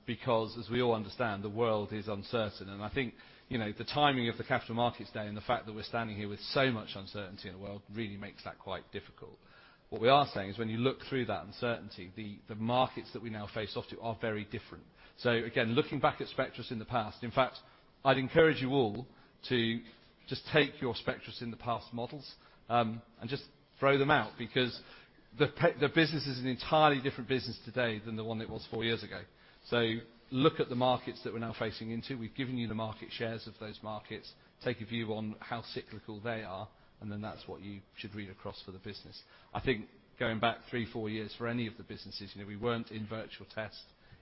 because as we all understand, the world is uncertain. I think, you know, the timing of the Capital Markets Day and the fact that we're standing here with so much uncertainty in the world really makes that quite difficult. What we are saying is when you look through that uncertainty, the markets that we now face are very different. Again, looking back at Spectris in the past, in fact, I'd encourage you all to just take your Spectris in the past models, and just throw them out because the business is an entirely different business today than the one it was four years ago. Look at the markets that we're now facing into. We've given you the market shares of those markets. Take a view on how cyclical they are, and then that's what you should read across for the business. I think going back three, four years for any of the businesses, you know, we weren't in virtual test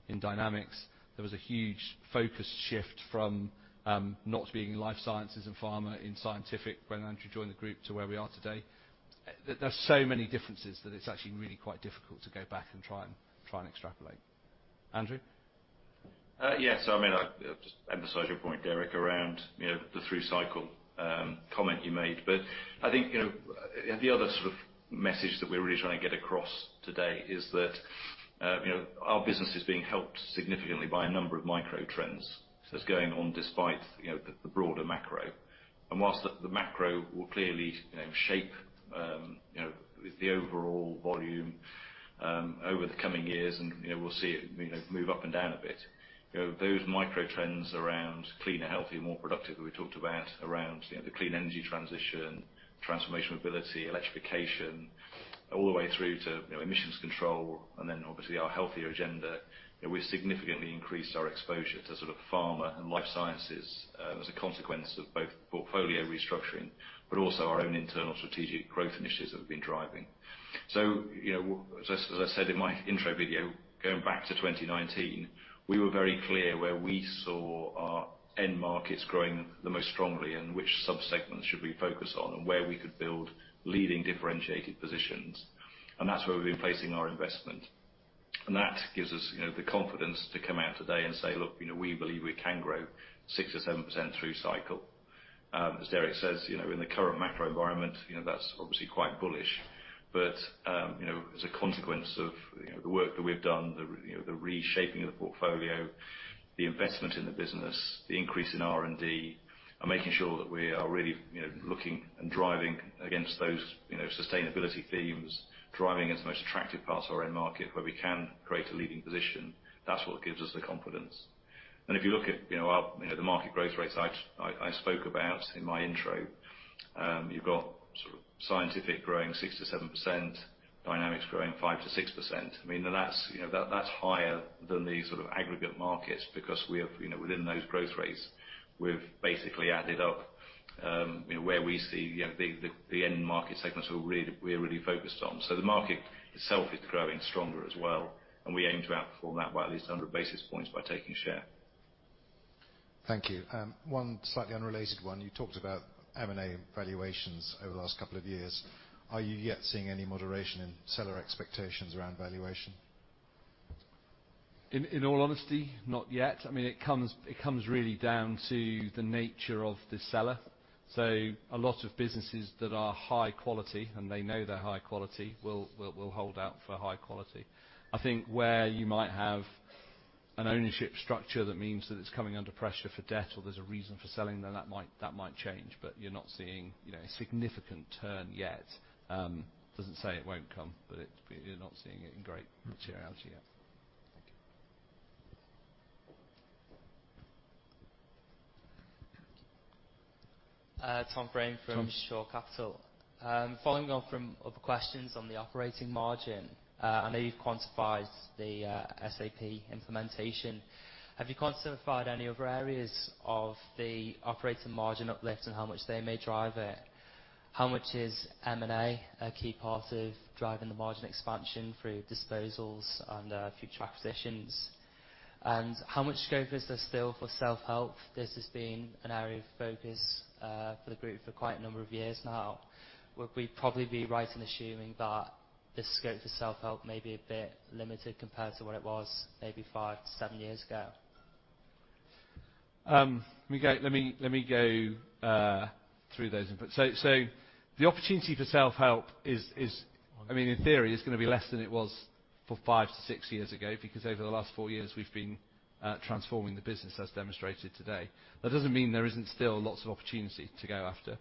in Dynamics. There was a huge focus shift from not being in life sciences and pharma in Scientific when Andrew joined the group to where we are today. There's so many differences that it's actually really quite difficult to go back and try and extrapolate. Andrew?
Yes. I mean, I'll just emphasize your point, Derek, around, you know, the through-cycle comment you made. I think, you know, the other sort of message that we're really trying to get across today is that, you know, our business is being helped significantly by a number of micro trends. It's going on despite, you know, the broader macro. While the macro will clearly, you know, shape, you know, the overall volume, over the coming years and, you know, we'll see it, you know, move up and down a bit. You know, those micro trends around cleaner, healthier, more productive that we talked about around, you know, the clean energy transition, transformation mobility, electrification, all the way through to, you know, emissions control, and then obviously our healthier agenda. You know, we significantly increased our exposure to sort of pharma and life sciences as a consequence of both portfolio restructuring, but also our own internal strategic growth initiatives that we've been driving. You know, as I said in my intro video, going back to 2019, we were very clear where we saw our end markets growing the most strongly and which sub-segments should we focus on, and where we could build leading differentiated positions. That's where we've been placing our investment. That gives us, you know, the confidence to come out today and say, "Look, you know, we believe we can grow 6%-7% through cycle." As Derek says, you know, in the current macro environment, you know, that's obviously quite bullish. As a consequence of you know the work that we've done, you know the reshaping of the portfolio, the investment in the business, the increase in R&D, and making sure that we are really you know looking and driving against those you know sustainability themes, driving as the most attractive parts of our end market where we can create a leading position, that's what gives us the confidence. If you look at you know our you know the market growth rates I spoke about in my intro, you've got sort of scientific growing 6%-7%, dynamics growing 5%-6%. I mean, that's higher than the sort of aggregate markets because we have, you know, within those growth rates, we've basically added up, you know, where we see, you know, the end market segments we're really focused on. The market itself is growing stronger as well, and we aim to outperform that by at least 100 basis points by taking share.
Thank you. One slightly unrelated one. You talked about M&A valuations over the last couple of years. Are you yet seeing any moderation in seller expectations around valuation?
In all honesty, not yet. I mean, it comes really down to the nature of the seller. A lot of businesses that are high quality, and they know they're high quality, will hold out for high quality. I think where you might have an ownership structure that means that it's coming under pressure for debt or there's a reason for selling, then that might change. You're not seeing, you know, a significant turn yet. Doesn't say it won't come, but you're not seeing it in great materiality yet.
Thank you.
Tom Fraine from Shore Capital.
Tom.
Following on from other questions on the operating margin, I know you've quantified the SAP implementation. Have you quantified any other areas of the operating margin uplift and how much they may drive it? How much is M&A a key part of driving the margin expansion through disposals and future acquisitions? And how much scope is there still for self-help? This has been an area of focus for the group for quite a number of years now. Would we probably be right in assuming that the scope for self-help may be a bit limited compared to what it was maybe 5-7 years ago?
Let me go through those inputs. The opportunity for self-help is, I mean, in theory gonna be less than it was for 5-6 years ago because over the last four years we've been transforming the business as demonstrated today. That doesn't mean there isn't still lots of opportunity to go after.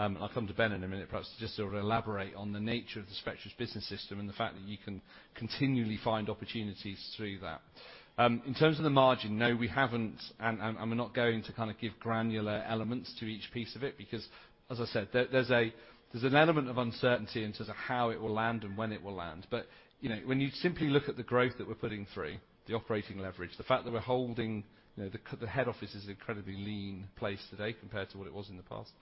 I'll come to Ben in a minute perhaps to just sort of elaborate on the nature of the Spectris Business System and the fact that you can continually find opportunities through that. In terms of the margin, no, we haven't and we're not going to kind of give granular elements to each piece of it because, as I said, there's an element of uncertainty in terms of how it will land and when it will land. You know, when you simply look at the growth that we're putting through, the operating leverage, the fact that we're holding, you know, the head office is an incredibly lean place today compared to what it was in the past,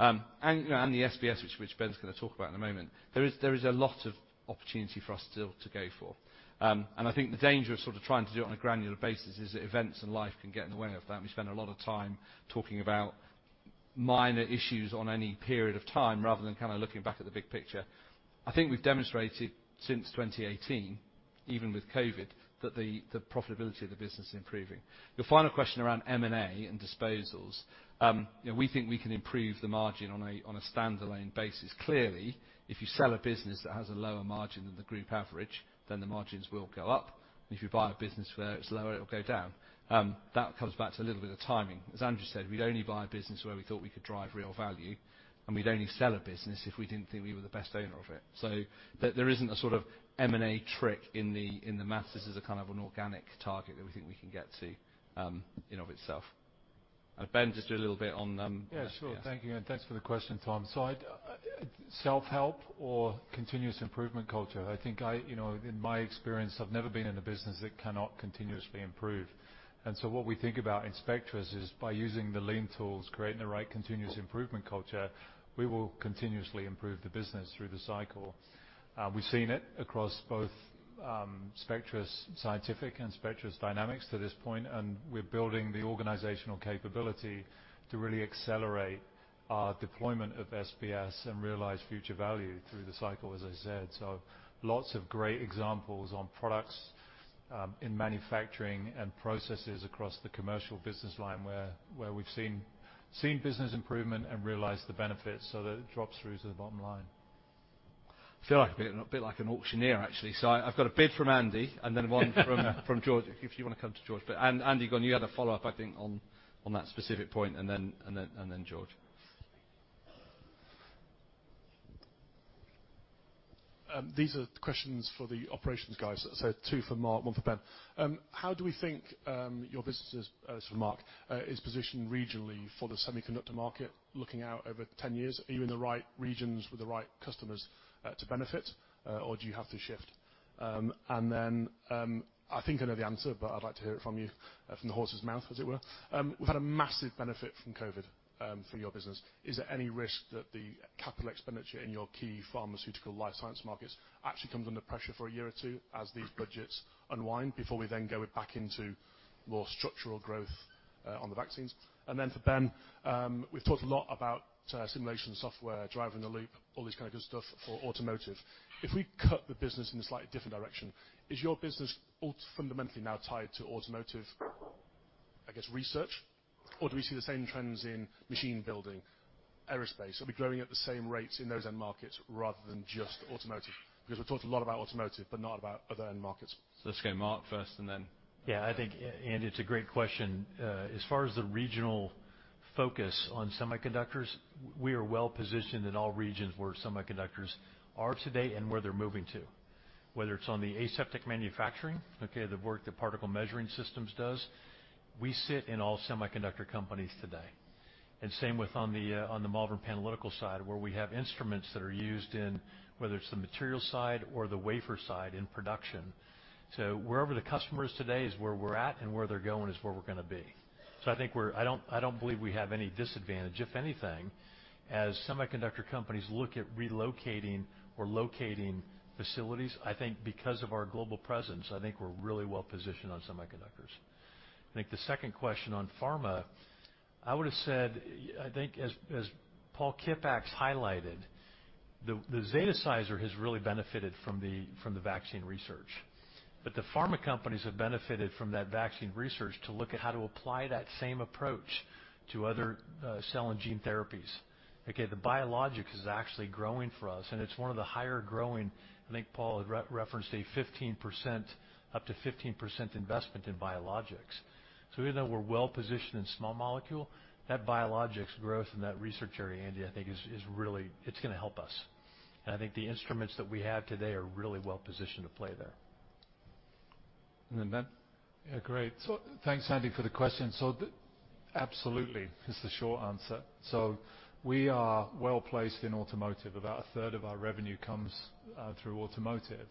and the SBS which Ben's gonna talk about in a moment, there is a lot of opportunity for us still to go for. I think the danger of sort of trying to do it on a granular basis is that events and life can get in the way of that, and we spend a lot of time talking about minor issues on any period of time rather than kind of looking back at the big picture. I think we've demonstrated since 2018, even with COVID, that the profitability of the business is improving.
Your final question around M&A and disposals, you know, we think we can improve the margin on a standalone basis. Clearly, if you sell a business that has a lower margin than the group average, then the margins will go up. If you buy a business where it's lower, it'll go down. That comes back to a little bit of timing. As Andrew said, we'd only buy a business where we thought we could drive real value, and we'd only sell a business if we didn't think we were the best owner of it. There isn't a sort of M&A trick in the math. This is a kind of an organic target that we think we can get to, in and of itself. Ben, just a little bit on, yeah.
Yeah, sure. Thank you, and thanks for the question, Tom. I'd self-help or continuous improvement culture, I think, you know, in my experience, I've never been in a business that cannot continuously improve. What we think about in Spectris is by using the lean tools, creating the right continuous improvement culture, we will continuously improve the business through the cycle. We've seen it across both Spectris Scientific and Spectris Dynamics to this point, and we're building the organizational capability to really accelerate our deployment of SBS and realize future value through the cycle, as I said. Lots of great examples on products, in manufacturing and processes across the commercial business line where we've seen business improvement and realized the benefits so that it drops through to the bottom line.
Feel like a bit like an auctioneer, actually. I've got a bid from Andy, and then from George, if you wanna come to George. Andy Gunn, you had a follow-up, I think, on that specific point, and then George.
These are the questions for the operations guys. Two for Mark, one for Ben. How do we think your businesses, so Mark, is positioned regionally for the semiconductor market looking out over 10 years? Are you in the right regions with the right customers to benefit or do you have to shift? I think I know the answer, but I'd like to hear it from you, from the horse's mouth, as it were. We've had a massive benefit from COVID for your business. Is there any risk that the capital expenditure in your key pharmaceutical life science markets actually comes under pressure for a year or two as these budgets unwind before we then go back into more structural growth on the vaccines? For Ben, we've talked a lot about simulation software driver-in-the-loop, all this kinda good stuff for automotive. If we cut the business in a slightly different direction, is your business fundamentally now tied to automotive, I guess, research? Or do we see the same trends in machine building, aerospace? Are we growing at the same rates in those end markets rather than just automotive? Because we've talked a lot about automotive, but not about other end markets.
Let's go, Mark, first and then.
Yeah, I think it's a great question. As far as the regional focus on semiconductors, we are well positioned in all regions where semiconductors are today and where they're moving to, whether it's on the aseptic manufacturing, okay, the work that Particle Measuring Systems does, we sit in all semiconductor companies today. Same with on the Malvern Panalytical side, where we have instruments that are used in whether it's the material side or the wafer side in production. Wherever the customer is today is where we're at, and where they're going is where we're gonna be. I think we're. I don't believe we have any disadvantage. If anything, as semiconductor companies look at relocating or locating facilities, I think because of our global presence, I think we're really well positioned on semiconductors. I think the second question on pharma, I would have said, I think as Paul Kippax highlighted, the Zetasizer has really benefited from the vaccine research. The pharma companies have benefited from that vaccine research to look at how to apply that same approach to other cell and gene therapies. Okay, the biologics is actually growing for us, and it's one of the higher growing. I think Paul referenced a 15%, up to 15% investment in biologics. Even though we're well-positioned in small molecule, that biologics growth and that research area, Andy, I think is really, it's gonna help us. I think the instruments that we have today are really well positioned to play there.
Ben.
Yeah, great. Thanks, Andy, for the question. Absolutely is the short answer. We are well-placed in automotive. About 1/3 of our revenue comes through automotive.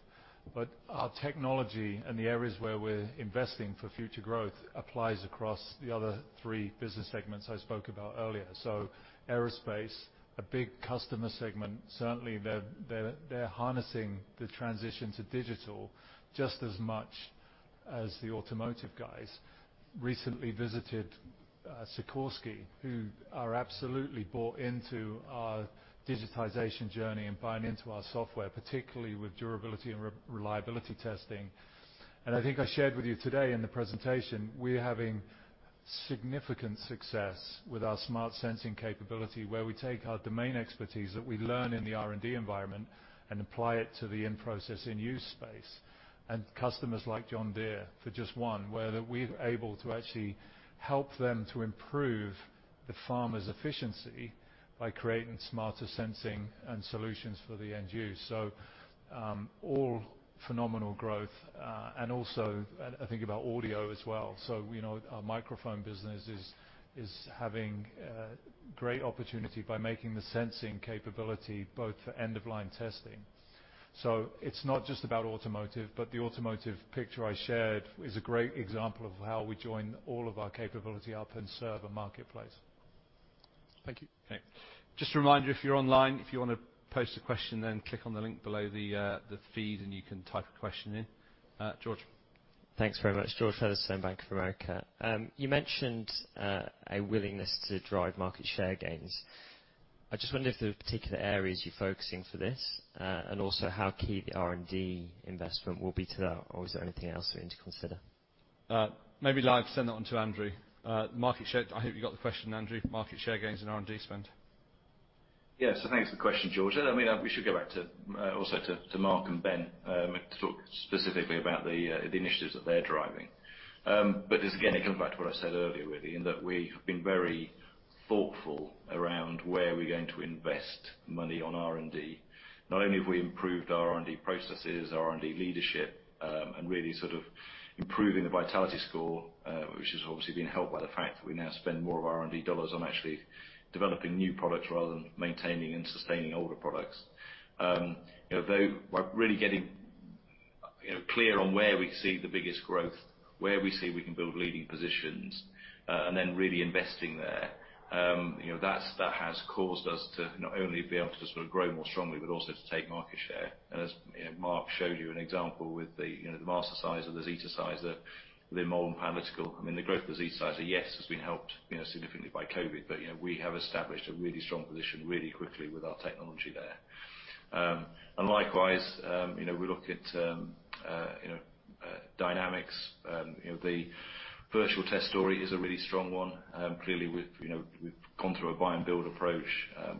Our technology and the areas where we're investing for future growth applies across the other three business segments I spoke about earlier. Aerospace, a big customer segment. Certainly they're harnessing the transition to digital just as much as the automotive guys. Recently visited Sikorsky, who are absolutely bought into our digitization journey and buying into our software, particularly with durability and reliability testing. I think I shared with you today in the presentation, we're having significant success with our smart sensing capability, where we take our domain expertise that we learn in the R&D environment and apply it to the in-process, in-use space. Customers like John Deere, for just one, where we're able to actually help them to improve the farmer's efficiency by creating smarter sensing and solutions for the end use. All phenomenal growth, and also I think about audio as well. We know our microphone business is having great opportunity by making the sensing capability both for end-of-line testing. It's not just about automotive, but the automotive picture I shared is a great example of how we join all of our capability up and serve a marketplace.
Thank you.
Okay.
Just a reminder, if you're online, if you wanna post a question, then click on the link below the feed, and you can type a question in. George.
Thanks very much. George Featherstonehaugh, Bank of America. You mentioned a willingness to drive market share gains. I just wonder if there are particular areas you're focusing for this, and also how key the R&D investment will be to that, or is there anything else we need to consider?
Maybe, Live, send that one to Andrew. Market share, I hope you got the question, Andrew, market share gains and R&D spend.
Yes. Thanks for the question, George. I mean, we should go back to Mark and Ben to talk specifically about the initiatives that they're driving. Just again, it comes back to what I said earlier, really, in that we have been very thoughtful around where we're going to invest money on R&D. Not only have we improved our R&D processes, R&D leadership, and really sort of improving the vitality score, which has obviously been helped by the fact that we now spend more of our R&D dollars on actually developing new products rather than maintaining and sustaining older products. You know, though we're really getting, you know, clear on where we see the biggest growth, where we see we can build leading positions, and then really investing there. You know, that has caused us to not only be able to sort of grow more strongly, but also to take market share. As you know, Mark showed you an example with the Mastersizer, the Zetasizer, the Malvern Panalytical. I mean, the growth of the Zetasizer, yes, has been helped, you know, significantly by COVID, but you know, we have established a really strong position really quickly with our technology there. Likewise, you know, we look at, you know. Dynamics, you know, the virtual test story is a really strong one. Clearly, we've gone through a buy and build approach.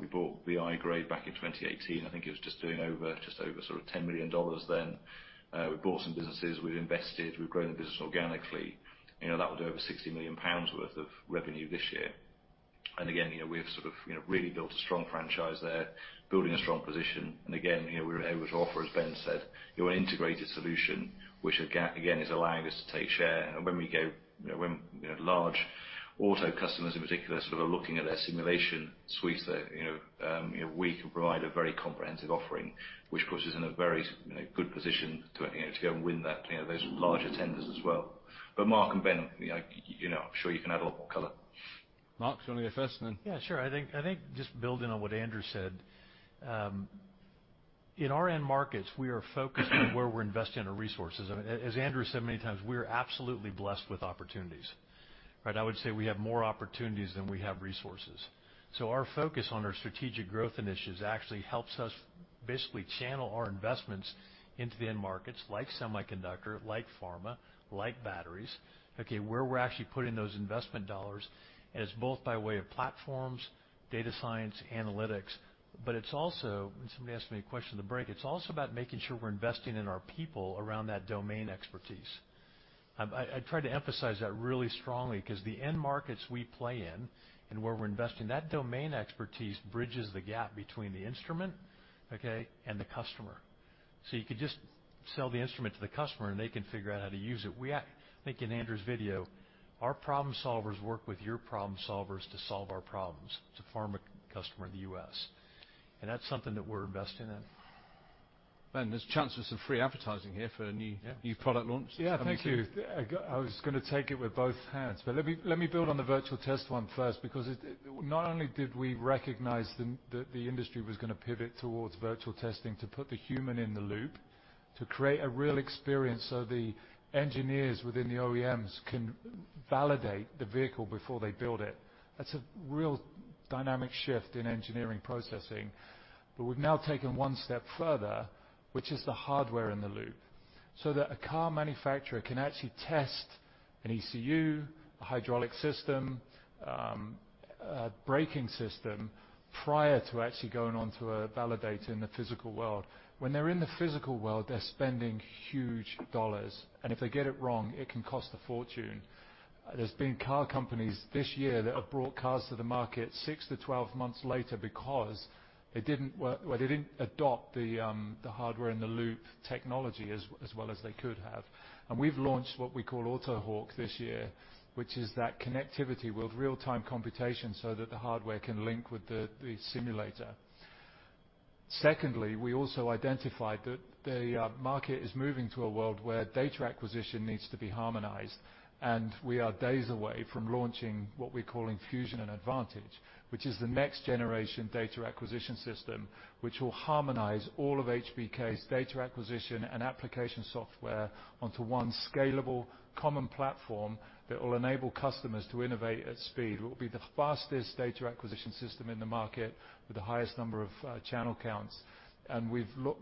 We bought VI-grade back in 2018. I think it was just over sort of $10 million then. We bought some businesses, we've invested, we've grown the business organically. You know, that would be over 60 million pounds worth of revenue this year. Again, you know, we've sort of, you know, really built a strong franchise there, building a strong position. Again, you know, we were able to offer, as Ben said, you know, an integrated solution which again is allowing us to take share. When we go, you know, large auto customers in particular sort of looking at their simulation suite, you know, we can provide a very comprehensive offering, which puts us in a very, you know, good position to, you know, go and win those larger tenders as well. But Mark and Ben, you know, I'm sure you can add a lot more color.
Mark, do you wanna go first, and then?
Yeah, sure. I think just building on what Andrew said. In our end markets, we are focused on where we're investing our resources. As Andrew said many times, we are absolutely blessed with opportunities, right. I would say we have more opportunities than we have resources. Our focus on our strategic growth initiatives actually helps us basically channel our investments into the end markets like semiconductor, like pharma, like batteries, okay. Where we're actually putting those investment dollars, and it's both by way of platforms, data science, analytics, but it's also, somebody asked me a question in the break, it's also about making sure we're investing in our people around that domain expertise. I tried to emphasize that really strongly, 'cause the end markets we play in and where we're investing, that domain expertise bridges the gap between the instrument, okay, and the customer. You could just sell the instrument to the customer, and they can figure out how to use it. Like in Andrew Heath's video, our problem solvers work with your problem solvers to solve our problems. It's a pharma customer in the U.S., and that's something that we're investing in.
Ben, there's a chance for some free advertising here for a new.
Yeah.
New product launch.
Yeah. Thank you. I was gonna take it with both hands. Let me build on the virtual test one first, because not only did we recognize the industry was gonna pivot towards virtual testing to put the Human-in-the-Loop, to create a real experience, so the engineers within the OEMs can validate the vehicle before they build it. That's a real dynamic shift in engineering processing. We've now taken one step further, which is the Hardware-in-the-Loop, so that a car manufacturer can actually test an ECU, a hydraulic system, a braking system prior to actually going on to a validator in the physical world. When they're in the physical world, they're spending huge dollars, and if they get it wrong, it can cost a fortune. There's been car companies this year that have brought cars to the market 6-12 months later because it didn't work, or they didn't adopt the Hardware-in-the-Loop technology as well as they could have. We've launched what we call AutoHawk this year, which is that connectivity with real-time computation so that the hardware can link with the simulator. Secondly, we also identified that the market is moving to a world where data acquisition needs to be harmonized, and we are days away from launching what we're calling Fusion and Advantage, which is the next generation data acquisition system, which will harmonize all of HBK's data acquisition and application software onto one scalable common platform that will enable customers to innovate at speed. It will be the fastest data acquisition system in the market with the highest number of channel counts.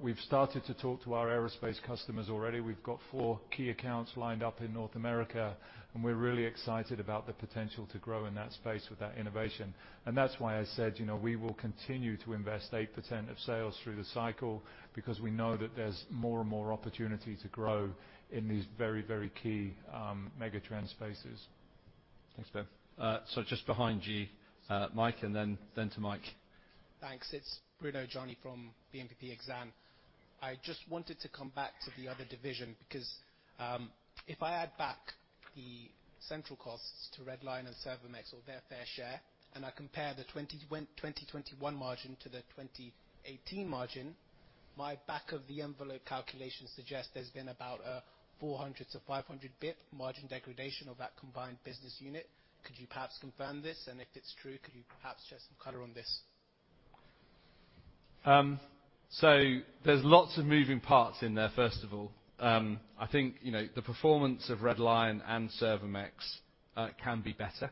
We've started to talk to our aerospace customers already. We've got four key accounts lined up in North America, and we're really excited about the potential to grow in that space with that innovation. That's why I said, you know, we will continue to invest 8% of sales through the cycle because we know that there's more and more opportunity to grow in these very, very key mega trend spaces.
Thanks, Ben. Just behind Gjanaj Mike, and then to Mike.
Thanks. It's Bruno Gjanaj from BNP Paribas Exane. I just wanted to come back to the other division because if I add back the central costs to Red Lion and Servomex or their fair share, and I compare the 2021 margin to the 2018 margin, my back of the envelope calculation suggest there's been about a 400-500 basis points margin degradation of that combined business unit. Could you perhaps confirm this? If it's true, could you perhaps shed some color on this?
There's lots of moving parts in there, first of all. I think, you know, the performance of Red Lion and Servomex can be better.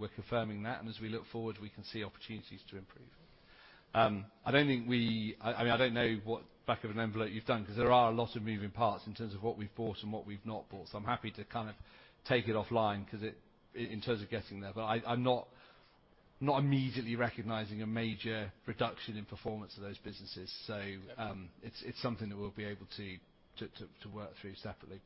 We're confirming that, and as we look forward, we can see opportunities to improve. I mean, I don't know what back of an envelope you've done 'cause there are a lot of moving parts in terms of what we've bought and what we've not bought. I'm happy to kind of take it offline 'cause in terms of getting there. I'm not immediately recognizing a major reduction in performance of those businesses. It's something that we'll be able to work through separately.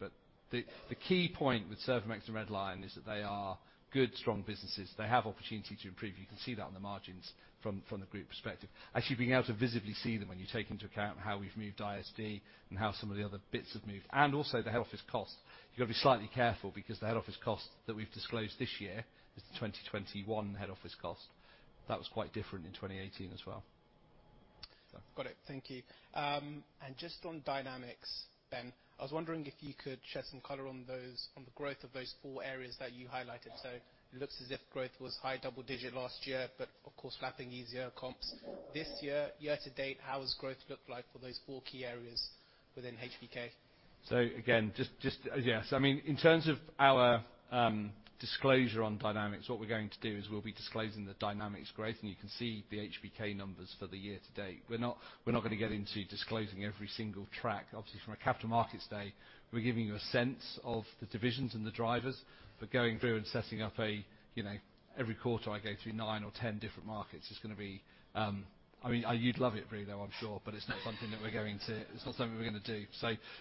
The key point with Servomex and Red Lion is that they are good, strong businesses. They have opportunity to improve. You can see that on the margins from the group perspective. Actually, being able to visibly see them when you take into account how we've moved ISD and how some of the other bits have moved and also the head office cost. You've got to be slightly careful because the head office cost that we've disclosed this year is the 2021 head office cost. That was quite different in 2018 as well.
Got it. Thank you. Just on dynamics, Ben, I was wondering if you could shed some color on those, on the growth of those four areas that you highlighted. It looks as if growth was high double digit last year, but of course lapping easier comps. This year to date, how does growth look like for those four key areas within HBK?
Again, yes, I mean, in terms of our disclosure on Dynamics, what we're going to do is we'll be disclosing the Dynamics growth, and you can see the HBK numbers for the year to date. We're not gonna get into disclosing every single track. Obviously, from a capital markets day, we're giving you a sense of the divisions and the drivers. Going through and setting up a, you know, every quarter I go through nine or 10 different markets, it's gonna be, you'd love it, really, though, I'm sure. It's not something we're gonna do.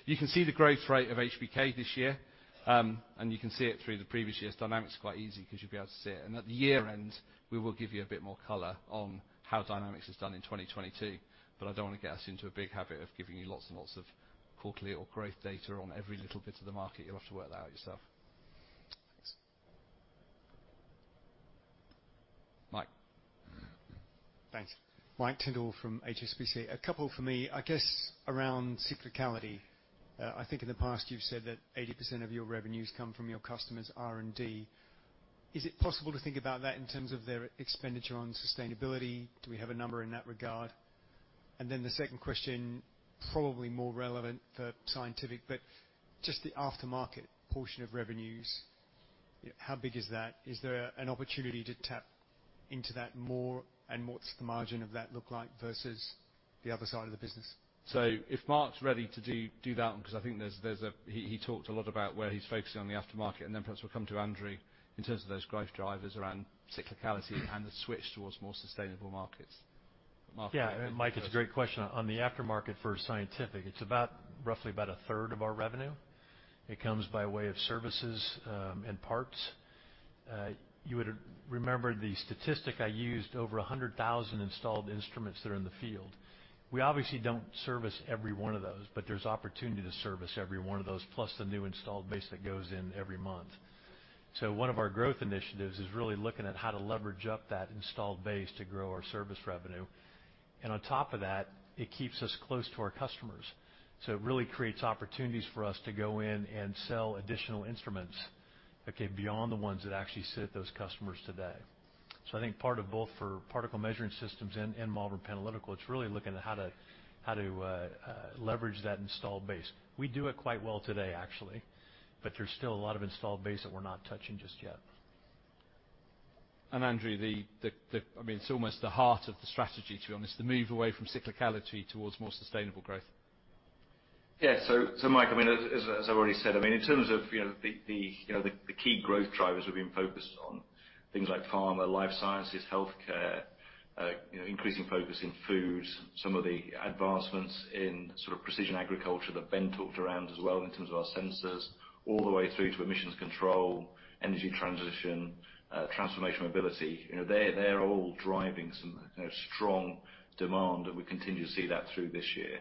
You can see the growth rate of HBK this year, and you can see it through the previous years. Dynamics is quite easy 'cause you'll be able to see it. At the year-end, we will give you a bit more color on how Dynamics has done in 2022, but I don't wanna get us into a big habit of giving you lots and lots of quarterly or growth data on every little bit of the market. You'll have to work that out yourself.
Thanks.
Mike.
Thanks. Mike Tyndall from HSBC. A couple from me, I guess, around cyclicality. I think in the past, you've said that 80% of your revenues come from your customers' R&D. Is it possible to think about that in terms of their expenditure on sustainability? Do we have a number in that regard? The second question, probably more relevant for scientific, but just the aftermarket portion of revenues, how big is that? Is there an opportunity to tap into that more, and what's the margin of that look like versus the other side of the business?
If Mark's ready to do that one, 'cause I think there's. He talked a lot about where he's focusing on the aftermarket, and then perhaps we'll come to Andrew in terms of those growth drivers around cyclicality and the switch towards more sustainable markets. Mark, if you could just.
Yeah. Mike, it's a great question. On the aftermarket for scientific, it's about, roughly about a third of our revenue. It comes by way of services, and parts. You would remember the statistic I used, over 100,000 installed instruments that are in the field. We obviously don't service every one of those, but there's opportunity to service every one of those, plus the new installed base that goes in every month. One of our growth initiatives is really looking at how to leverage up that installed base to grow our service revenue. On top of that, it keeps us close to our customers. It really creates opportunities for us to go in and sell additional instruments, okay, beyond the ones that actually serve those customers today. I think part of both for Particle Measuring Systems and Malvern Panalytical, it's really looking at how to leverage that installed base. We do it quite well today, actually, but there's still a lot of installed base that we're not touching just yet.
Andrew, I mean, it's almost the heart of the strategy, to be honest, the move away from cyclicality towards more sustainable growth.
Mike, I mean, as I already said, I mean, in terms of you know the key growth drivers we've been focused on, things like pharma, life sciences, healthcare, you know, increasing focus in food, some of the advancements in sort of precision agriculture that Ben talked around as well in terms of our sensors, all the way through to emissions control, energy transition, transformational mobility. You know, they're all driving some you know strong demand, and we continue to see that through this year.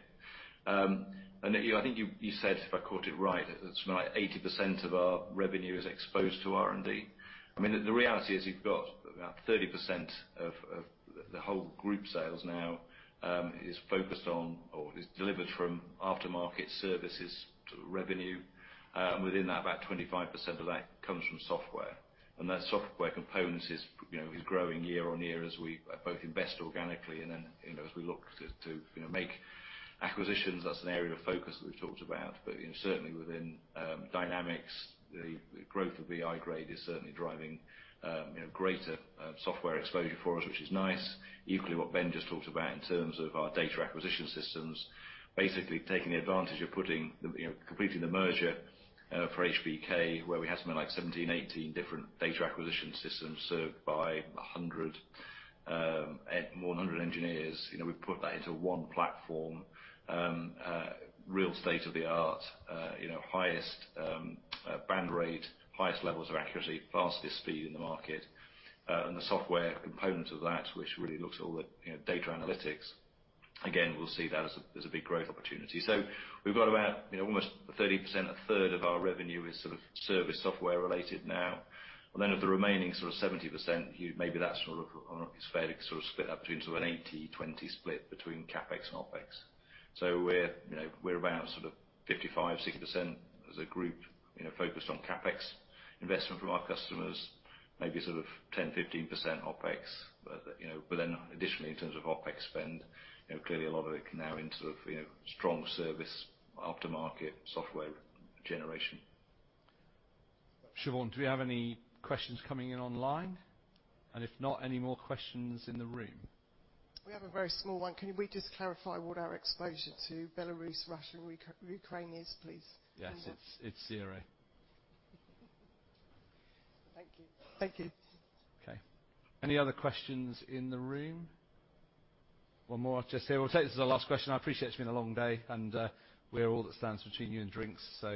I think you said, if I caught it right, it's like 80% of our revenue is exposed to R&D. I mean, the reality is you've got about 30% of the whole group sales now is focused on or is delivered from aftermarket services to revenue. Within that, about 25% of that comes from software. That software component is, you know, growing year-on-year as we both invest organically and then, you know, as we look to, you know, make acquisitions. That's an area of focus that we've talked about. You know, certainly within Dynamics, the growth of VI-grade is certainly driving, you know, greater software exposure for us, which is nice. Equally, what Ben just talked about in terms of our data acquisition systems, basically taking advantage of putting the, you know, completing the merger for HBK, where we had something like 17, 18 different data acquisition systems served by 100, more than 100 engineers. You know, we've put that into one platform. Real state-of-the-art, you know, highest baud rate, highest levels of accuracy, fastest speed in the market. The software component of that, which really looks at all the, you know, data analytics, again, we'll see that as a big growth opportunity. We've got about, you know, almost 30%, a third of our revenue is sort of service software related now. Then of the remaining sort of 70%, maybe that's sort of, or is fairly sort of split up between sort of an 80/20 split between CapEx and OpEx. We're, you know, about sort of 55-60% as a group, you know, focused on CapEx investment from our customers, maybe sort of 10%-15% OpEx. You know, additionally, in terms of OpEx spend, you know, clearly a lot of it can now go into the, you know, strong service aftermarket software generation.
Siobhán, do we have any questions coming in online? If not, any more questions in the room?
We have a very small one. Can we just clarify what our exposure to Belarus, Russia, and Ukraine is, please?
Yes. It's zero.
Thank you. Thank you.
Okay. Any other questions in the room? One more just here. We'll take this as our last question. I appreciate it's been a long day, and we're all that stands between you and drinks. Go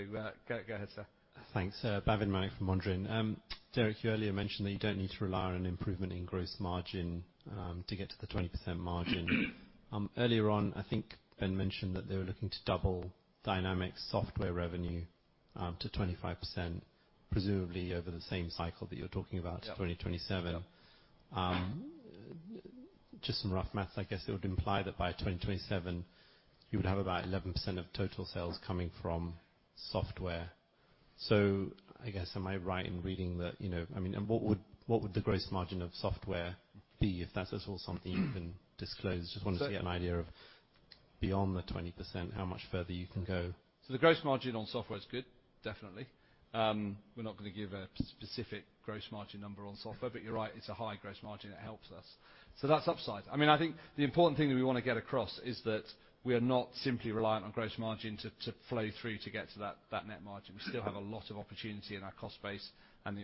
ahead, sir.
Thanks. Bhavin Manek from Mondrian. Derek, you earlier mentioned that you don't need to rely on an improvement in gross margin to get to the 20% margin. Earlier on, I think Ben mentioned that they were looking to double Dynamics software revenue to 25%, presumably over the same cycle that you're talking about.
Yeah.
to 2027.
Yeah.
Just some rough math, I guess it would imply that by 2027, you would have about 11% of total sales coming from software. I guess, am I right in reading that, you know? I mean, what would the gross margin of software be if that is all something you can disclose? Just want to get an idea of beyond the 20%, how much further you can go.
The gross margin on software is good, definitely. We're not gonna give a specific gross margin number on software, but you're right, it's a high gross margin that helps us. That's upside. I mean, I think the important thing that we wanna get across is that we are not simply reliant on gross margin to flow through to get to that net margin. We still have a lot of opportunity in our cost base and the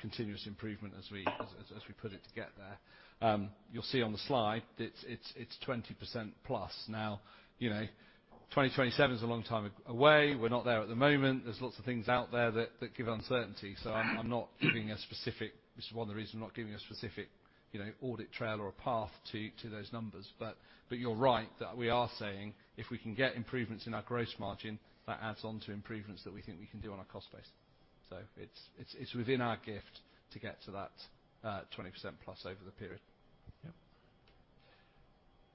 continuous improvement as we put it to get there. You'll see on the slide, it's 20%+. Now, you know, 2027 is a long time away. We're not there at the moment. There's lots of things out there that give uncertainty. I'm not giving a specific. This is one of the reasons I'm not giving a specific, you know, audit trail or a path to those numbers. You're right, that we are saying if we can get improvements in our gross margin, that adds on to improvements that we think we can do on our cost base. It's within our gift to get to that 20%+ over the period.
Yep.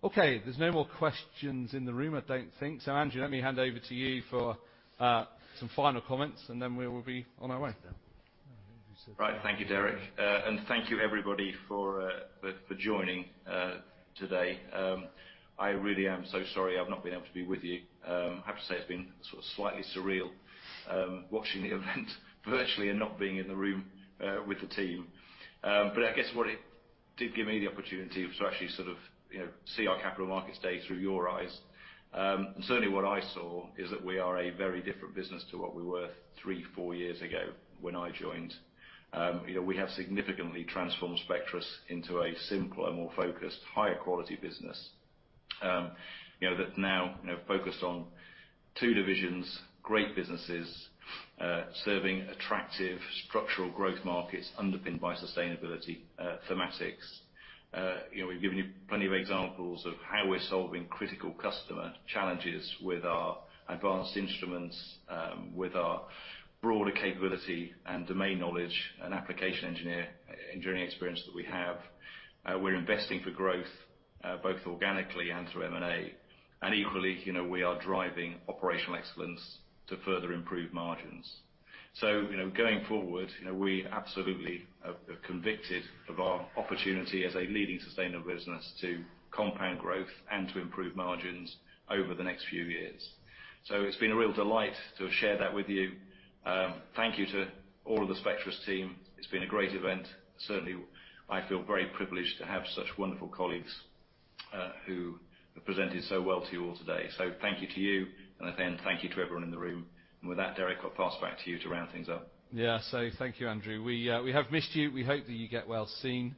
Okay, there's no more questions in the room, I don't think. Andrew, let me hand over to you for some final comments, and then we will be on our way.
Right. Thank you, Derek. Thank you everybody for joining today. I really am so sorry I've not been able to be with you. I have to say it's been sort of slightly surreal watching the event virtually and not being in the room with the team. I guess what it did give me the opportunity to actually sort of, you know, see our capital markets day through your eyes. Certainly what I saw is that we are a very different business to what we were three, four years ago when I joined. You know, we have significantly transformed Spectris into a simpler, more focused, higher quality business, you know, that now, you know, focused on two divisions, great businesses serving attractive structural growth markets underpinned by sustainability thematics. You know, we've given you plenty of examples of how we're solving critical customer challenges with our advanced instruments, with our broader capability and domain knowledge and application engineering experience that we have. We're investing for growth, both organically and through M&A. Equally, you know, we are driving operational excellence to further improve margins. You know, going forward, you know, we absolutely are convicted of our opportunity as a leading sustainable business to compound growth and to improve margins over the next few years. It's been a real delight to have shared that with you. Thank you to all of the Spectris team. It's been a great event. Certainly, I feel very privileged to have such wonderful colleagues, who have presented so well to you all today. Thank you to you, and thank you to everyone in the room. With that, Derek, I'll pass back to you to round things up.
Yeah. Thank you, Andrew Heath. We have missed you. We hope that you get well soon.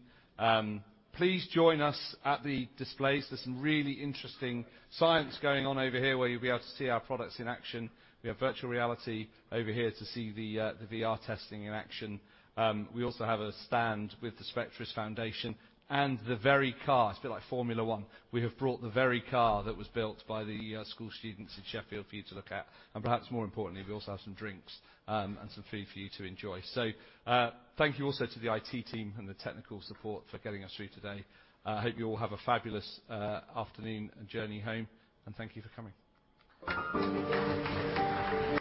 Please join us at the displays. There's some really interesting science going on over here where you'll be able to see our products in action. We have virtual reality over here to see the VR testing in action. We also have a stand with the Spectris Foundation and the very car, it's a bit like Formula One. We have brought the very car that was built by the school students in Sheffield for you to look at. Perhaps more importantly, we also have some drinks, and some food for you to enjoy. Thank you also to the IT team and the technical support for getting us through today. I hope you all have a fabulous afternoon and journey home, and thank you for coming.